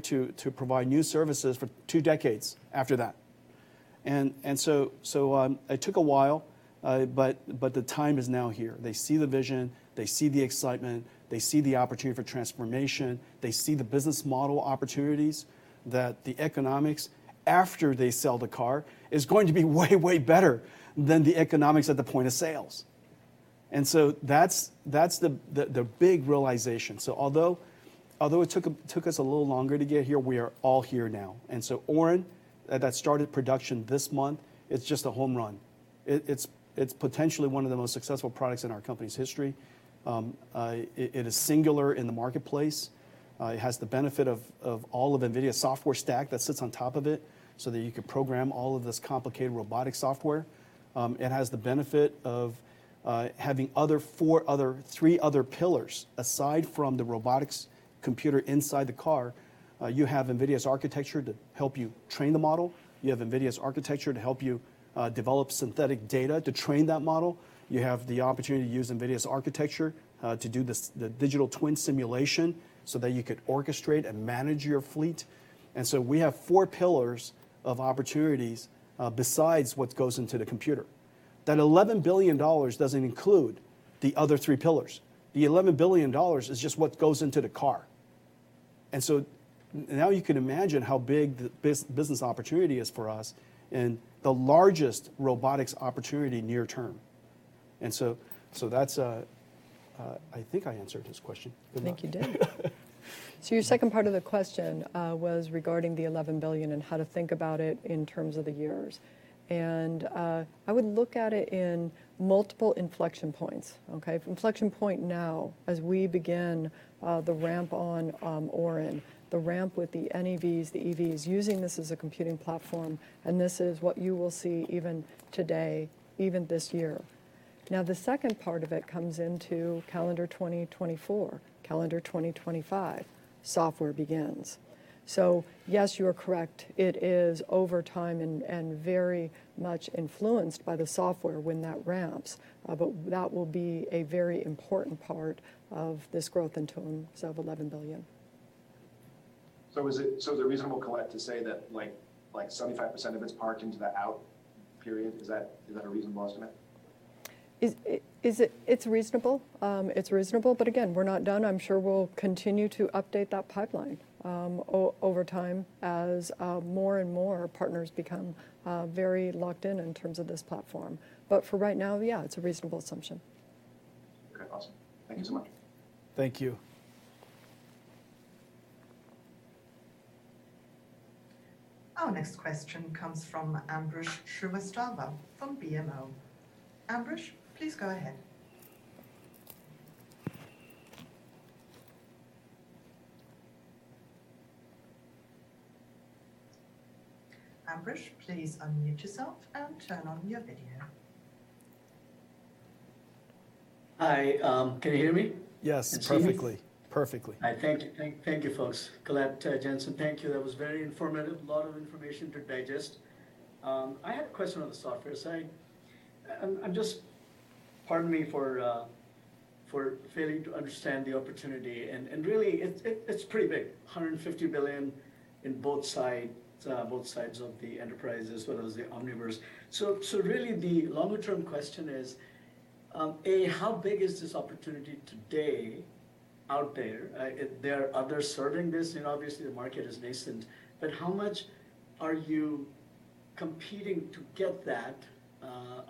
to provide new services for two decades after that. It took a while, but the time is now here. They see the vision, they see the excitement, they see the opportunity for transformation, they see the business model opportunities, that the economics after they sell the car is going to be way better than the economics at the point of sales. That's the big realization. Although it took us a little longer to get here, we are all here now. Orin that started production this month is just a home run. It's potentially one of the most successful products in our company's history. It is singular in the marketplace. It has the benefit of all of NVIDIA's software stack that sits on top of it so that you can program all of this complicated robotic software. It has the benefit of having three other pillars. Aside from the robotics computer inside the car, you have NVIDIA's architecture to help you train the model. You have NVIDIA's architecture to help you develop synthetic data to train that model. You have the opportunity to use NVIDIA's architecture to do this, the digital twin simulation so that you could orchestrate and manage your fleet. We have four pillars of opportunities besides what goes into the computer. That $11 billion doesn't include the other three pillars. The $11 billion is just what goes into the car. Now you can imagine how big the business opportunity is for us and the largest robotics opportunity near term. That's, I think, I answered his question. Good luck. I think you did. Your second part of the question was regarding the $11 billion and how to think about it in terms of the years. I would look at it in multiple inflection points, okay? Inflection point now as we begin the ramp on Orin, the ramp with the NEVs, the EVs using this as a computing platform, and this is what you will see even today, even this year. The second part of it comes into calendar 2024, calendar 2025, software begins. Yes, you are correct. It is over time and very much influenced by the software when that ramps. That will be a very important part of this growth in terms of $11 billion. Is it reasonable, Colette, to say that like 75% of it's parked into the out period? Is that a reasonable estimate? Is it? It's reasonable. It's reasonable, but again, we're not done. I'm sure we'll continue to update that pipeline, over time as more and more partners become very locked in in terms of this platform. For right now, yeah, it's a reasonable assumption. Okay. Awesome. Thank you so much. Thank you. Our next question comes from Ambrish Srivastava from BMO. Ambrish, please go ahead. Ambrish, please unmute yourself and turn on your video. Hi, can you hear me? Yes, perfectly. See me? Perfectly. All right. Thank you, folks. Colette, Jensen, thank you. That was very informative. A lot of information to digest. I had a question on the software side. I'm just. Pardon me for failing to understand the opportunity and really it's pretty big, $150 billion in both sides of the enterprise as well as the Omniverse. So really the longer term question is, A, how big is this opportunity today out there? There are others serving this and obviously the market is nascent, but how much are you competing to get that?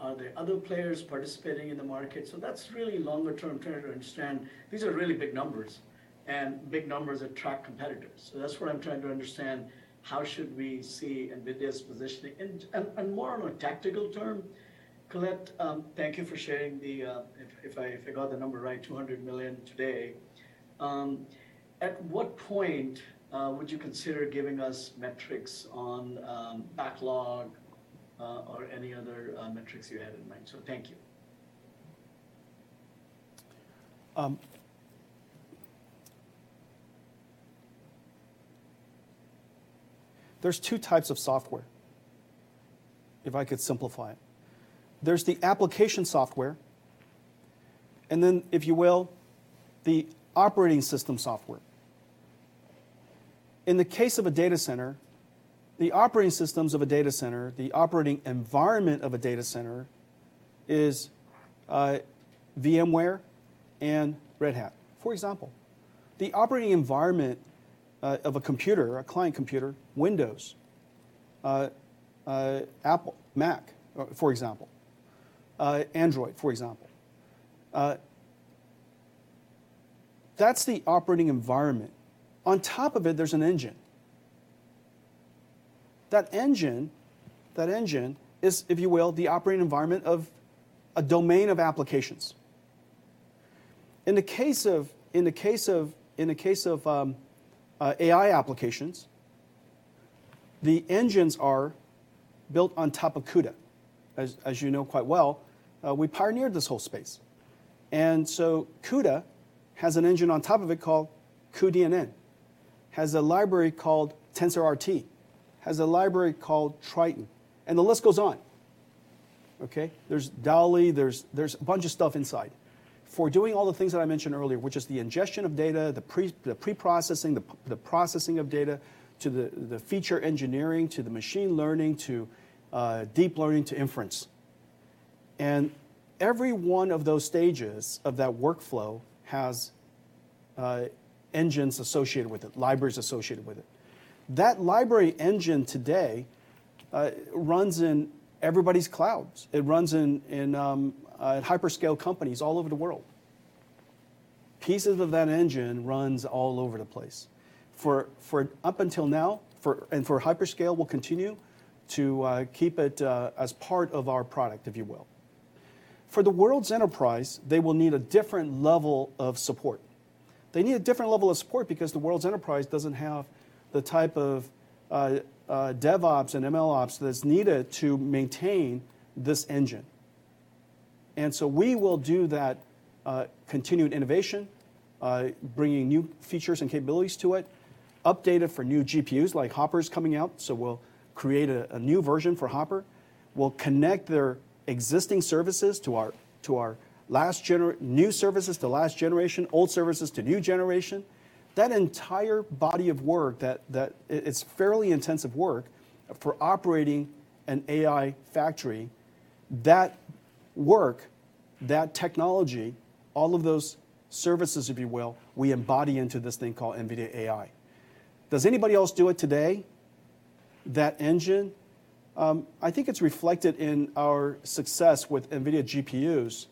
Are there other players participating in the market? That's really longer term trying to understand. These are really big numbers and big numbers attract competitors. That's what I'm trying to understand, how should we see NVIDIA's positioning? More on a tactical term, Colette, thank you for sharing the, if I got the number right, $200 million today. At what point would you consider giving us metrics on backlog or any other metrics you had in mind? Thank you. There's two types of software, if I could simplify it. There's the application software, and then, if you will, the operating system software. In the case of a data center, the operating environment of a data center is VMware and Red Hat. For example, the operating environment of a computer or a client computer, Windows, Apple Mac, for example, Android, for example. That's the operating environment. On top of it, there's an engine. That engine is, if you will, the operating environment of a domain of applications. In the case of AI applications, the engines are built on top of CUDA. As you know quite well, we pioneered this whole space. CUDA has an engine on top of it called cuDNN, has a library called TensorRT, has a library called Triton, and the list goes on. Okay? There's DALI, there's a bunch of stuff inside. For doing all the things that I mentioned earlier, which is the ingestion of data, the preprocessing, the processing of data, to the feature engineering, to the machine learning, to deep learning, to inference. Every one of those stages of that workflow has engines associated with it, libraries associated with it. That library engine today runs in everybody's clouds. It runs in hyperscale companies all over the world. Pieces of that engine runs all over the place. For up until now, and for hyperscale, we'll continue to keep it as part of our product, if you will. For the world's enterprise, they will need a different level of support. They need a different level of support because the world's enterprise doesn't have the type of DevOps and MLOps that's needed to maintain this engine. We will do that continued innovation, bringing new features and capabilities to it, update it for new GPUs like Hopper's coming out. We'll create a new version for Hopper. We'll connect their existing services to our new services to last generation, old services to new generation. That entire body of work, it's fairly intensive work for operating an AI factory. That work, that technology, all of those services, if you will, we embody into this thing called NVIDIA AI. Does anybody else do it today? That engine? I think it's reflected in our success with NVIDIA GPUs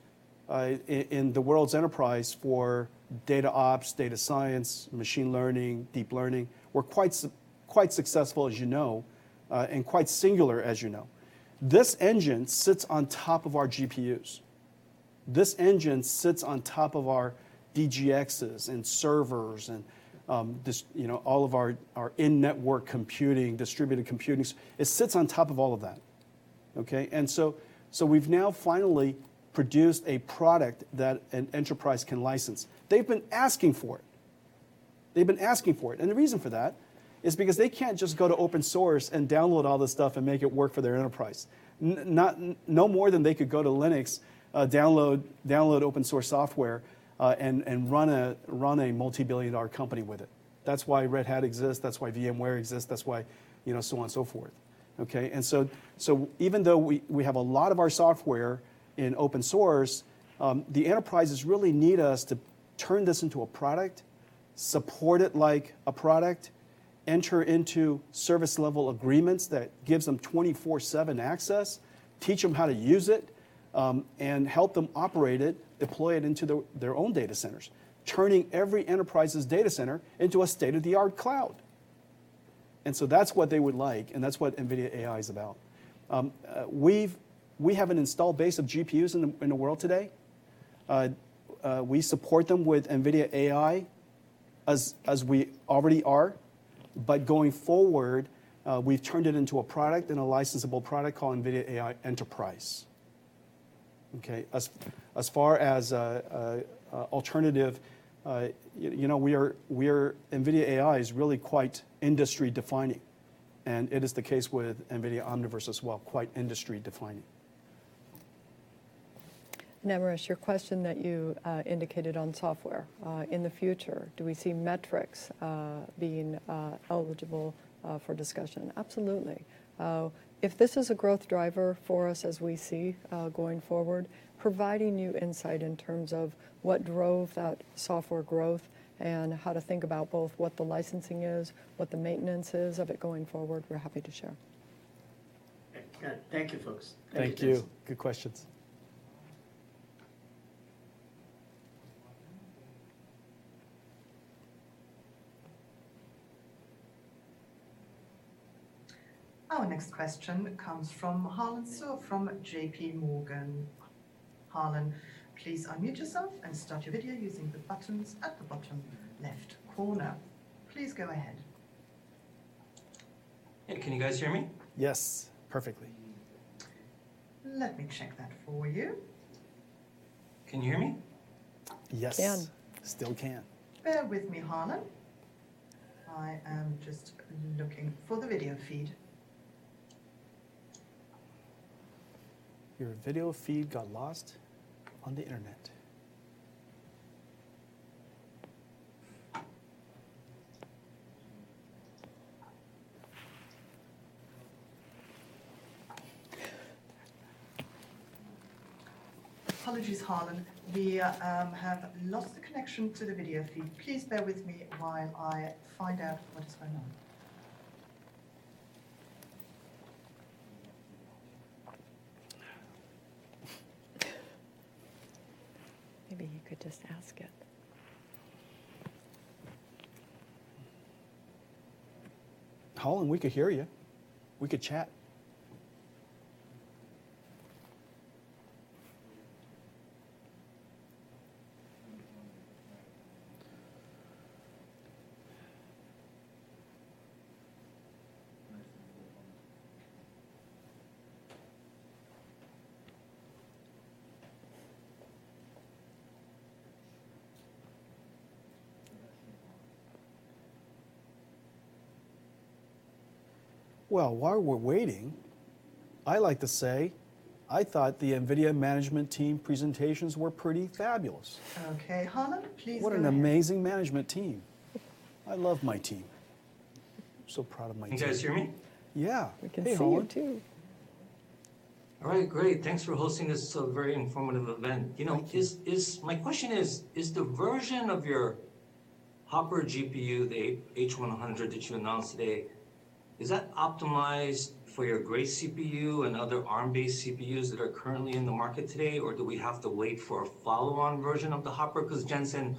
in the world's enterprise for DataOps, data science, machine learning, deep learning. We're quite successful, as you know, and quite singular, as you know. This engine sits on top of our GPUs. This engine sits on top of our DGXs and servers and, you know, all of our in-network computing, distributed computing. It sits on top of all of that. Okay. We've now finally produced a product that an enterprise can license. They've been asking for it. They've been asking for it. The reason for that is because they can't just go to open source and download all this stuff and make it work for their enterprise. No more than they could go to Linux, download open source software, and run a multi-billion-dollar company with it. That's why Red Hat exists, that's why VMware exists, that's why, you know, so on and so forth. Okay? Even though we have a lot of our software in open source, the enterprises really need us to turn this into a product, support it like a product, enter into service level agreements that gives them 24/7 access, teach them how to use it. And help them operate it, deploy it into their own data centers, turning every enterprise's data center into a state-of-the-art cloud. That's what they would like, and that's what NVIDIA AI is about. We have an installed base of GPUs in the world today. We support them with NVIDIA AI as we already are. Going forward, we've turned it into a product, and a licensable product called NVIDIA AI Enterprise. Okay. As far as an alternative, you know, NVIDIA AI is really quite industry-defining, and it is the case with NVIDIA Omniverse as well, quite industry-defining. Ambrish Srivastava, your question that you indicated on software in the future, do we see metrics being eligible for discussion? Absolutely. If this is a growth driver for us as we see going forward, providing you insight in terms of what drove that software growth and how to think about both what the licensing is, what the maintenance is of it going forward, we're happy to share. Okay. Thank you, folks. Thank you. Thank you. Good questions. Our next question comes from Harlan Sur from JP Morgan. Harlan, please unmute yourself and start your video using the buttons at the bottom left corner. Please go ahead. Hey, can you guys hear me? Yes, perfectly. Let me check that for you. Can you hear me? Yes. Can. Still can. Bear with me, Harlan. I am just looking for the video feed. Your video feed got lost on the internet. Apologies, Harlan. We have lost the connection to the video feed. Please bear with me while I find out what is going on. Maybe you could just ask it. Harlan Sur, we can hear you. We could chat. Well, while we're waiting, I like to say I thought the NVIDIA management team presentations were pretty fabulous. Okay. Harlan, please unmute. What an amazing management team. I love my team. So proud of my team. Can you guys hear me? Yeah. We can see you too. All right. Great. Thanks for hosting this. This is a very informative event. Thank you. You know, is the version of your Hopper GPU, the H100 that you announced today, optimized for your Grace CPU and other Arm-based CPUs that are currently in the market today or do we have to wait for a follow-on version of the Hopper? 'Cause Jensen,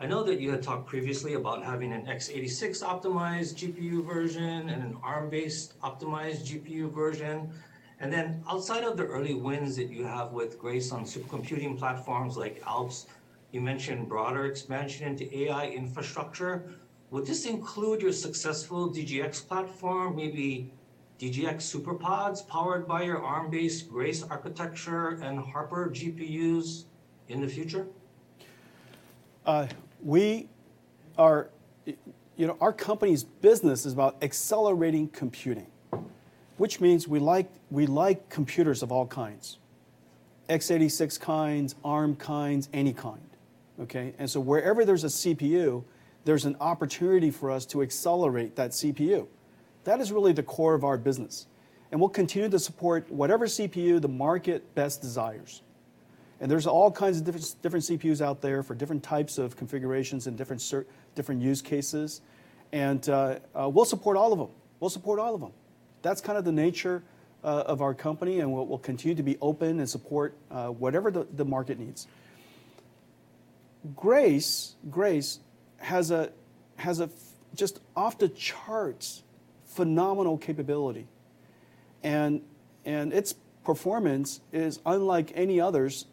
I know that you had talked previously about having an x86 optimized GPU version and an Arm-based optimized GPU version. Then outside of the early wins that you have with Grace on supercomputing platforms like Alps, you mentioned broader expansion into AI infrastructure. Would this include your successful DGX platform, maybe DGX SuperPODs powered by your Arm-based Grace architecture and Hopper GPUs in the future? You know, our company's business is about accelerating computing, which means we like computers of all kinds, x86 kinds, Arm kinds, any kind. Okay? Wherever there's a CPU, there's an opportunity for us to accelerate that CPU. That is really the core of our business, and we'll continue to support whatever CPU the market best desires. There's all kinds of different CPUs out there for different types of configurations and different use cases, and we'll support all of them. That's kind of the nature of our company, and we'll continue to be open and support whatever the market needs. Grace has a just off the charts phenomenal capability, and its performance is unlike any others,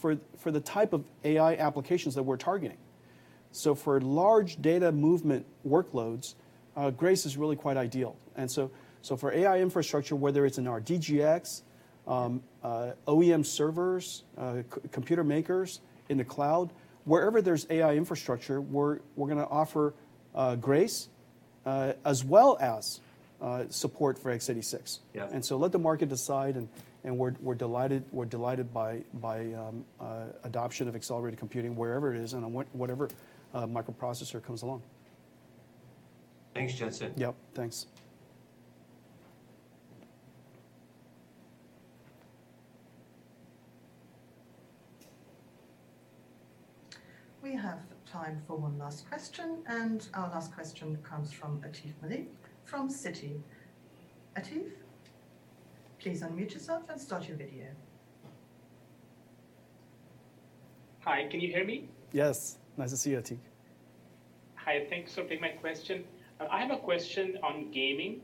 for the type of AI applications that we're targeting. For large data movement workloads, Grace is really quite ideal. For AI infrastructure, whether it's in our DGX, OEM servers, computer makers in the cloud, wherever there's AI infrastructure, we're gonna offer Grace, as well as support for x86. Yeah. Let the market decide, and we're delighted by adoption of accelerated computing wherever it is and on whatever microprocessor comes along. Thanks, Jensen. Yep. Thanks. We have time for one last question, and our last question comes from Atif Malik from Citi. Atif, please unmute yourself and start your video. Hi. Can you hear me? Yes. Nice to see you, Atif. Hi. Thanks for taking my question. I have a question on gaming.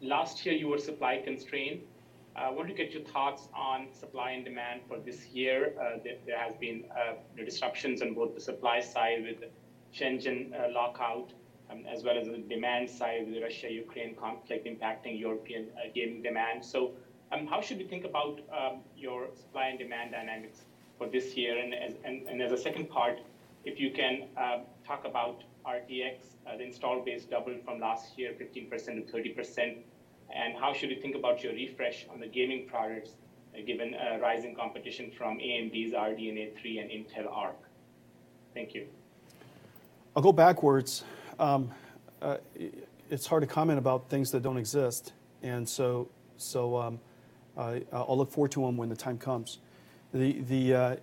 Last year you were supply constrained. Wanted to get your thoughts on supply and demand for this year. There has been, you know, disruptions on both the supply side with the Shenzhen lockout, as well as on the demand side with the Russia-Ukraine conflict impacting European gaming demand. How should we think about your supply and demand dynamics for this year? As a second part, if you can talk about RTX, the install base doubled from last year, 15%-30%, and how should we think about your refresh on the gaming products, given rising competition from AMD's RDNA 3 and Intel Arc? Thank you. I'll go backwards. It's hard to comment about things that don't exist, and so, I'll look forward to them when the time comes. The,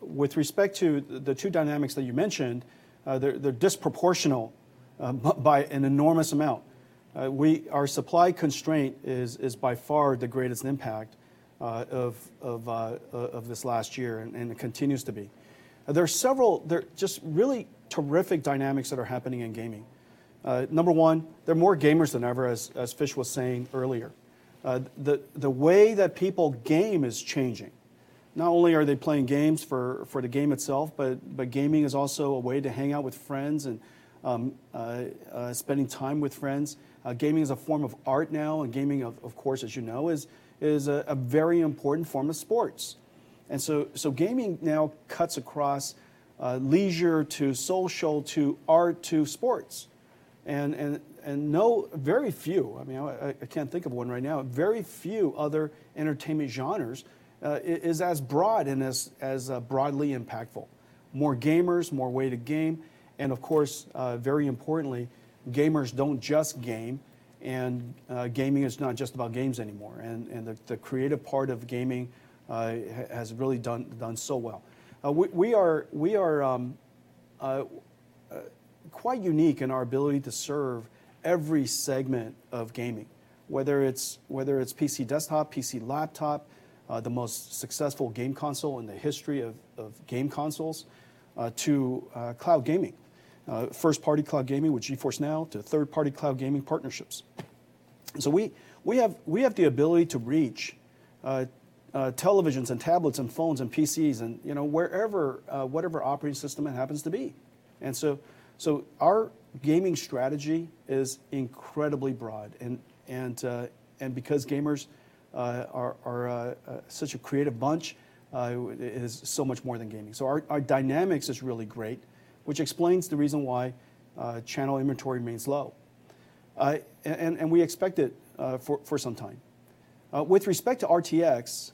with respect to the two dynamics that you mentioned, they're disproportionate by an enormous amount. Our supply constraint is by far the greatest impact of this last year, and it continues to be. There are several. They're just really terrific dynamics that are happening in gaming. Number one, there are more gamers than ever, as Fish was saying earlier. The way that people game is changing. Not only are they playing games for the game itself, but gaming is also a way to hang out with friends and spending time with friends. Gaming is a form of art now, and gaming, of course, as you know, is a very important form of sports. Gaming now cuts across leisure to social to art to sports. Very few, I mean, I can't think of one right now, very few other entertainment genres is as broad and as broadly impactful. More gamers, more ways to game, and of course, very importantly, gamers don't just game, and gaming is not just about games anymore. The creative part of gaming has really done so well. We are quite unique in our ability to serve every segment of gaming, whether it's PC desktop, PC laptop, the most successful game console in the history of game consoles, to cloud gaming, first-party cloud gaming with GeForce NOW to third-party cloud gaming partnerships. We have the ability to reach televisions and tablets and phones and PCs and, you know, wherever whatever operating system it happens to be. Our gaming strategy is incredibly broad and because gamers are such a creative bunch, it is so much more than gaming. Our dynamics is really great, which explains the reason why channel inventory remains low. We expect it for some time. With respect to RTX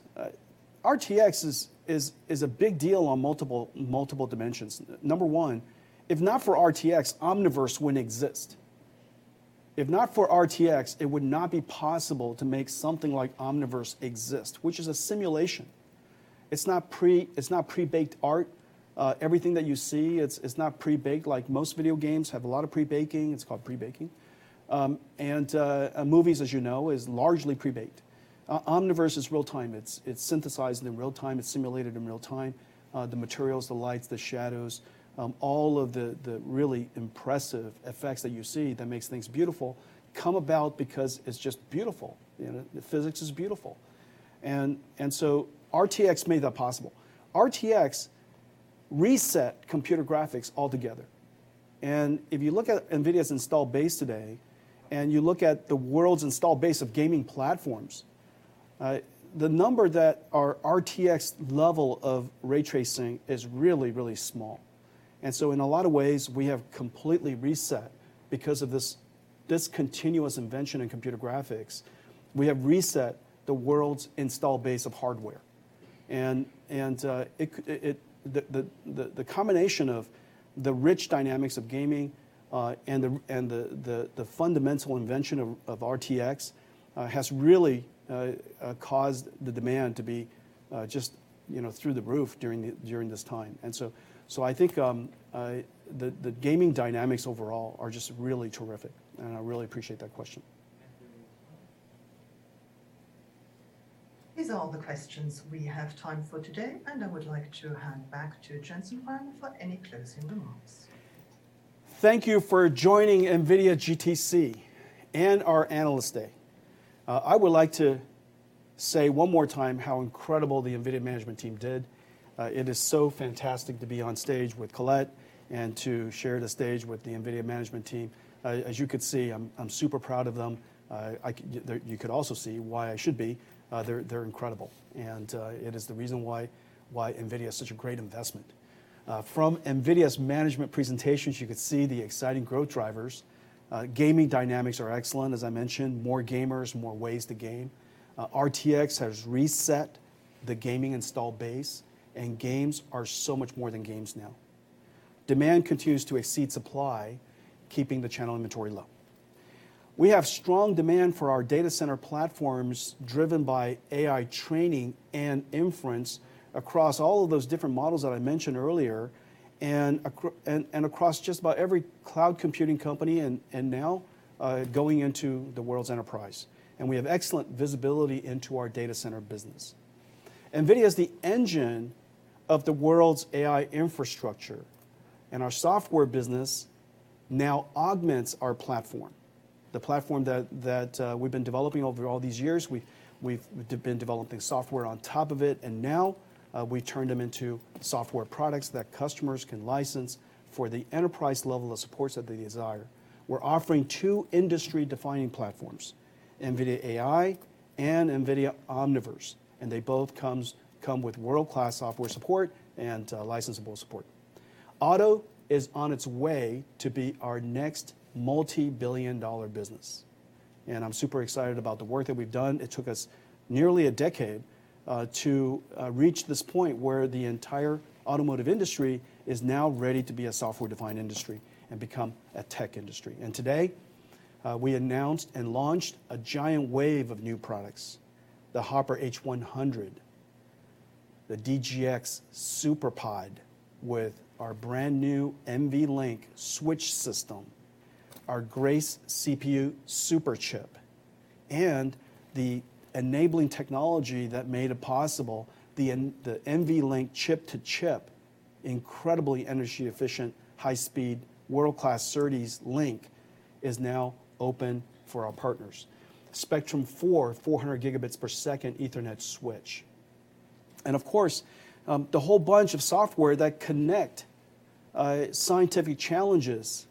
is a big deal on multiple dimensions. Number one, if not for RTX, Omniverse wouldn't exist. If not for RTX, it would not be possible to make something like Omniverse exist, which is a simulation. It's not pre-baked art. Everything that you see, it's not pre-baked. Like, most video games have a lot of pre-baking. It's called pre-baking. Movies, as you know, is largely pre-baked. Omniverse is real time. It's synthesized in real time. It's simulated in real time. The materials, the lights, the shadows, all of the really impressive effects that you see that makes things beautiful come about because it's just beautiful. You know, the physics is beautiful. RTX made that possible. RTX reset computer graphics altogether. If you look at NVIDIA's install base today, and you look at the world's install base of gaming platforms, the number that our RTX level of ray tracing is really small. In a lot of ways, we have completely reset. Because of this continuous invention in computer graphics, we have reset the world's install base of hardware. The combination of the rich dynamics of gaming and the fundamental invention of RTX has really caused the demand to be just, you know, through the roof during this time. I think the gaming dynamics overall are just really terrific, and I really appreciate that question. These are all the questions we have time for today, and I would like to hand back to Jensen Huang for any closing remarks. Thank you for joining NVIDIA GTC and our Analyst Day. I would like to say one more time how incredible the NVIDIA management team did. It is so fantastic to be on stage with Colette and to share the stage with the NVIDIA management team. As you could see, I'm super proud of them. You could also see why I should be. They're incredible and it is the reason why NVIDIA is such a great investment. From NVIDIA's management presentations, you could see the exciting growth drivers. Gaming dynamics are excellent. As I mentioned, more gamers, more ways to game. RTX has reset the gaming install base, and games are so much more than games now. Demand continues to exceed supply, keeping the channel inventory low. We have strong demand for our data center platforms driven by AI training and inference across all of those different models that I mentioned earlier and across just about every cloud computing company and now going into the world's enterprise. We have excellent visibility into our data center business. NVIDIA is the engine of the world's AI infrastructure, and our software business now augments our platform, the platform that we've been developing over all these years. We've been developing software on top of it, and now we turn them into software products that customers can license for the enterprise level of supports that they desire. We're offering two industry-defining platforms, NVIDIA AI and NVIDIA Omniverse, and they both come with world-class software support and licensable support. Auto is on its way to be our next multi-billion-dollar business, and I'm super excited about the work that we've done. It took us nearly a decade to reach this point where the entire automotive industry is now ready to be a software-defined industry and become a tech industry. Today we announced and launched a giant wave of new products. The Hopper H100, the DGX SuperPOD with our brand-new NVLink Switch System, our Grace CPU Superchip, and the enabling technology that made it possible, the NVLink-C2C, incredibly energy efficient, high-speed, world-class SerDes link is now open for our partners. Spectrum-4, 400 Gbps Ethernet switch. Of course, the whole bunch of software that connect scientific challenges,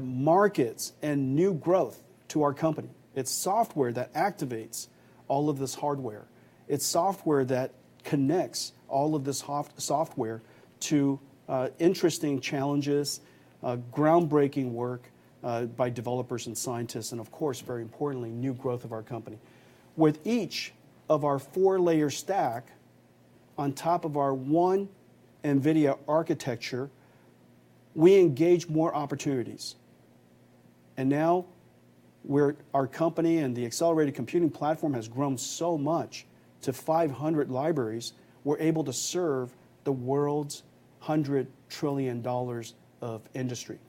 markets, and new growth to our company. It's software that activates all of this hardware. It's software that connects all of this software to interesting challenges, groundbreaking work by developers and scientists, and of course, very importantly, new growth of our company. With each of our four-layer stack on top of our one NVIDIA architecture, we engage more opportunities. Now our company and the accelerated computing platform has grown so much to 500 libraries, we're able to serve the world's $100 trillion of industry.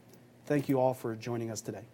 Thank you all for joining us today.